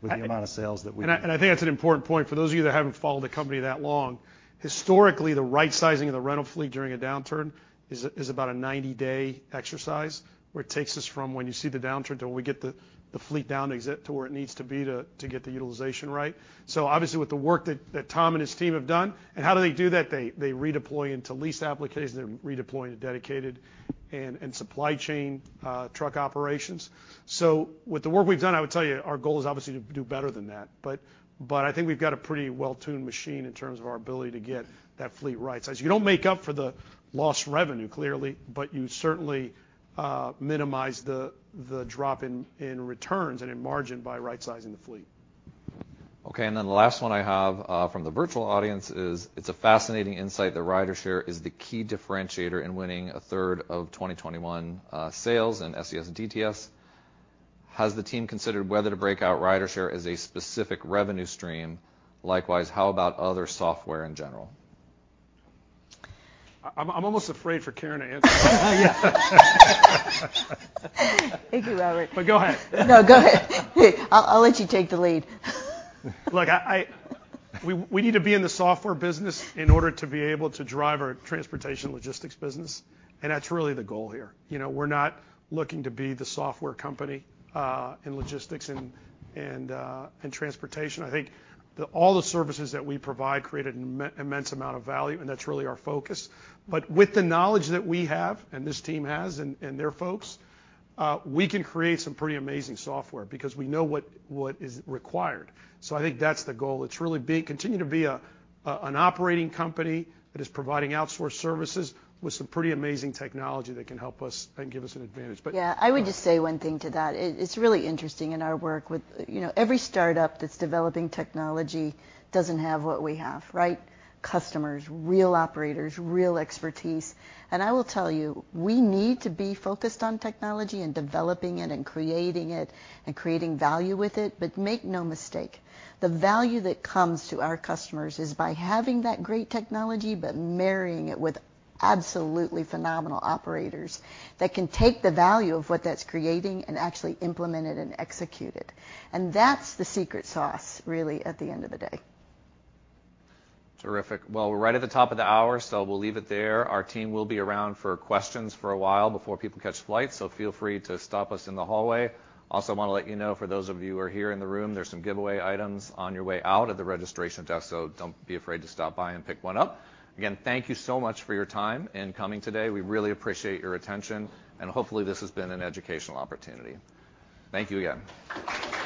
with the amount of sales that we do. I think that's an important point. For those of you that haven't followed the company that long, historically, the right sizing of the rental fleet during a downturn is about a 90-day exercise where it takes us from when you see the downturn to when we get the fleet down to exit to where it needs to be to get the utilization right. Obviously with the work that Tom and his team have done, and how do they do that? They redeploy into lease applications. They redeploy into dedicated and supply chain truck operations. With the work we've done, I would tell you our goal is obviously to do better than that. I think we've got a pretty well-tuned machine in terms of our ability to get that fleet right-sized. You don't make up for the lost revenue, clearly, but you certainly minimize the drop in returns and in margin by right-sizing the fleet. Okay, the last one I have from the virtual audience is: It's a fascinating insight that RyderShare is the key differentiator in winning a third of 2021 sales in SCS and DTS. Has the team considered whether to break out RyderShare as a specific revenue stream? Likewise, how about other software in general? I'm almost afraid for Karen to answer that. Thank you, Robert. Go ahead. No, go ahead. I'll let you take the lead. Look, we need to be in the software business in order to be able to drive our transportation logistics business, and that's really the goal here. You know, we're not looking to be the software company in logistics and transportation. I think all the services that we provide create an immense amount of value, and that's really our focus. With the knowledge that we have, and this team has, and their folks, we can create some pretty amazing software because we know what is required. I think that's the goal. It's really continue to be an operating company that is providing outsourced services with some pretty amazing technology that can help us and give us an advantage. Yeah. I would just say one thing to that. It's really interesting in our work with, you know, every startup that's developing technology doesn't have what we have, right? Customers, real operators, real expertise. I will tell you, we need to be focused on technology and developing it and creating it and creating value with it. Make no mistake, the value that comes to our customers is by having that great technology but marrying it with absolutely phenomenal operators that can take the value of what that's creating and actually implement it and execute it. That's the secret sauce really at the end of the day. Terrific. Well, we're right at the top of the hour, so we'll leave it there. Our team will be around for questions for a while before people catch flights, so feel free to stop us in the hallway. Also wanna let you know, for those of you who are here in the room, there's some giveaway items on your way out at the registration desk, so don't be afraid to stop by and pick one up. Again, thank you so much for your time in coming today. We really appreciate your attention, and hopefully this has been an educational opportunity. Thank you again.